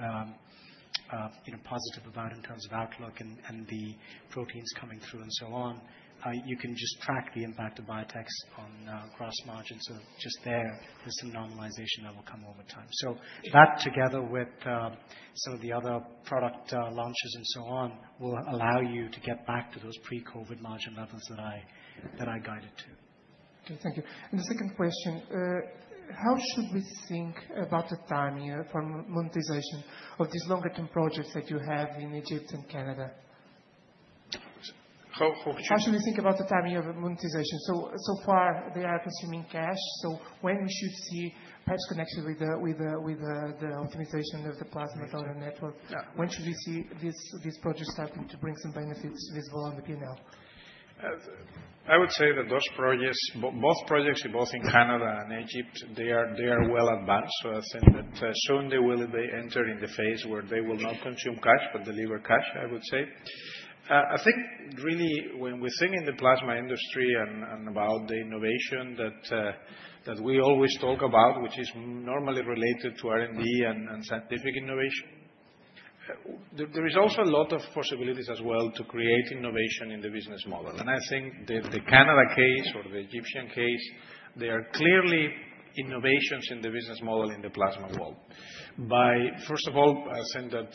positive about in terms of outlook and the proteins coming through and so on. You can just track the impact of Biotest on gross margin. So just there, there's some normalization that will come over time. So that together with some of the other product launches and so on will allow you to get back to those pre-COVID margin levels that I guided to. Okay, thank you. The second question, how should we think about the timing for monetization of these longer-term projects that you have in Egypt and Canada? How should we think about the timing of monetization? So far, they are consuming cash. So when we should see perhaps connection with the optimization of the plasma donor network, when should we see these projects starting to bring some benefits visible on the P&L? I would say that those projects, both projects in both in Canada and Egypt, they are well advanced. So I think that soon they will enter in the phase where they will not consume cash, but deliver cash, I would say. I think really when we think in the plasma industry and about the innovation that we always talk about, which is normally related to R&D and scientific innovation, there is also a lot of possibilities as well to create innovation in the business model. And I think the Canada case or the Egyptian case, they are clearly innovations in the business model in the plasma world. First of all, I think that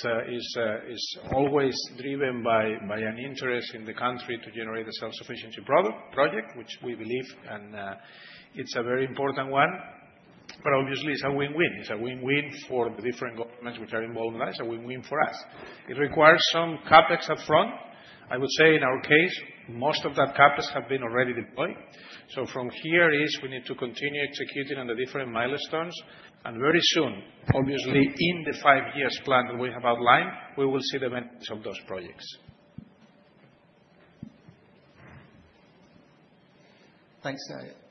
is always driven by an interest in the country to generate a self-sufficiency project, which we believe, and it's a very important one. But obviously, it's a win-win. It's a win-win for the different governments which are involved in that. It's a win-win for us. It requires some CapEx upfront. I would say in our case, most of that CapEx has been already deployed. So from here, we need to continue executing on the different milestones. Very soon, obviously, in the five-year plan that we have outlined, we will see the benefits of those projects. Thanks.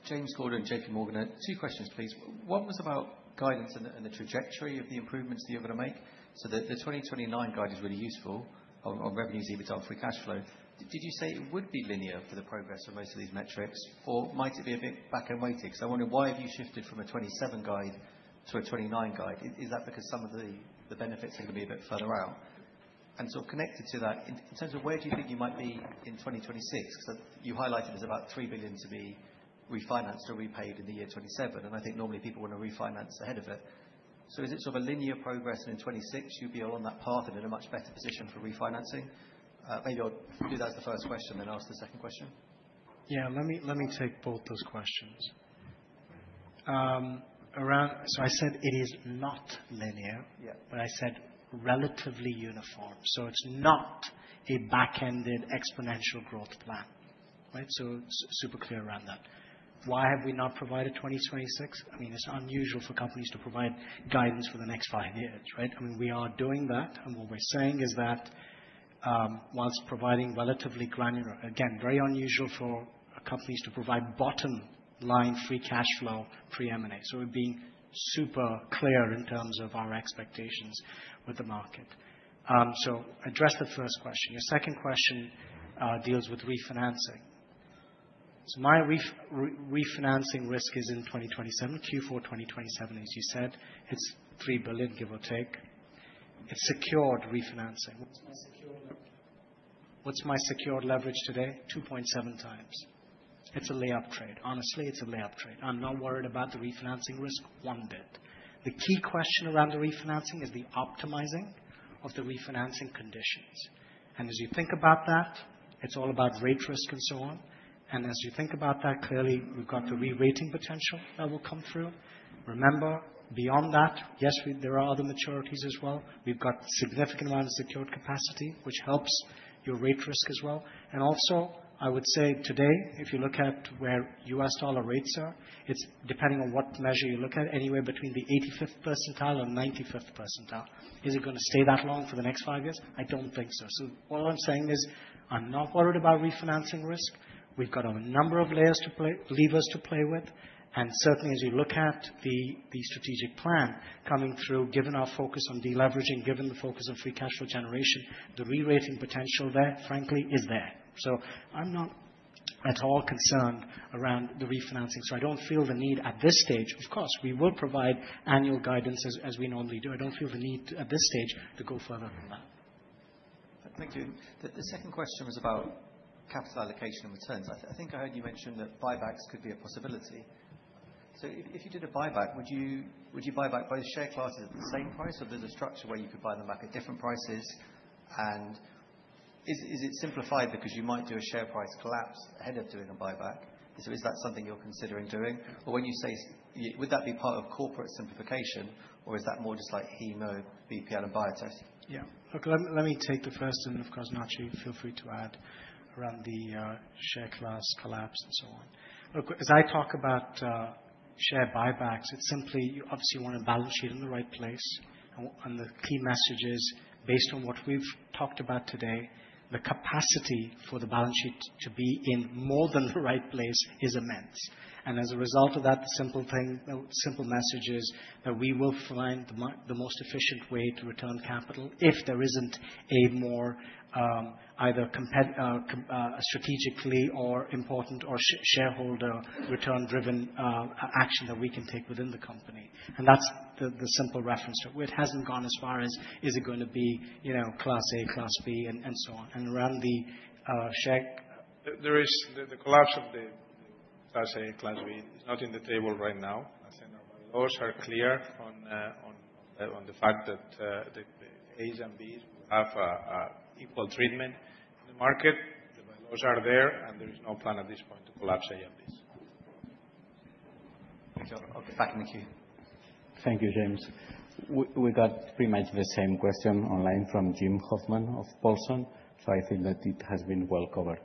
James Gordon from JP Morgan. Two questions, please. One was about guidance and the trajectory of the improvements that you're going to make. So the 2029 guide is really useful on revenues, EBITDA, and free cash flow. Did you say it would be linear for the progress of most of these metrics, or might it be a bit back-loaded? Because I wonder why have you shifted from a 2027 guide to a 2029 guide? Is that because some of the benefits are going to be a bit further out? And sort of connected to that, in terms of where do you think you might be in 2026? Because you highlighted there's about 3 billion to be refinanced or repaid in the year 2027. And I think normally people want to refinance ahead of it. So is it sort of a linear progress, and in 2026, you'd be all on that path and in a much better position for refinancing? Maybe I'll do that as the first question, then ask the second question. Yeah, let me take both those questions. So I said it is not linear, but I said relatively uniform. So it's not a back-ended exponential growth plan, right? So super clear around that. Why have we not provided 2026? I mean, it's unusual for companies to provide guidance for the next five years, right? I mean, we are doing that, and what we're saying is that whilst providing relatively granular, again, very unusual for companies to provide bottom-line free cash flow pre-M&A. So we're being super clear in terms of our expectations with the market. So address the first question. Your second question deals with refinancing. So my refinancing risk is in 2027, Q4 2027, as you said. It's 3 billion, give or take. It's secured refinancing. What's my secured leverage today? 2.7x. It's a layup trade. Honestly, it's a layup trade. I'm not worried about the refinancing risk one bit. The key question around the refinancing is the optimizing of the refinancing conditions. And as you think about that, it's all about rate risk and so on. And as you think about that, clearly, we've got the re-rating potential that will come through. Remember, beyond that, yes, there are other maturities as well. We've got a significant amount of secured capacity, which helps your rate risk as well. Also, I would say today, if you look at where U.S. dollar rates are, it's depending on what measure you look at, anywhere between the 85th percentile and 95th percentile. Is it going to stay that long for the next five years? I don't think so. So all I'm saying is I'm not worried about refinancing risk. We've got a number of levers to play with. And certainly, as you look at the strategic plan coming through, given our focus on deleveraging, given the focus on free cash flow generation, the re-rating potential there, frankly, is there. So I'm not at all concerned around the refinancing. So I don't feel the need at this stage. Of course, we will provide annual guidance as we normally do. I don't feel the need at this stage to go further than that. Thank you. The second question was about capital allocation and returns. I think I heard you mention that buybacks could be a possibility. So if you did a buyback, would you buy back both share classes at the same price, or there's a structure where you could buy them back at different prices? And is it simplified because you might do a share class collapse ahead of doing a buyback? So is that something you're considering doing? Or when you say, would that be part of corporate simplification, or is that more just like HEMO, BPL, and Biotest? Yeah. Okay. Let me take the first, and of course, Nacho, feel free to add around the share class collapse and so on. As I talk about share buybacks, it's simply, obviously, you want a balance sheet in the right place. And the key message is, based on what we've talked about today, the capacity for the balance sheet to be in more than the right place is immense. And as a result of that, the simple message is that we will find the most efficient way to return capital if there isn't a more either strategically important or shareholder return-driven action that we can take within the company. And that's the simple reference. It hasn't gone as far as, is it going to be Class A, Class B, and so on. And around the share. There is the collapse of the Class A and Class B. It's not in the table right now. I think the laws are clear on the fact that the A's and B's will have equal treatment in the market. The laws are there, and there is no plan at this point to collapse A and B's. Thank you. Back in the queue. Thank you, James. We got pretty much the same question online from Jim Hoffman of Paulson. So I think that it has been well covered.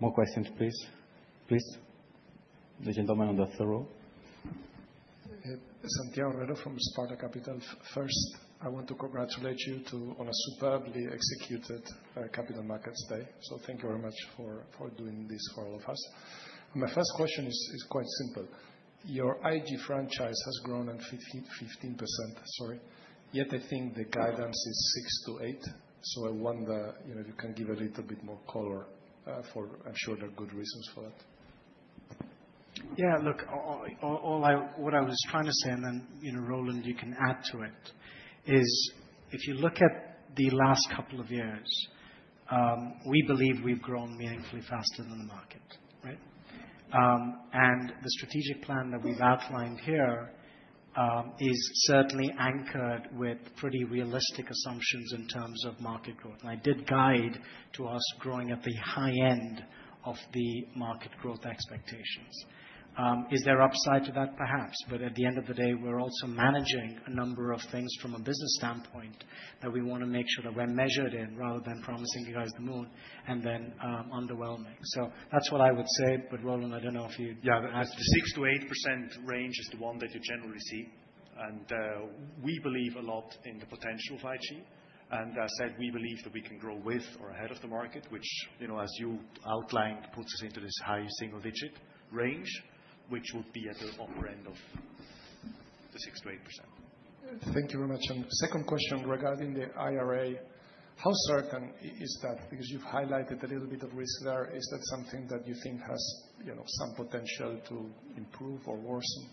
More questions, please. Please. The gentleman on the third row. Santiago Herrero from Sparta Capital. First, I want to congratulate you on a superbly executed capital markets day. So thank you very much for doing this for all of us. My first question is quite simple. Your IG franchise has grown 15%, sorry. Yet I think the guidance is 6%–8%. So I wonder if you can give a little bit more color for, I'm sure there are good reasons for that. Yeah, look, what I was trying to say, and then Roland, you can add to it, is if you look at the last couple of years, we believe we've grown meaningfully faster than the market, right? And the strategic plan that we've outlined here is certainly anchored with pretty realistic assumptions in terms of market growth. And I did guide to us growing at the high end of the market growth expectations. Is there upside to that, perhaps? But at the end of the day, we're also managing a number of things from a business standpoint that we want to make sure that we're measured in rather than promising you guys the moon and then underwhelming. So that's what I would say. But Roland, I don't know if you. Yeah, the 6%–8% range is the one that you generally see. We believe a lot in the potential of IG. As I said, we believe that we can grow with or ahead of the market, which, as you outlined, puts us into this high single-digit range, which would be at the upper end of the 6%–8%. Thank you very much. Second question regarding the IRA, how certain is that? Because you've highlighted a little bit of risk there. Is that something that you think has some potential to improve or worsen?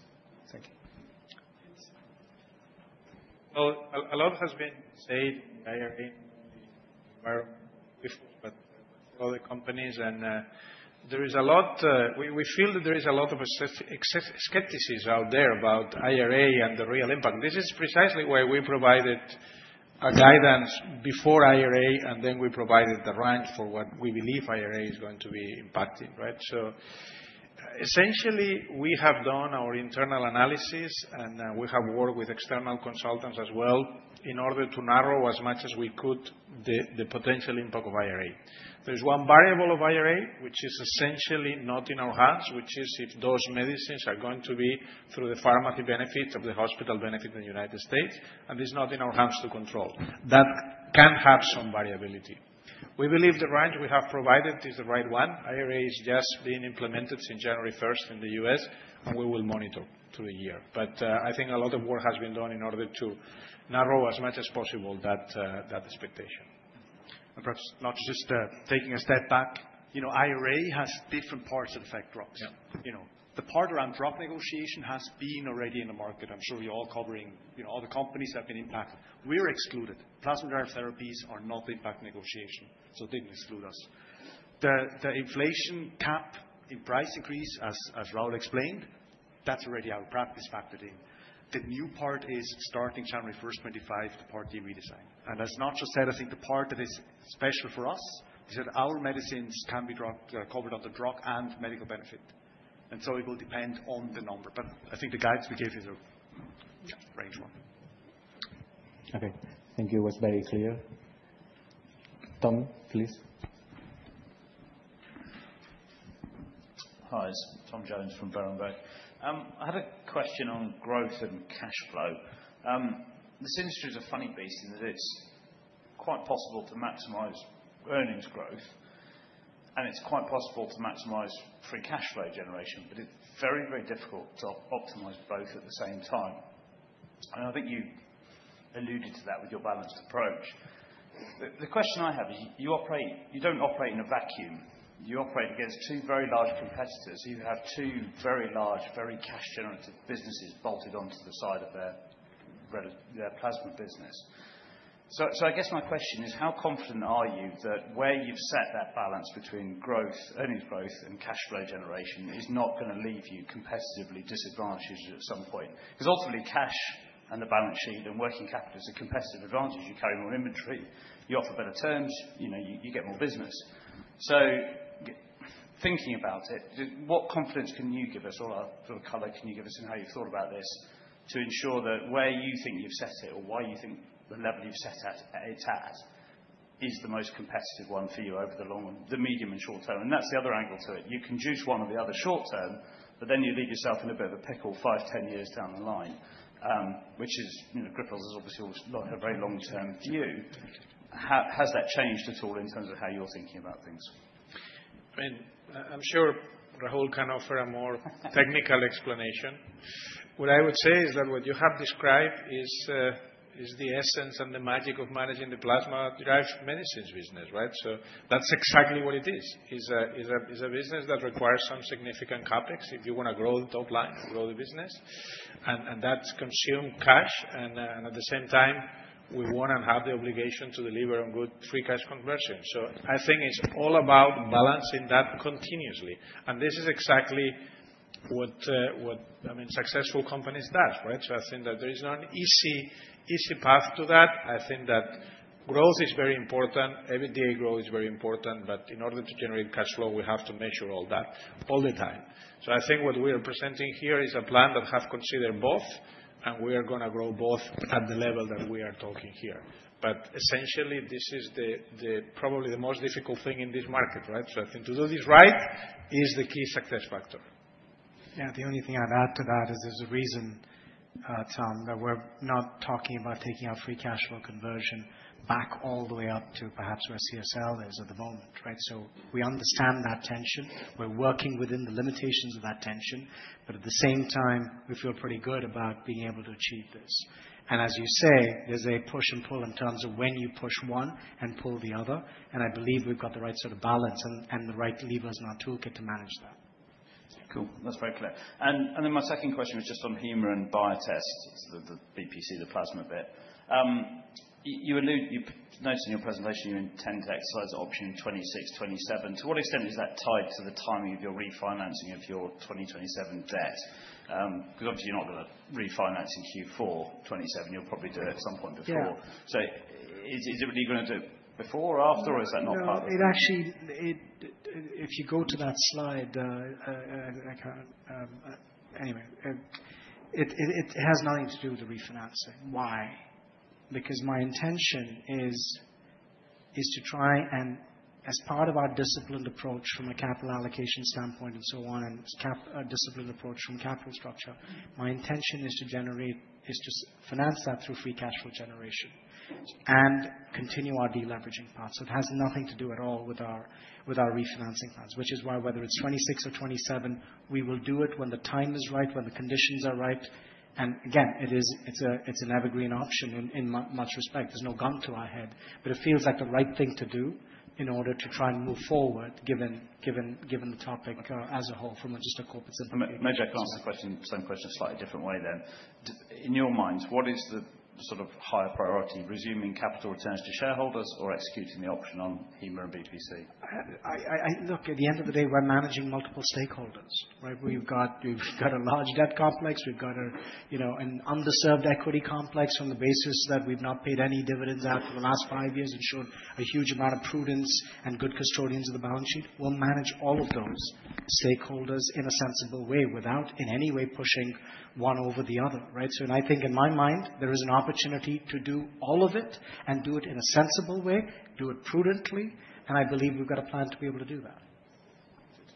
Thank you. A lot has been said in the IRA environment before, but with other companies. There is a lot. We feel that there is a lot of skepticism out there about IRA and the real impact. This is precisely why we provided a guidance before IRA, and then we provided the range for what we believe IRA is going to be impacting, right? So essentially, we have done our internal analysis, and we have worked with external consultants as well in order to narrow as much as we could the potential impact of IRA. There's one variable of IRA, which is essentially not in our hands, which is if those medicines are going to be through the pharmacy benefit or the hospital benefit in the United States, and it's not in our hands to control. That can have some variability. We believe the range we have provided is the right one. IRA is just being implemented since January 1st in the U.S., and we will monitor through the year. I think a lot of work has been done in order to narrow as much as possible that expectation. And perhaps Nacho is just taking a step back. IRA has different parts of the Part B, Part D. The part around drug negotiation has been already in the market. I'm sure you're all covering other companies that have been impacted. We're excluded. Plasma derived therapies are not impact negotiation, so they didn't exclude us. The inflation cap in price increase, as Rahul explained, that's already our practice factored in. The new part is starting January 1, 2025, the Part D redesign. And as Nacho said, I think the part that is special for us is that our medicines can be covered under Part D and medical benefit. And so it will depend on the number. But I think the guidance we gave is a range one. Okay. Thank you. It was very clear. Tom, please. Hi. It's Tom Jones from Berenberg. I have a question on growth and cash flow. This industry is a funny beast in that it's quite possible to maximize earnings growth, and it's quite possible to maximize free cash flow generation, but it's very, very difficult to optimize both at the same time, and I think you alluded to that with your balanced approach. The question I have, you don't operate in a vacuum. You operate against two very large competitors who have two very large, very cash-generative businesses bolted onto the side of their plasma business. So I guess my question is, how confident are you that where you've set that balance between earnings growth and cash flow generation is not going to leave you competitively disadvantaged at some point? Because ultimately, cash and the balance sheet and working capital is a competitive advantage. You carry more inventory. You offer better terms. You get more business. Thinking about it, what confidence can you give us, or what sort of color can you give us in how you've thought about this to ensure that where you think you've set it or why you think the level you've set it at is the most competitive one for you over the long, the medium, and short term? And that's the other angle to it. You can juice one or the other short term, but then you leave yourself in a bit of a pickle 5, 10 years down the line, which is Grifols' is obviously a very long-term view. Has that changed at all in terms of how you're thinking about things? I mean, I'm sure Rahul can offer a more technical explanation. What I would say is that what you have described is the essence and the magic of managing the plasma derived medicines business, right? So that's exactly what it is. It's a business that requires some significant CapEx if you want to grow the top line, grow the business. And that's consumed cash. And at the same time, we want and have the obligation to deliver on good free cash conversion. So I think it's all about balancing that continuously. And this is exactly what, I mean, successful companies do, right? So I think that there is not an easy path to that. I think that growth is very important. Every day growth is very important. But in order to generate cash flow, we have to measure all that all the time. So I think what we are presenting here is a plan that has considered both, and we are going to grow both at the level that we are talking here. But essentially, this is probably the most difficult thing in this market, right? So I think to do this right is the key success factor. Yeah. The only thing I'd add to that is there's a reason, Tom, that we're not talking about taking out free cash flow conversion back all the way up to perhaps where CSL is at the moment, right? So we understand that tension. We're working within the limitations of that tension. But at the same time, we feel pretty good about being able to achieve this. And as you say, there's a push and pull in terms of when you push one and pull the other. I believe we've got the right sort of balance and the right levers in our toolkit to manage that. Cool. That's very clear. Then my second question was just on HEMO and Biotest, the BPC, the plasma bit. You noted in your presentation you intend to exercise option 26, 27. To what extent is that tied to the timing of your refinancing of your 2027 debt? Because obviously, you're not going to refinance in Q4 2027. You'll probably do it at some point before. So is it really going to do it before or after, or is that not part of it? Actually, if you go to that slide, anyway, it has nothing to do with the refinancing. Why? Because my intention is to try and, as part of our disciplined approach from a capital allocation standpoint and so on, and disciplined approach from capital structure, my intention is to finance that through free cash flow generation and continue our deleveraging path. So it has nothing to do at all with our refinancing plans, which is why whether it's 2026 or 2027, we will do it when the time is right, when the conditions are right. And again, it's an evergreen option in much respect. There's no gun to our head, but it feels like the right thing to do in order to try and move forward given the topic as a whole from a just a corporate. May I just ask the same question a slightly different way then? In your mind, what is the sort of higher priority, resuming capital returns to shareholders or executing the option on HEMO and BPC? Look, at the end of the day, we're managing multiple stakeholders, right? We've got a large debt complex. We've got an underserved equity complex on the basis that we've not paid any dividends out for the last five years and showed a huge amount of prudence and good custodians of the balance sheet. We'll manage all of those stakeholders in a sensible way without in any way pushing one over the other, right? So I think in my mind, there is an opportunity to do all of it and do it in a sensible way, do it prudently. And I believe we've got a plan to be able to do that.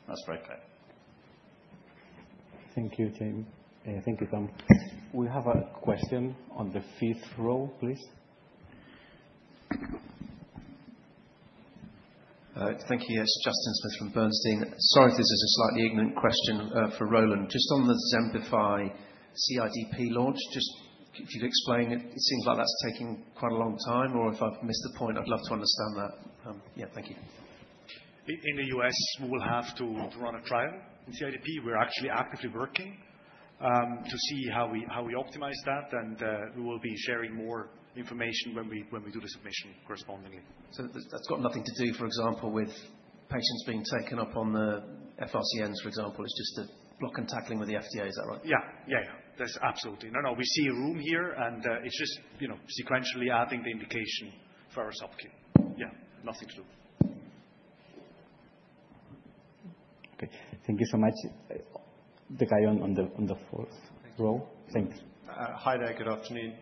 That's very clear. Thank you, James. Thank you, Tom. We have a question on the fifth row, please. Thank you. Yes, Justin Smith from Bernstein. Sorry if this is a slightly ignorant question for Roland. Just on the Xembify CIDP launch, just if you could explain it. It seems like that's taking quite a long time, or if I've missed the point, I'd love to understand that. Yeah, thank you. In the US, we will have to run a trial in CIDP. We're actually actively working to see how we optimize that. And we will be sharing more information when we do the submission correspondingly. So that's got nothing to do, for example, with patients being taken up on the FRCNs, for example. It's just a blocking and tackling with the FDA, is that right? Yeah. Yeah, yeah. That's absolutely. No, no. We see a runway here, and it's just sequentially adding the indication for our sub-Q. Yeah. Nothing to do. Okay. Thank you so much. The guy on the fourth row. Thanks. Hi there. Good afternoon.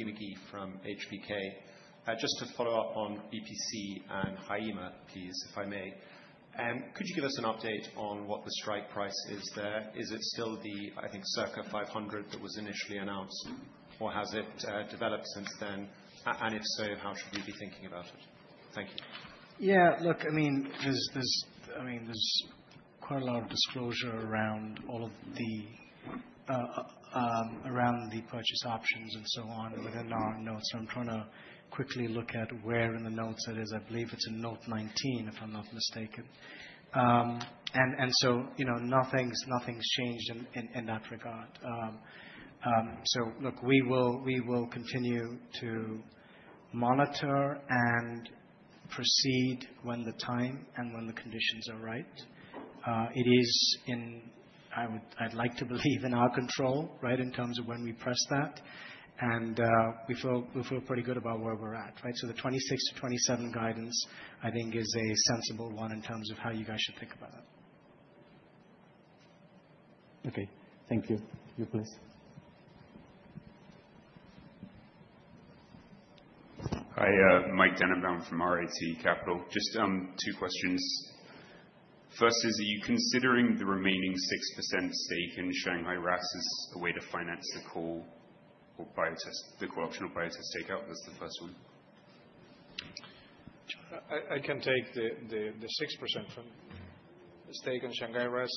Himigi from HBK. Just to follow up on BPC and Haema, please, if I may. Could you give us an update on what the strike price is there? Is it still the, I think, circa 500 that was initially announced, or has it developed since then? And if so, how should we be thinking about it? Thank you. Yeah. Look, I mean, there's quite a lot of disclosure around the purchase options and so on within our notes. I'm trying to quickly look at where in the notes it is. I believe it's in Note 19, if I'm not mistaken. And so nothing's changed in that regard. So look, we will continue to monitor and proceed when the time and when the conditions are right. It is in, I'd like to believe, in our control, right, in terms of when we press that. And we feel pretty good about where we're at, right? So the 26–27 guidance, I think, is a sensible one in terms of how you guys should think about it. Okay. Thank you. You, please. Hi. Mike Denebrown from Redburn Atlantic. Just two questions. First is, are you considering the remaining 6% stake in Shanghai RAAS as a way to finance the call or the call optional Biotest stakeout? That's the first one. I can take the 6% stake in Shanghai RAAS.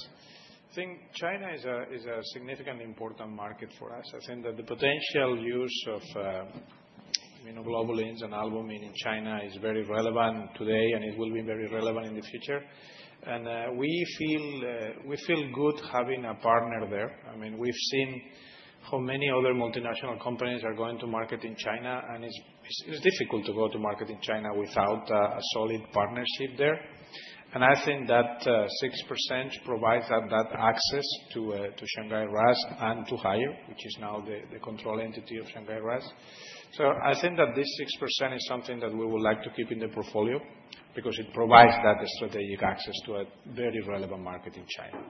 I think China is a significantly important market for us. I think that the potential use of immunoglobulins and albumin in China is very relevant today, and it will be very relevant in the future. And we feel good having a partner there. I mean, we've seen how many other multinational companies are going to market in China, and it's difficult to go to market in China without a solid partnership there. And I think that 6% provides that access to Shanghai RAAS and to Haier, which is now the control entity of Shanghai RAAS. So I think that this 6% is something that we would like to keep in the portfolio because it provides that strategic access to a very relevant market in China.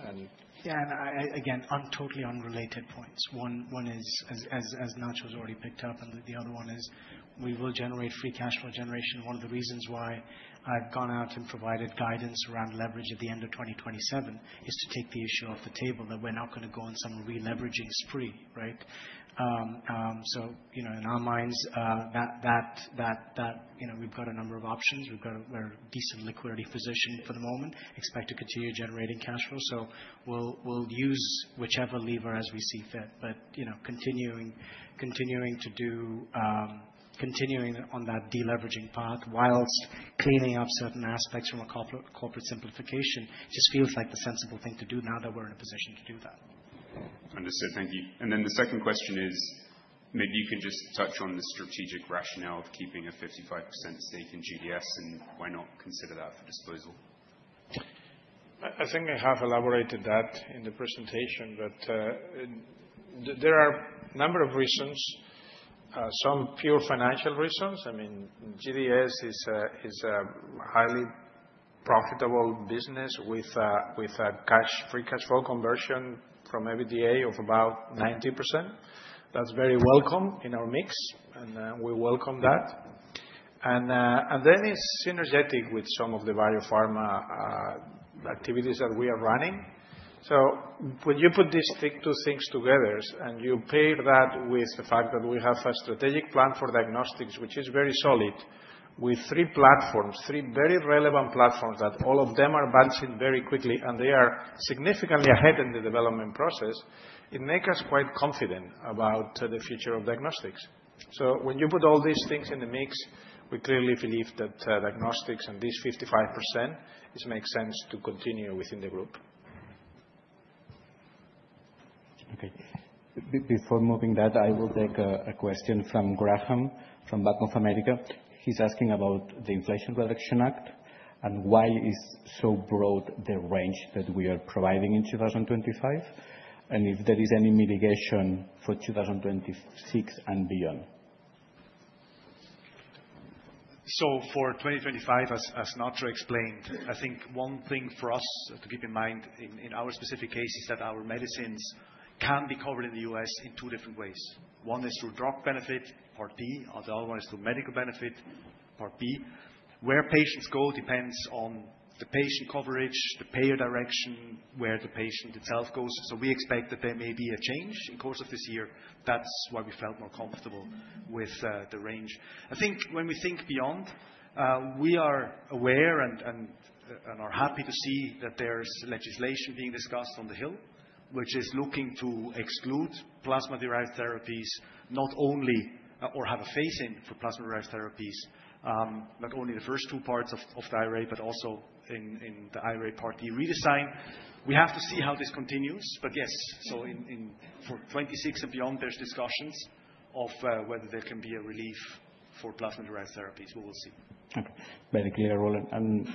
And yeah, and again, on totally unrelated points. One is, as Nacho has already picked up, and the other one is we will generate free cash flow generation. One of the reasons why I've gone out and provided guidance around leverage at the end of 2027 is to take the issue off the table that we're not going to go on some releveraging spree, right? So in our minds, we've got a number of options. We're in a decent liquidity position for the moment. We expect to continue generating cash flow. So we'll use whichever lever as we see fit. But continuing to do, continuing on that deleveraging path while cleaning up certain aspects from a corporate simplification just feels like the sensible thing to do now that we're in a position to do that. Understood. Thank you. And then the second question is, maybe you can just touch on the strategic rationale of keeping a 55% stake in GDS, and why not consider that for disposal? I think I have elaborated that in the presentation, but there are a number of reasons, some pure financial reasons. I mean, GDS is a highly profitable business with a free cash flow conversion from EBITDA of about 90%. That's very welcome in our mix, and we welcome that. And then it's synergistic with some of the biopharma activities that we are running. So when you put these two things together and you pair that with the fact that we have a strategic plan for diagnostics, which is very solid, with three platforms, three very relevant platforms that all of them are launching very quickly, and they are significantly ahead in the development process, it makes us quite confident about the future of diagnostics. So when you put all these things in the mix, we clearly believe that diagnostics and this 55%, it makes sense to continue within the group. Okay. Before moving that, I will take a question from Graham from Bank of America. He's asking about the Inflation Reduction Act and why it's so broad the range that we are providing in 2025, and if there is any mitigation for 2026 and beyond. For 2025, as Nacho explained, I think one thing for us to keep in mind in our specific case is that our medicines can be covered in the U.S. in two different ways. One is through drug benefit, Part B, or the other one is through medical benefit, Part B. Where patients go depends on the patient coverage, the payer direction, where the patient itself goes. So we expect that there may be a change in the course of this year. That's why we felt more comfortable with the range. I think when we think beyond, we are aware and are happy to see that there's legislation being discussed on the Hill, which is looking to exclude plasma-derived therapies, not only or have a phase-in for plasma-derived therapies, not only the first two parts of the IRA, but also in the IRA Part D redesign. We have to see how this continues, but yes, so for 2026 and beyond, there's discussions of whether there can be a relief for plasma-derived therapies. We will see. Okay. Very clear, Roland.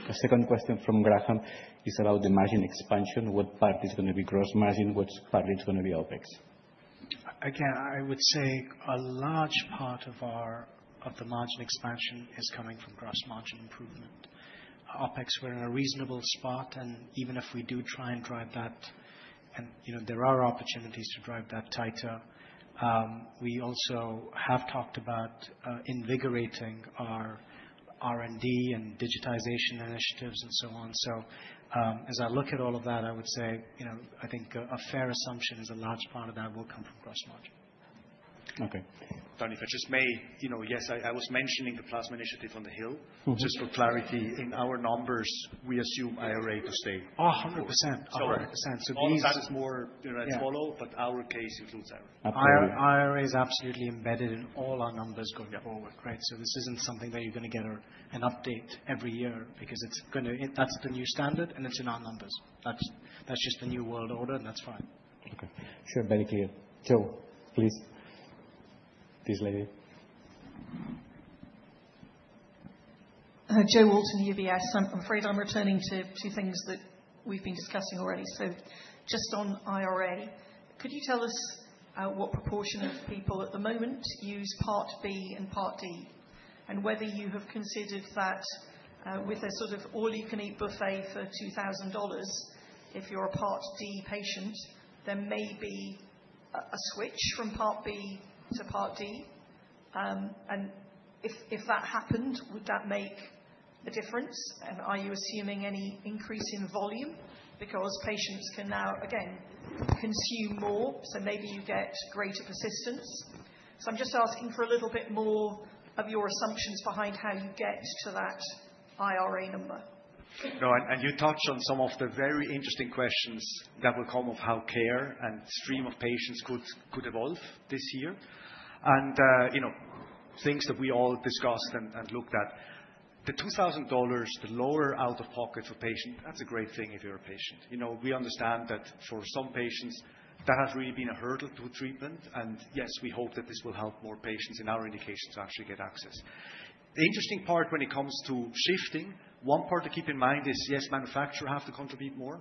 The second question from Graham is about the margin expansion. What part is going to be gross margin? What part is going to be OpEx? Again, I would say a large part of the margin expansion is coming from gross margin improvement. OpEx, we're in a reasonable spot. Even if we do try and drive that, and there are opportunities to drive that tighter, we also have talked about invigorating our R&D and digitization initiatives and so on. So as I look at all of that, I would say I think a fair assumption is a large part of that will come from gross margin. Okay. Donnie, if I just may, yes, I was mentioning the plasma initiative on the Hill. Just for clarity, in our numbers, we assume IRA to stay. Oh, 100%. 100%. So these are more to follow, but our case includes IRA. IRA is absolutely embedded in all our numbers going forward, right? So this isn't something that you're going to get an update every year because that's the new standard, and it's in our numbers. That's just the new world order, and that's fine. Okay. Sure. Very clear. Joe, please. This lady. Jo Walton, UBS. I'm afraid I'm returning to two things that we've been discussing already. So just on IRA, could you tell us what proportion of people at the moment use Part B and Part D? And whether you have considered that with a sort of all-you-can-eat buffet for $2,000, if you're a Part D patient, there may be a switch from Part B to Part D. And if that happened, would that make a difference? And are you assuming any increase in volume? Because patients can now, again, consume more, so maybe you get greater persistence. So I'm just asking for a little bit more of your assumptions behind how you get to that IRA number. No, and you touched on some of the very interesting questions that will come of how care and stream of patients could evolve this year. And things that we all discussed and looked at, the $2,000, the lower out-of-pocket for patient, that's a great thing if you're a patient. We understand that for some patients, that has really been a hurdle to treatment. Yes, we hope that this will help more patients in our indications actually get access. The interesting part when it comes to shifting, one part to keep in mind is, yes, manufacturers have to contribute more,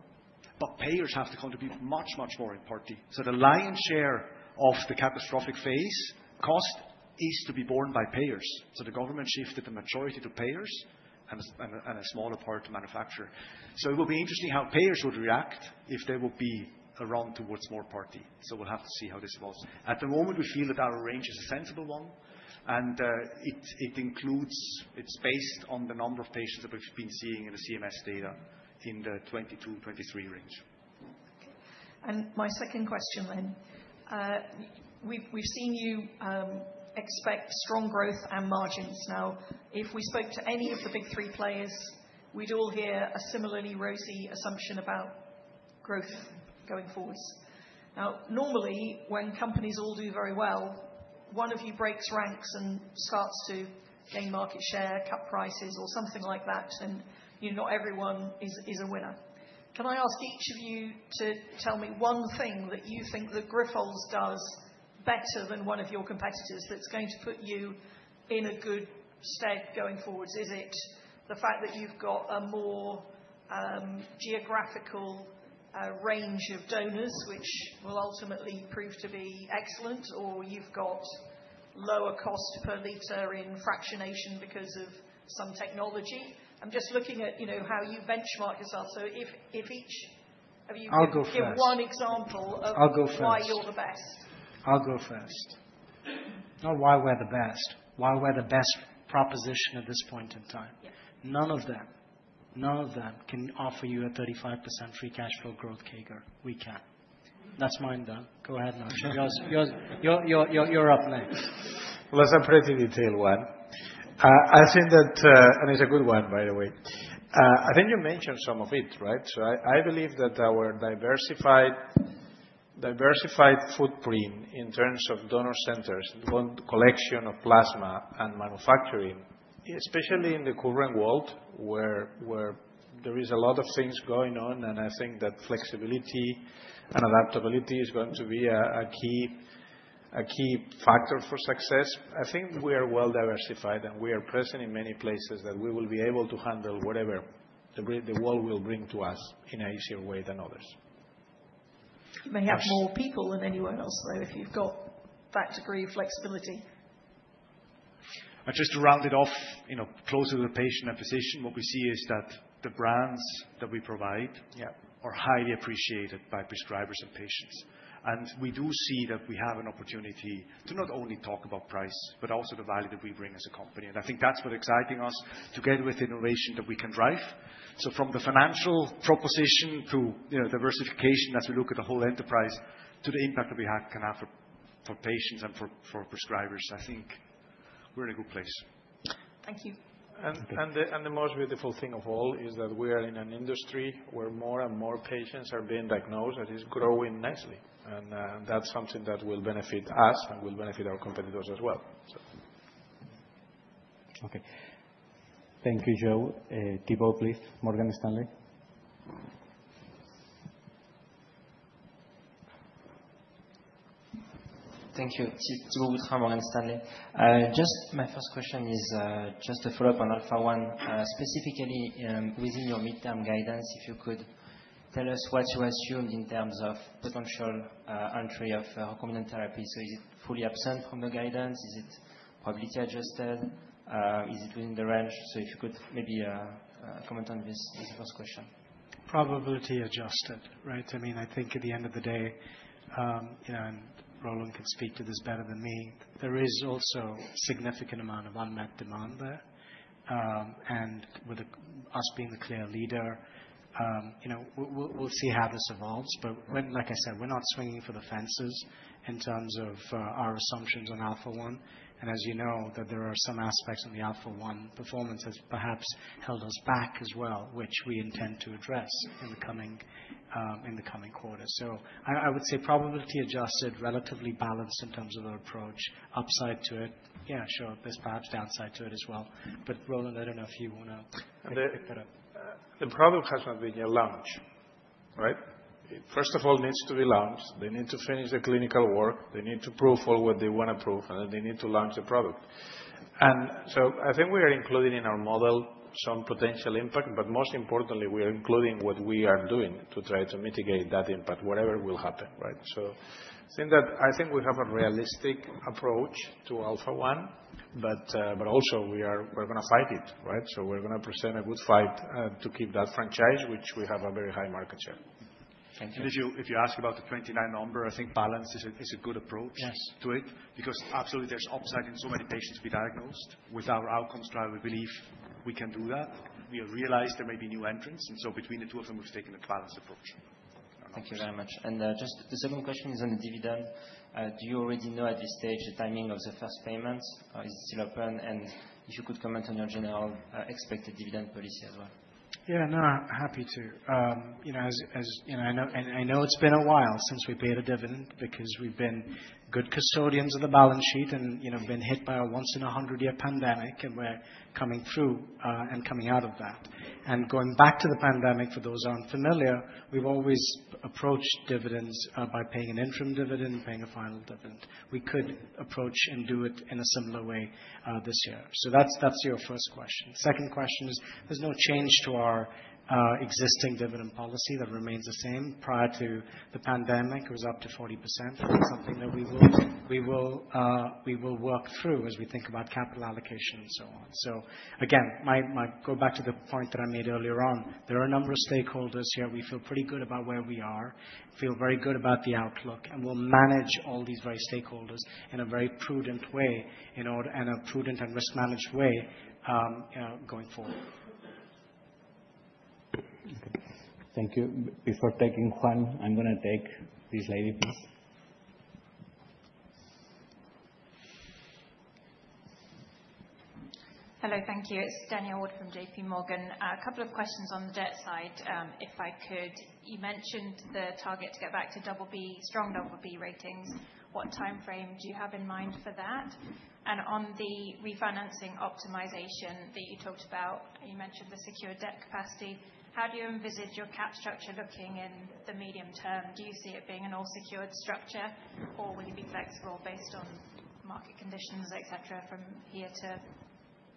but payers have to contribute much, much more in Part D. So the lion's share of the catastrophic phase cost is to be borne by payers. So the government shifted the majority to payers and a smaller part to manufacturers. So it will be interesting how payers would react if there would be a run towards more Part D. So we'll have to see how this evolves. At the moment, we feel that our range is a sensible one, and it's based on the number of patients that we've been seeing in the CMS data in the 2022, 2023 range. Okay. And my second question then, we've seen you expect strong growth and margins. Now, if we spoke to any of the big three players, we'd all hear a similarly rosy assumption about growth going forwards. Now, normally, when companies all do very well, one of you breaks ranks and starts to gain market share, cut prices, or something like that, and not everyone is a winner. Can I ask each of you to tell me one thing that you think that Grifols does better than one of your competitors that's going to put you in a good stead going forwards? Is it the fact that you've got a more geographical range of donors, which will ultimately prove to be excellent, or you've got lower cost per liter in fractionation because of some technology? I'm just looking at how you benchmark yourself. So if each of you can give one example of why you're the best. I'll go first. Not why we're the best. Why we're the best proposition at this point in time. None of that. None of that can offer you a 35% free cash flow growth, Kager. We can. That's mine, Don. Go ahead, Nacho. You're up next. Well, that's a pretty detailed one. I think that, and it's a good one, by the way. I think you mentioned some of it, right? So I believe that our diversified footprint in terms of donor centers, collection of plasma and manufacturing, especially in the current world where there is a lot of things going on, and I think that flexibility and adaptability is going to be a key factor for success. I think we are well diversified, and we are present in many places that we will be able to handle whatever the world will bring to us in an easier way than others. You may have more people than anywhere else, though, if you've got that degree of flexibility. Just to round it off, closer to the patient and physician, what we see is that the brands that we provide are highly appreciated by prescribers and patients, and we do see that we have an opportunity to not only talk about price, but also the value that we bring as a company. And I think that's what excites us to get with innovation that we can drive, so from the financial proposition to diversification, as we look at the whole enterprise, to the impact that we can have for patients and for prescribers, I think we're in a good place. Thank you. And the most beautiful thing of all is that we are in an industry where more and more patients are being diagnosed, that is growing nicely. And that's something that will benefit us and will benefit our competitors as well. Okay. Thank you, Joe. Tibo, please. Morgan Stanley. Thank you. Tibo Gutman, Morgan Stanley. Just my first question is just to follow up on Alpha-1, specifically within your midterm guidance, if you could tell us what you assume in terms of potential entry of recombinant therapy. So is it fully absent from the guidance? Is it probability adjusted? Is it within the range? So if you could maybe comment on this first question. Probability adjusted, right? I mean, I think at the end of the day, and Roland can speak to this better than me, there is also a significant amount of unmet demand there. With us being the clear leader, we'll see how this evolves. Like I said, we're not swinging for the fences in terms of our assumptions on Alpha-1. As you know, there are some aspects in the Alpha-1 performance that perhaps held us back as well, which we intend to address in the coming quarter. I would say probability adjusted, relatively balanced in terms of our approach. Upside to it, yeah, sure. There's perhaps downside to it as well. Roland, I don't know if you want to pick that up. The product has not been launched, right? First of all, it needs to be launched. They need to finish the clinical work. They need to prove all what they want to prove, and then they need to launch the product. And so I think we are including in our model some potential impact, but most importantly, we are including what we are doing to try to mitigate that impact, whatever will happen, right? So I think we have a realistic approach to Alpha-1, but also we're going to fight it, right? So we're going to present a good fight to keep that franchise, which we have a very high market share. Thank you. And if you ask about the 29 number, I think balance is a good approach to it because absolutely there's upside in so many patients to be diagnosed. With our outcomes drive, we believe we can do that. We realize there may be new entrants, and so between the two of them, we've taken a balanced approach. Thank you very much. And just the second question is on the dividend. Do you already know at this stage the timing of the first payments? Is it still open? And if you could comment on your general expected dividend policy as well. Yeah, no, happy to. As I know, it's been a while since we paid a dividend because we've been good custodians of the balance sheet and been hit by a once-in-a-100-year pandemic, and we're coming through and coming out of that. And going back to the pandemic, for those unfamiliar, we've always approached dividends by paying an interim dividend, paying a final dividend. We could approach and do it in a similar way this year. So that's your first question. Second question is there's no change to our existing dividend policy. That remains the same. Prior to the pandemic, it was up to 40%. That's something that we will work through as we think about capital allocation and so on. So again, go back to the point that I made earlier on. There are a number of stakeholders here. We feel pretty good about where we are, feel very good about the outlook, and we'll manage all these very stakeholders in a very prudent way and a prudent and risk-managed way going forward. Okay. Thank you. Before taking one, I'm going to take this lady, please. Hello, thank you. It's Danielle Ward from JPMorgan. A couple of questions on the debt side, if I could. You mentioned the target to get back to double B, strong double B ratings. What timeframe do you have in mind for that? And on the refinancing optimization that you talked about, you mentioned the secured debt capacity. How do you envisage your capital structure looking in the medium term? Do you see it being an all-secured structure, or will you be flexible based on market conditions, etc., from here to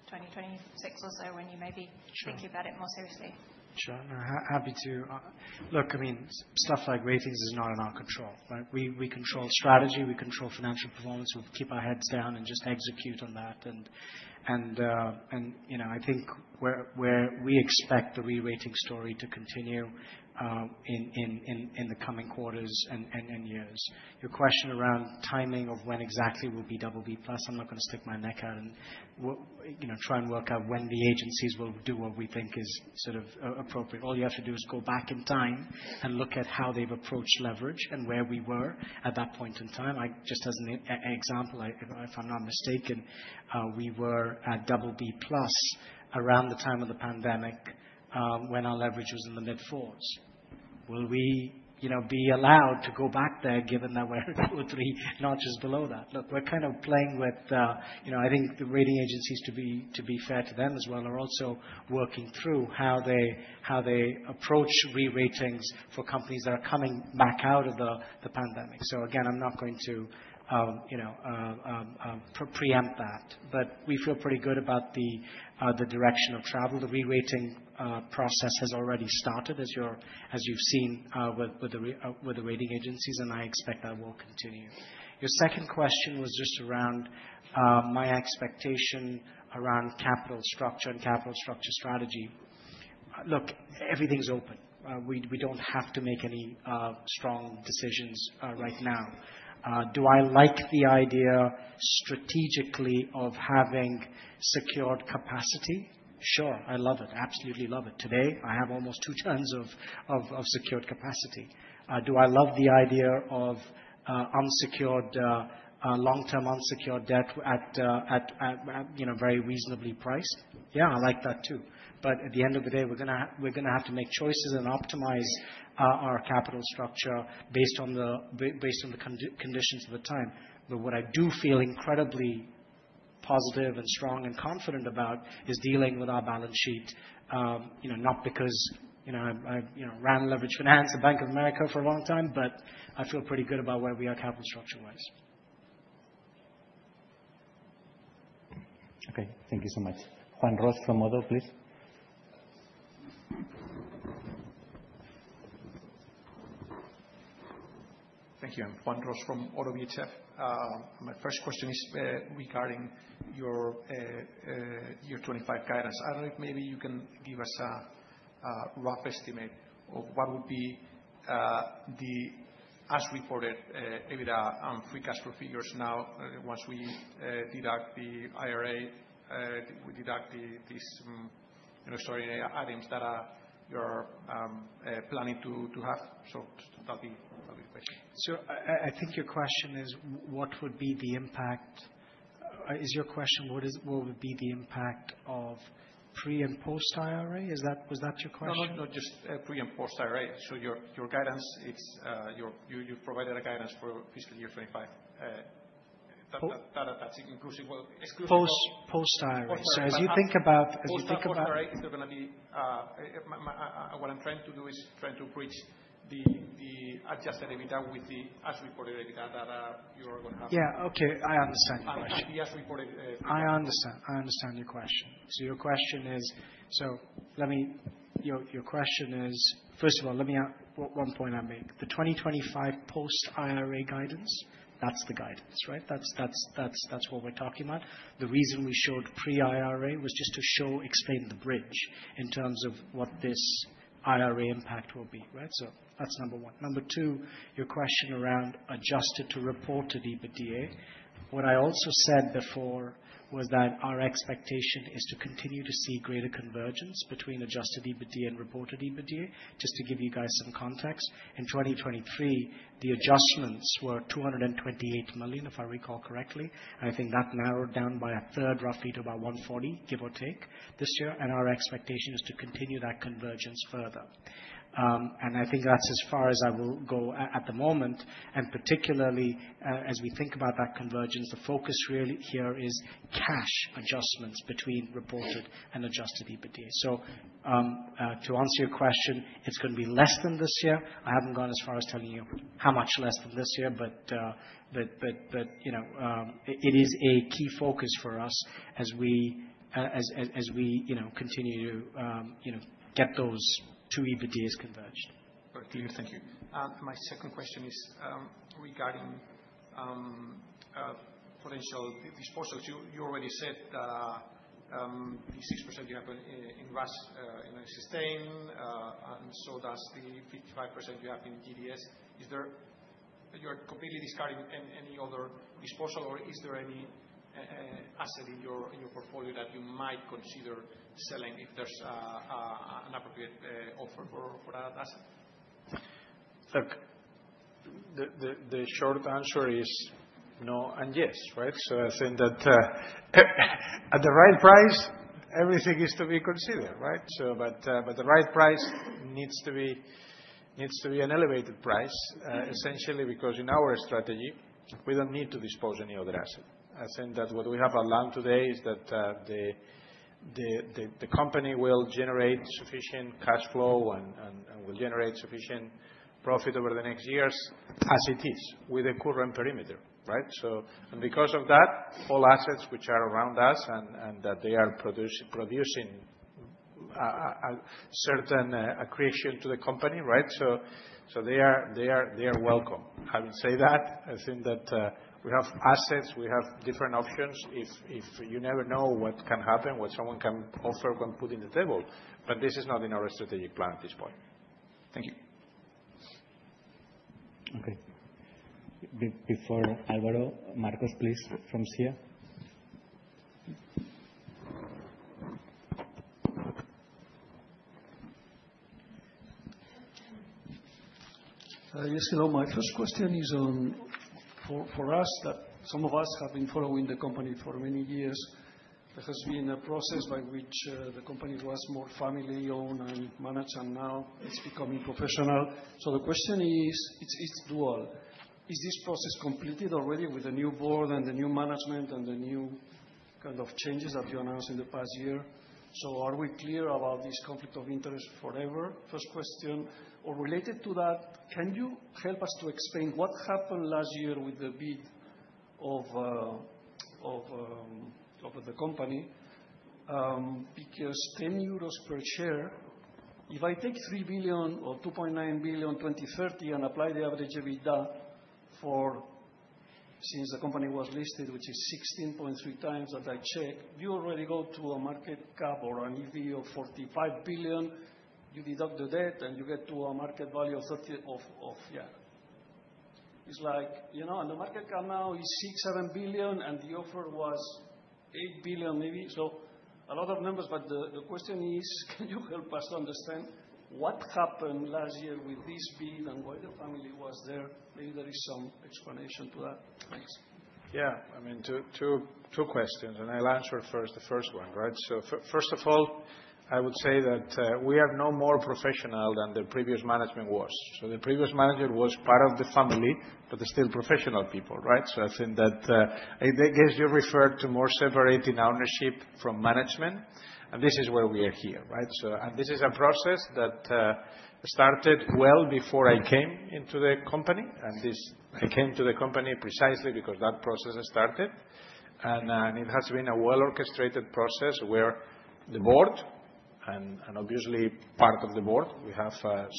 2026 or so when you may be thinking about it more seriously? Sure. No, happy to. Look, I mean, stuff like ratings is not in our control, right? We control strategy. We control financial performance. We keep our heads down and just execute on that. And I think we expect the re-rating story to continue in the coming quarters and years. Your question around timing of when exactly will be double B plus. I'm not going to stick my neck out and try and work out when the agencies will do what we think is sort of appropriate. All you have to do is go back in time and look at how they've approached leverage and where we were at that point in time. Just as an example, if I'm not mistaken, we were at double B-plus around the time of the pandemic when our leverage was in the mid-fours. Will we be allowed to go back there given that we're at two or three notches below that? Look, we're kind of playing with, I think, the rating agencies. To be fair to them as well, they are also working through how they approach re-ratings for companies that are coming back out of the pandemic. So again, I'm not going to preempt that, but we feel pretty good about the direction of travel. The re-rating process has already started, as you've seen with the rating agencies, and I expect that will continue. Your second question was just around my expectation around capital structure and capital structure strategy. Look, everything's open. We don't have to make any strong decisions right now. Do I like the idea strategically of having secured capacity? Sure, I love it. Absolutely love it. Today, I have almost two tons of secured capacity. Do I love the idea of long-term unsecured debt at very reasonably priced? Yeah, I like that too. But at the end of the day, we're going to have to make choices and optimize our capital structure based on the conditions of the time. But what I do feel incredibly positive and strong and confident about is dealing with our balance sheet, not because I ran leveraged finance at Bank of America for a long time, but I feel pretty good about where we are capital structure-wise. Okay. Thank you so much. Juan Ross from Oddo, please. Thank you. I'm Juan Ross from Oddo BHF. My first question is regarding your 2025 guidance. I don't know if maybe you can give us a rough estimate of what would be the, as reported, EBITDA and free cash flow figures now once we deduct the IRA, we deduct these non-recurring items that you're planning to have. So that'll be the question. So I think your question is, what would be the impact? Is your question, what would be the impact of pre and post IRA? Was that your question? No, no, no, just pre and post IRA. So your guidance, you've provided a guidance for fiscal year 2025. That's inclusive of post IRA. Post IRA, is there going to be what I'm trying to do is to bridge the adjusted EBITDA with the as reported EBITDA that you're going to have. Yeah, okay. I understand your question. The as reported EBITDA. I understand. I understand your question. So your question is, first of all, let me add one point I make. The 2025 post IRA guidance, that's the guidance, right? That's what we're talking about. The reason we showed pre IRA was just to show, explain the bridge in terms of what this IRA impact will be, right? So that's number one. Number two, your question around adjusted to reported EBITDA. What I also said before was that our expectation is to continue to see greater convergence between adjusted EBITDA and reported EBITDA, just to give you guys some context. In 2023, the adjustments were 228 million, if I recall correctly. I think that narrowed down by a third roughly to about 140, give or take, this year. And our expectation is to continue that convergence further. And I think that's as far as I will go at the moment. And particularly, as we think about that convergence, the focus really here is cash adjustments between reported and adjusted EBITDA. So to answer your question, it's going to be less than this year. I haven't gone as far as telling you how much less than this year, but it is a key focus for us as we continue to get those two EBITDAs converged. Thank you. My second question is regarding potential disposals. You already said the 6% you have in RAAS in Shanghai, and so does the 55% you have in DDS. You're completely discarding any other disposal, or is there any asset in your portfolio that you might consider selling if there's an appropriate offer for that asset? Look, the short answer is no and yes, right? So I think that at the right price, everything is to be considered, right? But the right price needs to be an elevated price, essentially, because in our strategy, we don't need to dispose of any other asset. I think that what we have outlined today is that the company will generate sufficient cash flow and will generate sufficient profit over the next years as it is with the current perimeter, right? And because of that, all assets which are around us and that they are producing certain accretion to the company, right? So they are welcome. Having said that, I think that we have assets. We have different options. You never know what can happen, what someone can offer, what can put on the table. But this is not in our strategic plan at this point. Thank you. Okay. Before Álvaro, Marcos, please, from Caixa. Yes, hello. My first question is for us that some of us have been following the company for many years. There has been a process by which the company was more family-owned and managed, and now it's becoming professional. So the question is, it's dual. Is this process completed already with the new board and the new management and the new kind of changes that you announced in the past year? So are we clear about this conflict of interest forever? First question. Or related to that, can you help us to explain what happened last year with the bid of the company? Because 10 euros per share, if I take 3 billion or 2.9 billion 2030 and apply the average EBITDA since the company was listed, which is 16.3 times that I checked, you already go to a market cap or an EV of 45 billion. You deduct the debt, and you get to a market value of, yeah. It's like, and the market cap now is 6–7 billion, and the offer was 8 billion maybe. So a lot of numbers, but the question is, can you help us to understand what happened last year with this bid and why the family was there? Maybe there is some explanation to that. Thanks. Yeah. I mean, two questions, and I'll answer first the first one, right? So first of all, I would say that we are no more professional than the previous management was. So the previous management was part of the family, but they're still professional people, right? So I think that, I guess, you referred to more separating ownership from management, and this is where we are here, right, and this is a process that started well before I came into the company. I came to the company precisely because that process started. It has been a well-orchestrated process where the board and obviously part of the board, we have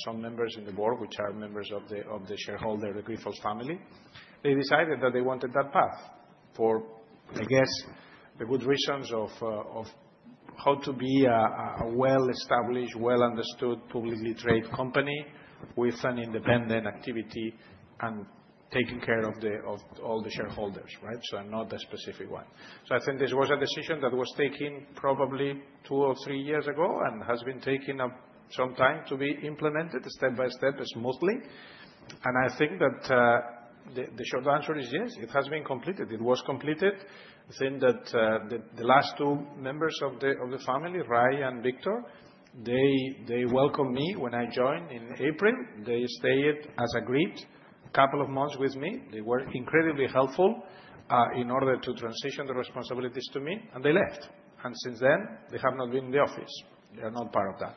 some members in the board which are members of the shareholder, the Grifols family, they decided that they wanted that path for, I guess, the good reasons of how to be a well-established, well-understood, publicly traded company with an independent activity and taking care of all the shareholders, right? Not a specific one. I think this was a decision that was taken probably two or three years ago and has been taking some time to be implemented step by step smoothly. I think that the short answer is yes, it has been completed. It was completed. I think that the last two members of the family, Raimon and Victor, they welcomed me when I joined in April. They stayed, as agreed, a couple of months with me. They were incredibly helpful in order to transition the responsibilities to me, and they left. And since then, they have not been in the office. They are not part of that.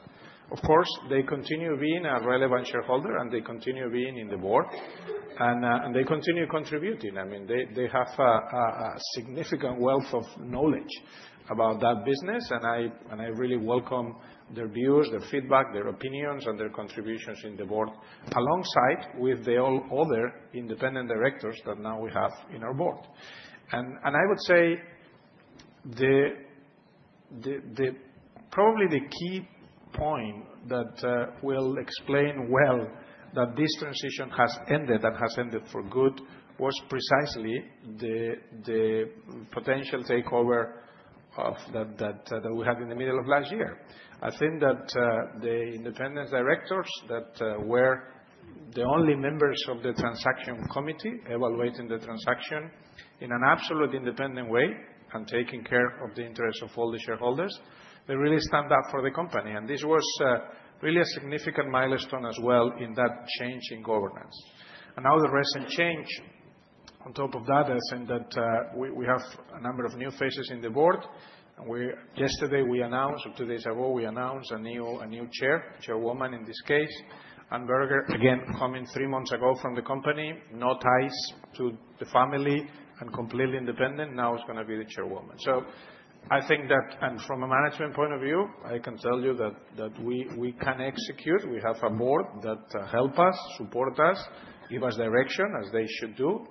Of course, they continue being a relevant shareholder, and they continue being in the board, and they continue being contributing. I mean, they have a significant wealth of knowledge about that business, and I really welcome their views, their feedback, their opinions, and their contributions in the board alongside with the all other independent directors that now we have in our board. And I would say probably the key point that will explain well that this transition has ended and has ended for good was precisely the potential takeover that we had in the middle of last year. I think that the independent directors that were the only members of the transaction committee evaluating the transaction in an absolutely independent way and taking care of the interests of all the shareholders, they really stand up for the company. This was really a significant milestone as well in that change in governance. Now the recent change on top of that, I think that we have a number of new faces in the board. Yesterday, we announced, or two days ago, we announced a new chair, chairwoman in this case, Anne-Catherine Berner, again, coming three months ago from the company, no ties to the family and completely independent. Now it's going to be the chairwoman. So I think that, and from a management point of view, I can tell you that we can execute. We have a board that helps us, supports us, gives us direction as they should do,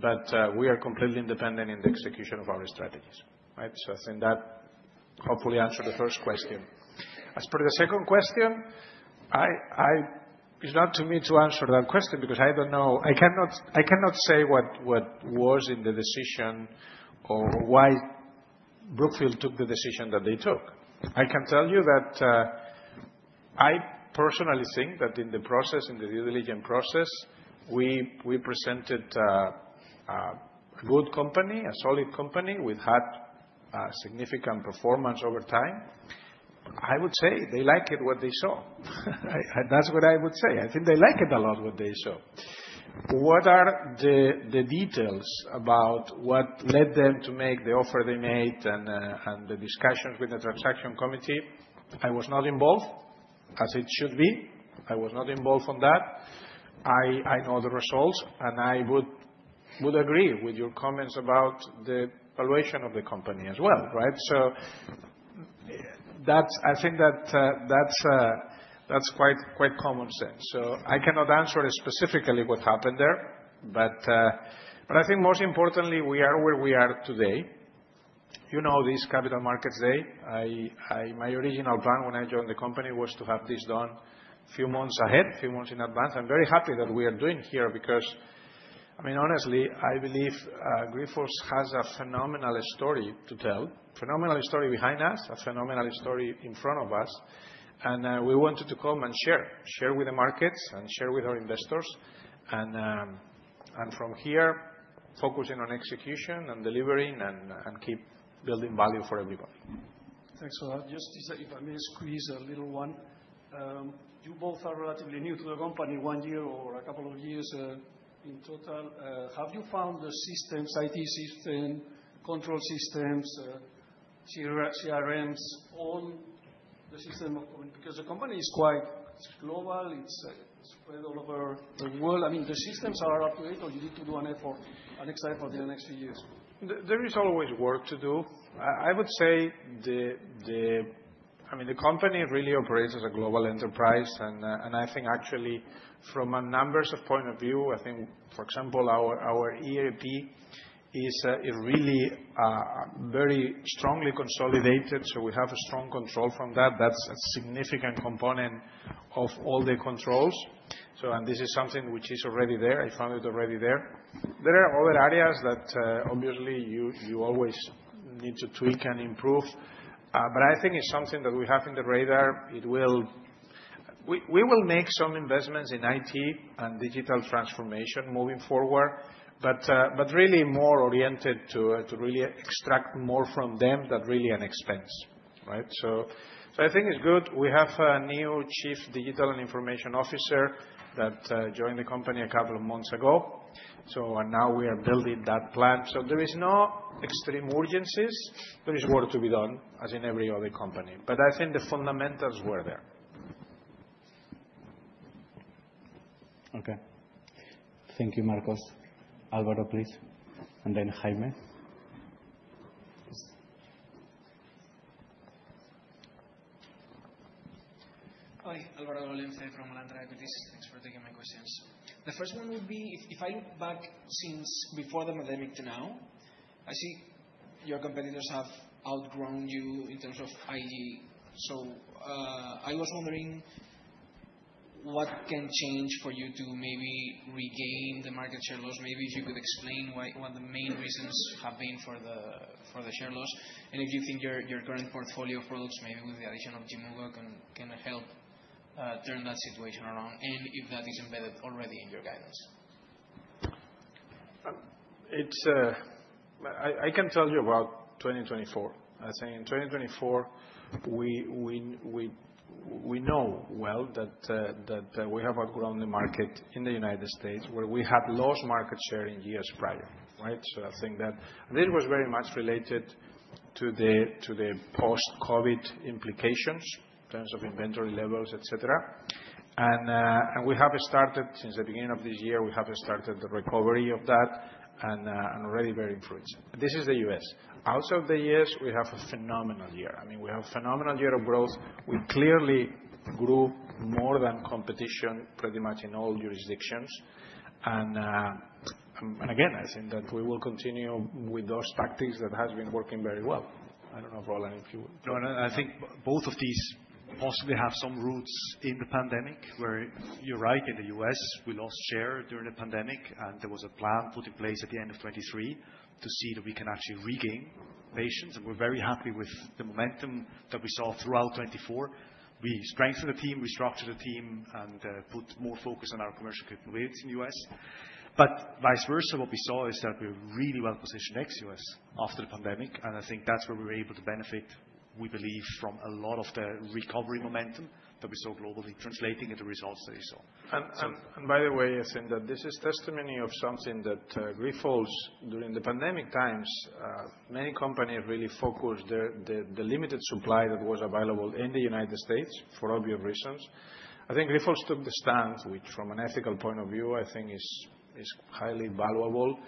but we are completely independent in the execution of our strategies, right? So I think that hopefully answered the first question. As for the second question, it's not to me to answer that question because I don't know. I cannot say what was in the decision or why Brookfield took the decision that they took. I can tell you that I personally think that in the process, in the due diligence process, we presented a good company, a solid company. We've had significant performance over time. I would say they like it what they saw. That's what I would say. I think they like it a lot what they saw. What are the details about what led them to make the offer they made and the discussions with the transaction committee? I was not involved, as it should be. I was not involved on that. I know the results, and I would agree with your comments about the valuation of the company as well, right? So I think that's quite common sense. So I cannot answer specifically what happened there, but I think most importantly, we are where we are today. You know this Capital Markets Day. My original plan when I joined the company was to have this done a few months ahead, a few months in advance. I'm very happy that we are doing here because, I mean, honestly, I believe Grifols has a phenomenal story to tell, a phenomenal story behind us, a phenomenal story in front of us, and we wanted to come and share, share with the markets and share with our investors. From here, focusing on execution and delivering and keep building value for everybody. Thanks a lot. Just if I may squeeze a little one, you both are relatively new to the company, one year or a couple of years in total. Have you found the systems, IT systems, control systems, CRMs, all the systems because the company is quite global. It's spread all over the world. I mean, the systems are up to date or you need to do an exercise for the next few years? There is always work to do. I would say, I mean, the company really operates as a global enterprise, and I think actually from a numbers point of view, I think, for example, our ERP is really very strongly consolidated, so we have a strong control from that. That's a significant component of all the controls. This is something which is already there. I found it already there. There are other areas that obviously you always need to tweak and improve, but I think it's something that we have in the radar. We will make some investments in IT and digital transformation moving forward, but really more oriented to really extract more from them than really an expense, right? So I think it's good. We have a new chief digital and information officer that joined the company a couple of months ago, and now we are building that plan. So there are no extreme urgencies. There is work to be done, as in every other company. But I think the fundamentals were there. Okay. Thank you, Marcos. Álvaro, please. And then Jaime. Hi. Álvaro Valencia from Alantra Equities. Thanks for taking my questions. The first one would be, if I look back since before the pandemic to now, I see your competitors have outgrown you in terms of IG. So I was wondering what can change for you to maybe regain the market share loss? Maybe if you could explain what the main reasons have been for the share loss and if you think your current portfolio of products, maybe with the addition of Yimmugo, can help turn that situation around and if that is embedded already in your guidance. I can tell you about 2024. As I said, in 2024, we know well that we have outgrown the market in the United States where we had lost market share in years prior, right? So I think that this was very much related to the post-COVID implications in terms of inventory levels, etc. We have started since the beginning of this year, we have started the recovery of that and already very influential. This is the U.S. Outside of the U.S., we have a phenomenal year. I mean, we have a phenomenal year of growth. We clearly grew more than competition pretty much in all jurisdictions. Again, I think that we will continue with those tactics that have been working very well. I don't know, Roland, if you would. No, and I think both of these possibly have some roots in the pandemic where you're right. In the U.S., we lost share during the pandemic, and there was a plan put in place at the end of 2023 to see that we can actually regain patients. We're very happy with the momentum that we saw throughout 2024. We strengthened the team, restructured the team, and put more focus on our commercial capabilities in the U.S. But vice versa, what we saw is that we're really well-positioned ex-U.S. after the pandemic, and I think that's where we were able to benefit, we believe, from a lot of the recovery momentum that we saw globally translating into results that you saw. And by the way, I think that this is testimony of something that Grifols during the pandemic times, many companies really focused the limited supply that was available in the United States for obvious reasons. I think Grifols took the stance, which from an ethical point of view, I think is highly valuable,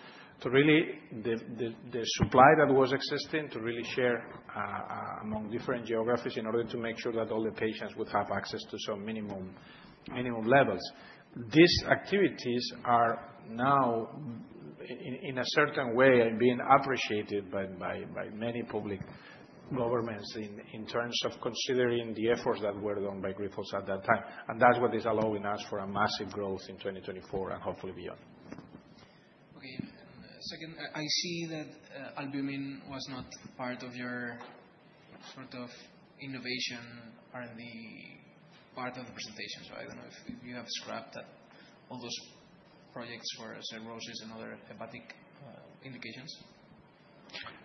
to really the supply that was existing to really share among different geographies in order to make sure that all the patients would have access to some minimum levels. These activities are now, in a certain way, being appreciated by many public governments in terms of considering the efforts that were done by Grifols at that time. And that's what is allowing us for a massive growth in 2024 and hopefully beyond. Okay. And second, I see that Albumin was not part of your sort of innovation R&D part of the presentation. So I don't know if you have scrapped that all those projects for cirrhosis and other hepatic indications.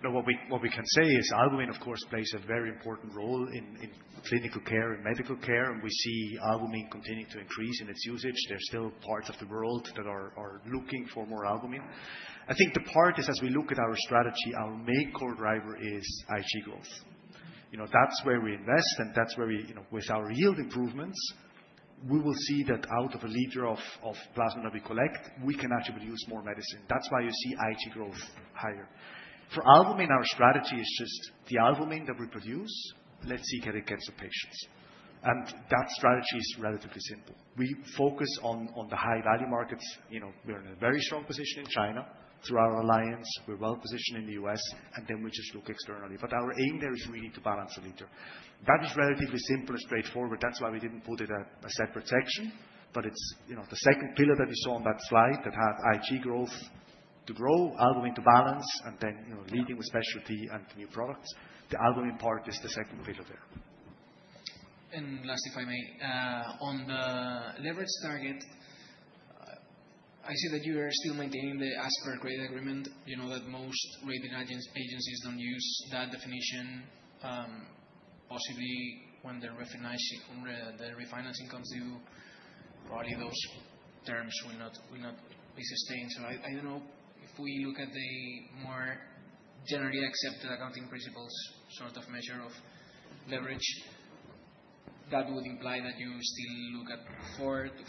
No, what we can say is Albumin, of course, plays a very important role in clinical care and medical care, and we see Albumin continuing to increase in its usage. There are still parts of the world that are looking for more Albumin. I think the part is, as we look at our strategy, our main core driver is IG growth. That's where we invest, and that's where we, with our yield improvements, we will see that out of a liter of plasma that we collect, we can actually produce more medicine. That's why you see IG growth higher. For Albumin, our strategy is just the Albumin that we produce; let's see if it gets to patients. That strategy is relatively simple. We focus on the high-value markets. We're in a very strong position in China. Through our alliance, we're well-positioned in the U.S., and then we just look externally. But our aim there is really to balance a liter. That is relatively simple and straightforward. That's why we didn't put it at a separate section, but it's the second pillar that you saw on that slide that had IG growth to grow, Albumin to balance, and then leading with specialty and new products. The Albumin part is the second pillar there. And last, if I may, on the leverage target, I see that you are still maintaining the covenant-grade agreement. You know that most rating agencies don't use that definition. Possibly when the refinancing comes due, probably those terms will not be sustained. So I don't know if we look at the more generally accepted accounting principles sort of measure of leverage, that would imply that you still look at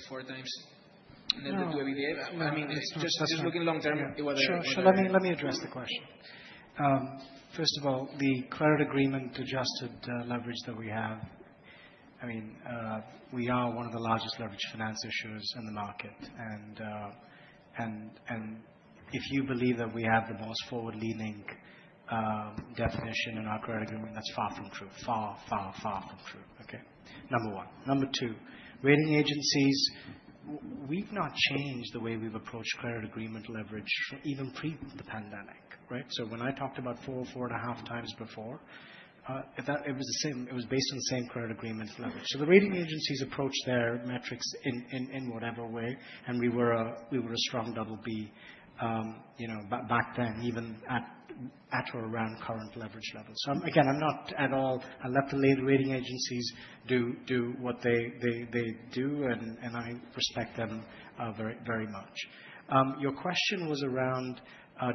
four times leverage to EBITDA. I mean, just looking long term, whether it's. Sure. Let me address the question. First of all, the credit agreement adjusted leverage that we have, I mean, we are one of the largest leveraged finance issuers in the market. And if you believe that we have the most forward-leaning definition in our credit agreement, that's far from true. Far, far, far from true. Okay? Number one. Number two, rating agencies, we've not changed the way we've approached credit agreement leverage even pre the pandemic, right? So when I talked about four, four and a half times before, it was the same. It was based on the same credit agreement leverage. So the rating agencies approached their metrics in whatever way, and we were a strong double B back then, even at or around current leverage levels. So again, I'm not at all. I let the rating agencies do what they do, and I respect them very much. Your question was around,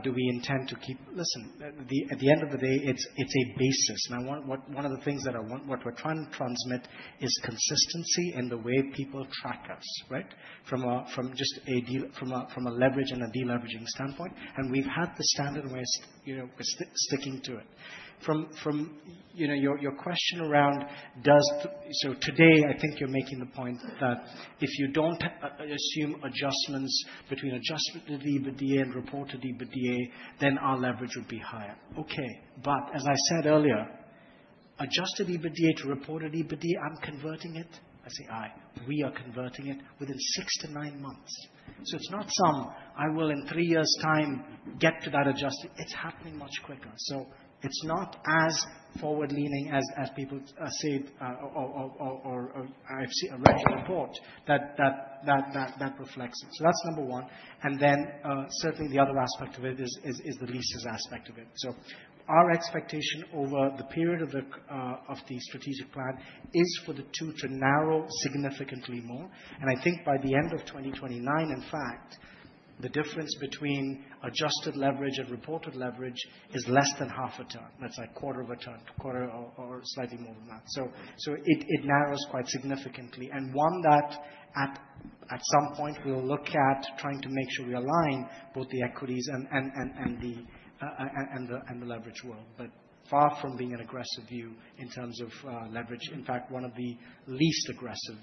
do we intend to keep? Listen, at the end of the day, it's a basis. And one of the things that I want, what we're trying to transmit is consistency in the way people track us, right? From just a deal, from a leverage and a deleveraging standpoint. And we've had the standard way of sticking to it. From your question around, so today, I think you're making the point that if you don't assume adjustments between adjusted EBITDA and reported EBITDA, then our leverage would be higher. Okay. But as I said earlier, adjusted EBITDA to reported EBITDA, I'm converting it. I say, "I. We are converting it within six to nine months." So it's not some, "I will in three years' time get to that adjusted." It's happening much quicker. So it's not as forward-leaning as people say or I've seen a report that reflects it. So that's number one. And then certainly the other aspect of it is the leases aspect of it. So our expectation over the period of the strategic plan is for the two to narrow significantly more. And I think by the end of 2029, in fact, the difference between adjusted leverage and reported leverage is less than half a turn. That's like a quarter of a turn, quarter or slightly more than that. So it narrows quite significantly. And one that at some point we'll look at trying to make sure we align both the equities and the leverage world. But far from being an aggressive view in terms of leverage. In fact, one of the least aggressive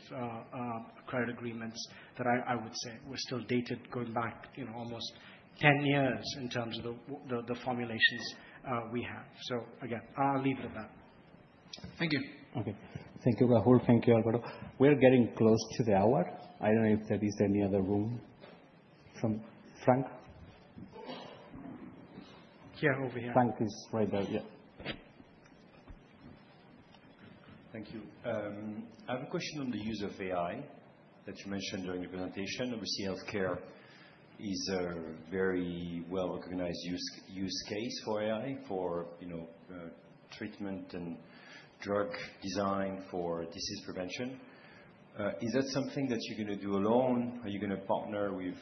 credit agreements that I would say were still dated going back almost 10 years in terms of the formulations we have. So again, I'll leave it at that. Thank you. Okay. Thank you, Rahul. Thank you, Álvaro. We're getting close to the hour. I don't know if there is any other room from Frank. Yeah, over here. Frank is right there. Yeah. Thank you. I have a question on the use of AI that you mentioned during your presentation. Obviously, healthcare is a very well-recognized use case for AI for treatment and drug design for disease prevention. Is that something that you're going to do alone? Are you going to partner with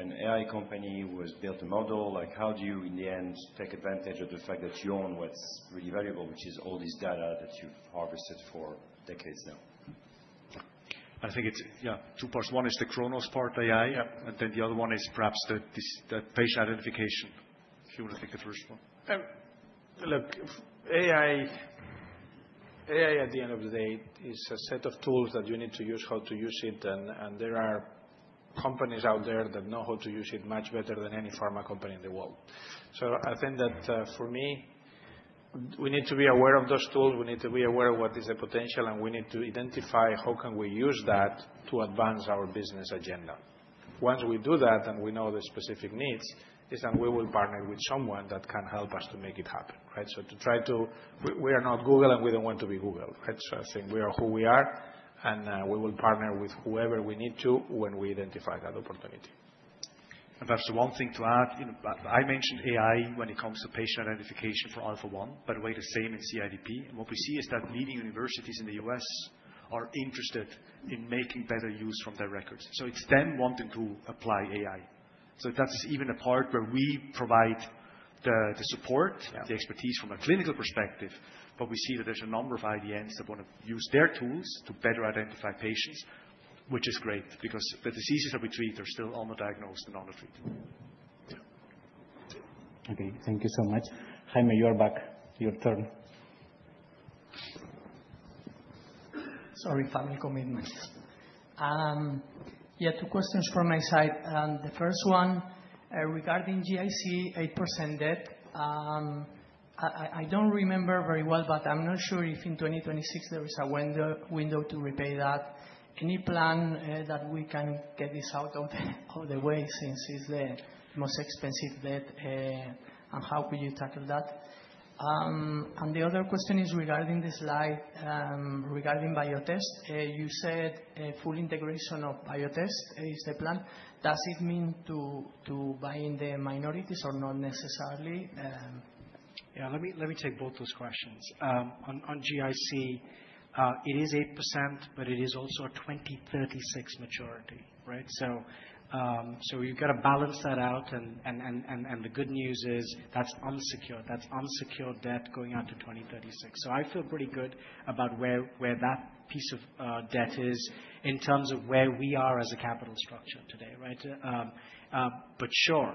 an AI company who has built a model? How do you, in the end, take advantage of the fact that you own what's really valuable, which is all this data that you've harvested for decades now? I think it's, yeah, two parts. One is the Kronos part AI, and then the other one is perhaps the patient identification. If you want to take the first one. Look, AI, at the end of the day, is a set of tools that you need to use how to use it, and there are companies out there that know how to use it much better than any pharma company in the world. So I think that for me, we need to be aware of those tools. We need to be aware of what is the potential, and we need to identify how can we use that to advance our business agenda. Once we do that and we know the specific needs, is that we will partner with someone that can help us to make it happen, right? So to try to, we are not Google, and we don't want to be Google, right? So I think we are who we are, and we will partner with whoever we need to when we identify that opportunity. And perhaps one thing to add, I mentioned AI when it comes to patient identification for Alpha-1, but we're the same in CIDP. And what we see is that leading universities in the U.S. are interested in making better use from their records. So it's them wanting to apply AI. So that's even a part where we provide the support, the expertise from a clinical perspective, but we see that there's a number of IDNs that want to use their tools to better identify patients, which is great because the diseases that we treat are still underdiagnosed and undertreated. Okay. Thank you so much. Jaime, you are back. Your turn. Sorry, family commitments. Yeah, two questions from my side. The first one regarding GIC 8% debt. I don't remember very well, but I'm not sure if in 2026 there is a window to repay that. Any plan that we can get this out of the way since it's the most expensive debt, and how could you tackle that? And the other question is regarding this slide regarding Biotest. You said full integration of Biotest is the plan. Does it mean to buy in the minorities or not necessarily? Yeah, let me take both those questions. On GIC, it is 8%, but it is also a 2036 maturity, right? So you've got to balance that out, and the good news is that's unsecured. That's unsecured debt going out to 2036. So I feel pretty good about where that piece of debt is in terms of where we are as a capital structure today, right? But sure,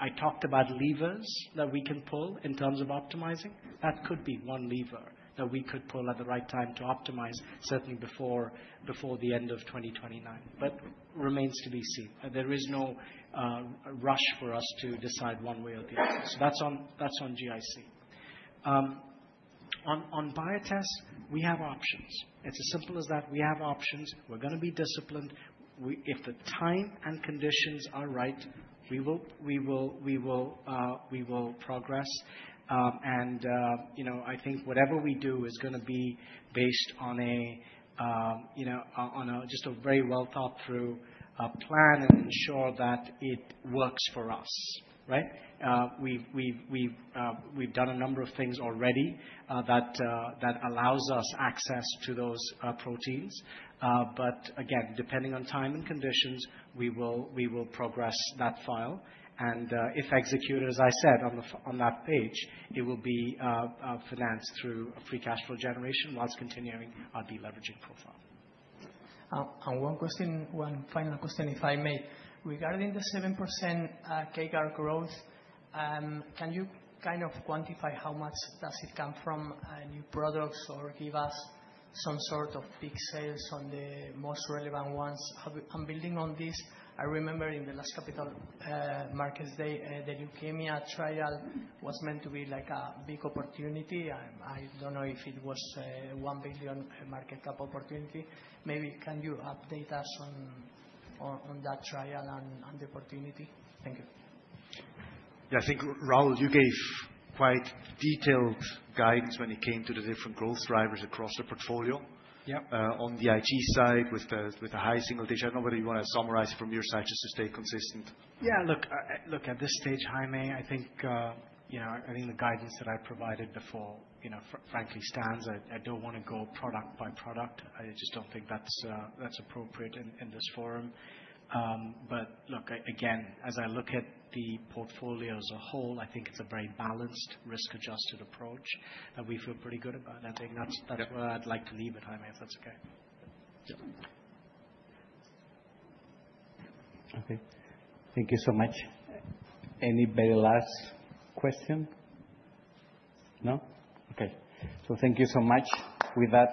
I talked about levers that we can pull in terms of optimizing. That could be one lever that we could pull at the right time to optimize, certainly before the end of 2029. But remains to be seen. There is no rush for us to decide one way or the other. So that's on GIC. On Biotest, we have options. It's as simple as that. We have options. We're going to be disciplined. If the time and conditions are right, we will progress. And I think whatever we do is going to be based on just a very well-thought-through plan and ensure that it works for us, right? We've done a number of things already that allows us access to those proteins. But again, depending on time and conditions, we will progress that file. And if executed, as I said on that page, it will be financed through free cash flow generation whilst continuing our deleveraging profile. And one final question, if I may, regarding the 7% CAGR growth, can you kind of quantify how much does it come from new products or give us some sort of big sales on the most relevant ones? I'm building on this. I remember in the last Capital Markets Day, the leukemia trial was meant to be like a big opportunity. I don't know if it was a one billion market cap opportunity. Maybe can you update us on that trial and the opportunity? Thank you. Yeah, I think, Rahul, you gave quite detailed guidance when it came to the different growth drivers across the portfolio. On the IG side with the high single digit, I don't know whether you want to summarize it from your side just to stay consistent. Yeah, look, at this stage, Jaime, I think the guidance that I provided before, frankly, stands. I don't want to go product by product. I just don't think that's appropriate in this forum. But look, again, as I look at the portfolio as a whole, I think it's a very balanced, risk-adjusted approach that we feel pretty good about. I think that's where I'd like to leave it, Jaime, if that's okay. Okay. Thank you so much. Any very last question? No? Okay. So thank you so much. With that.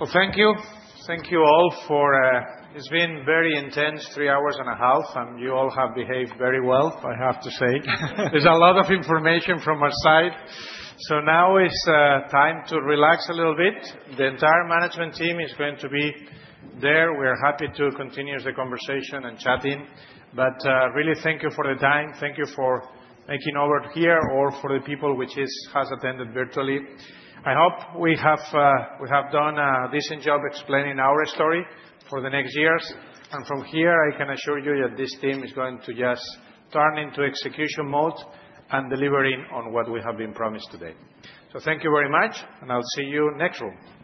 Well, thank you. Thank you all. It's been very intense, three hours and a half, and you all have behaved very well, I have to say. There's a lot of information from our side. So now it's time to relax a little bit. The entire management team is going to be there. We are happy to continue the conversation and chatting. But really, thank you for the time. Thank you for making it over here or for the people which has attended virtually. I hope we have done a decent job explaining our story for the next years. And from here, I can assure you that this team is going to just turn into execution mode and delivering on what we have been promised today. So thank you very much, and I'll see you in the next room.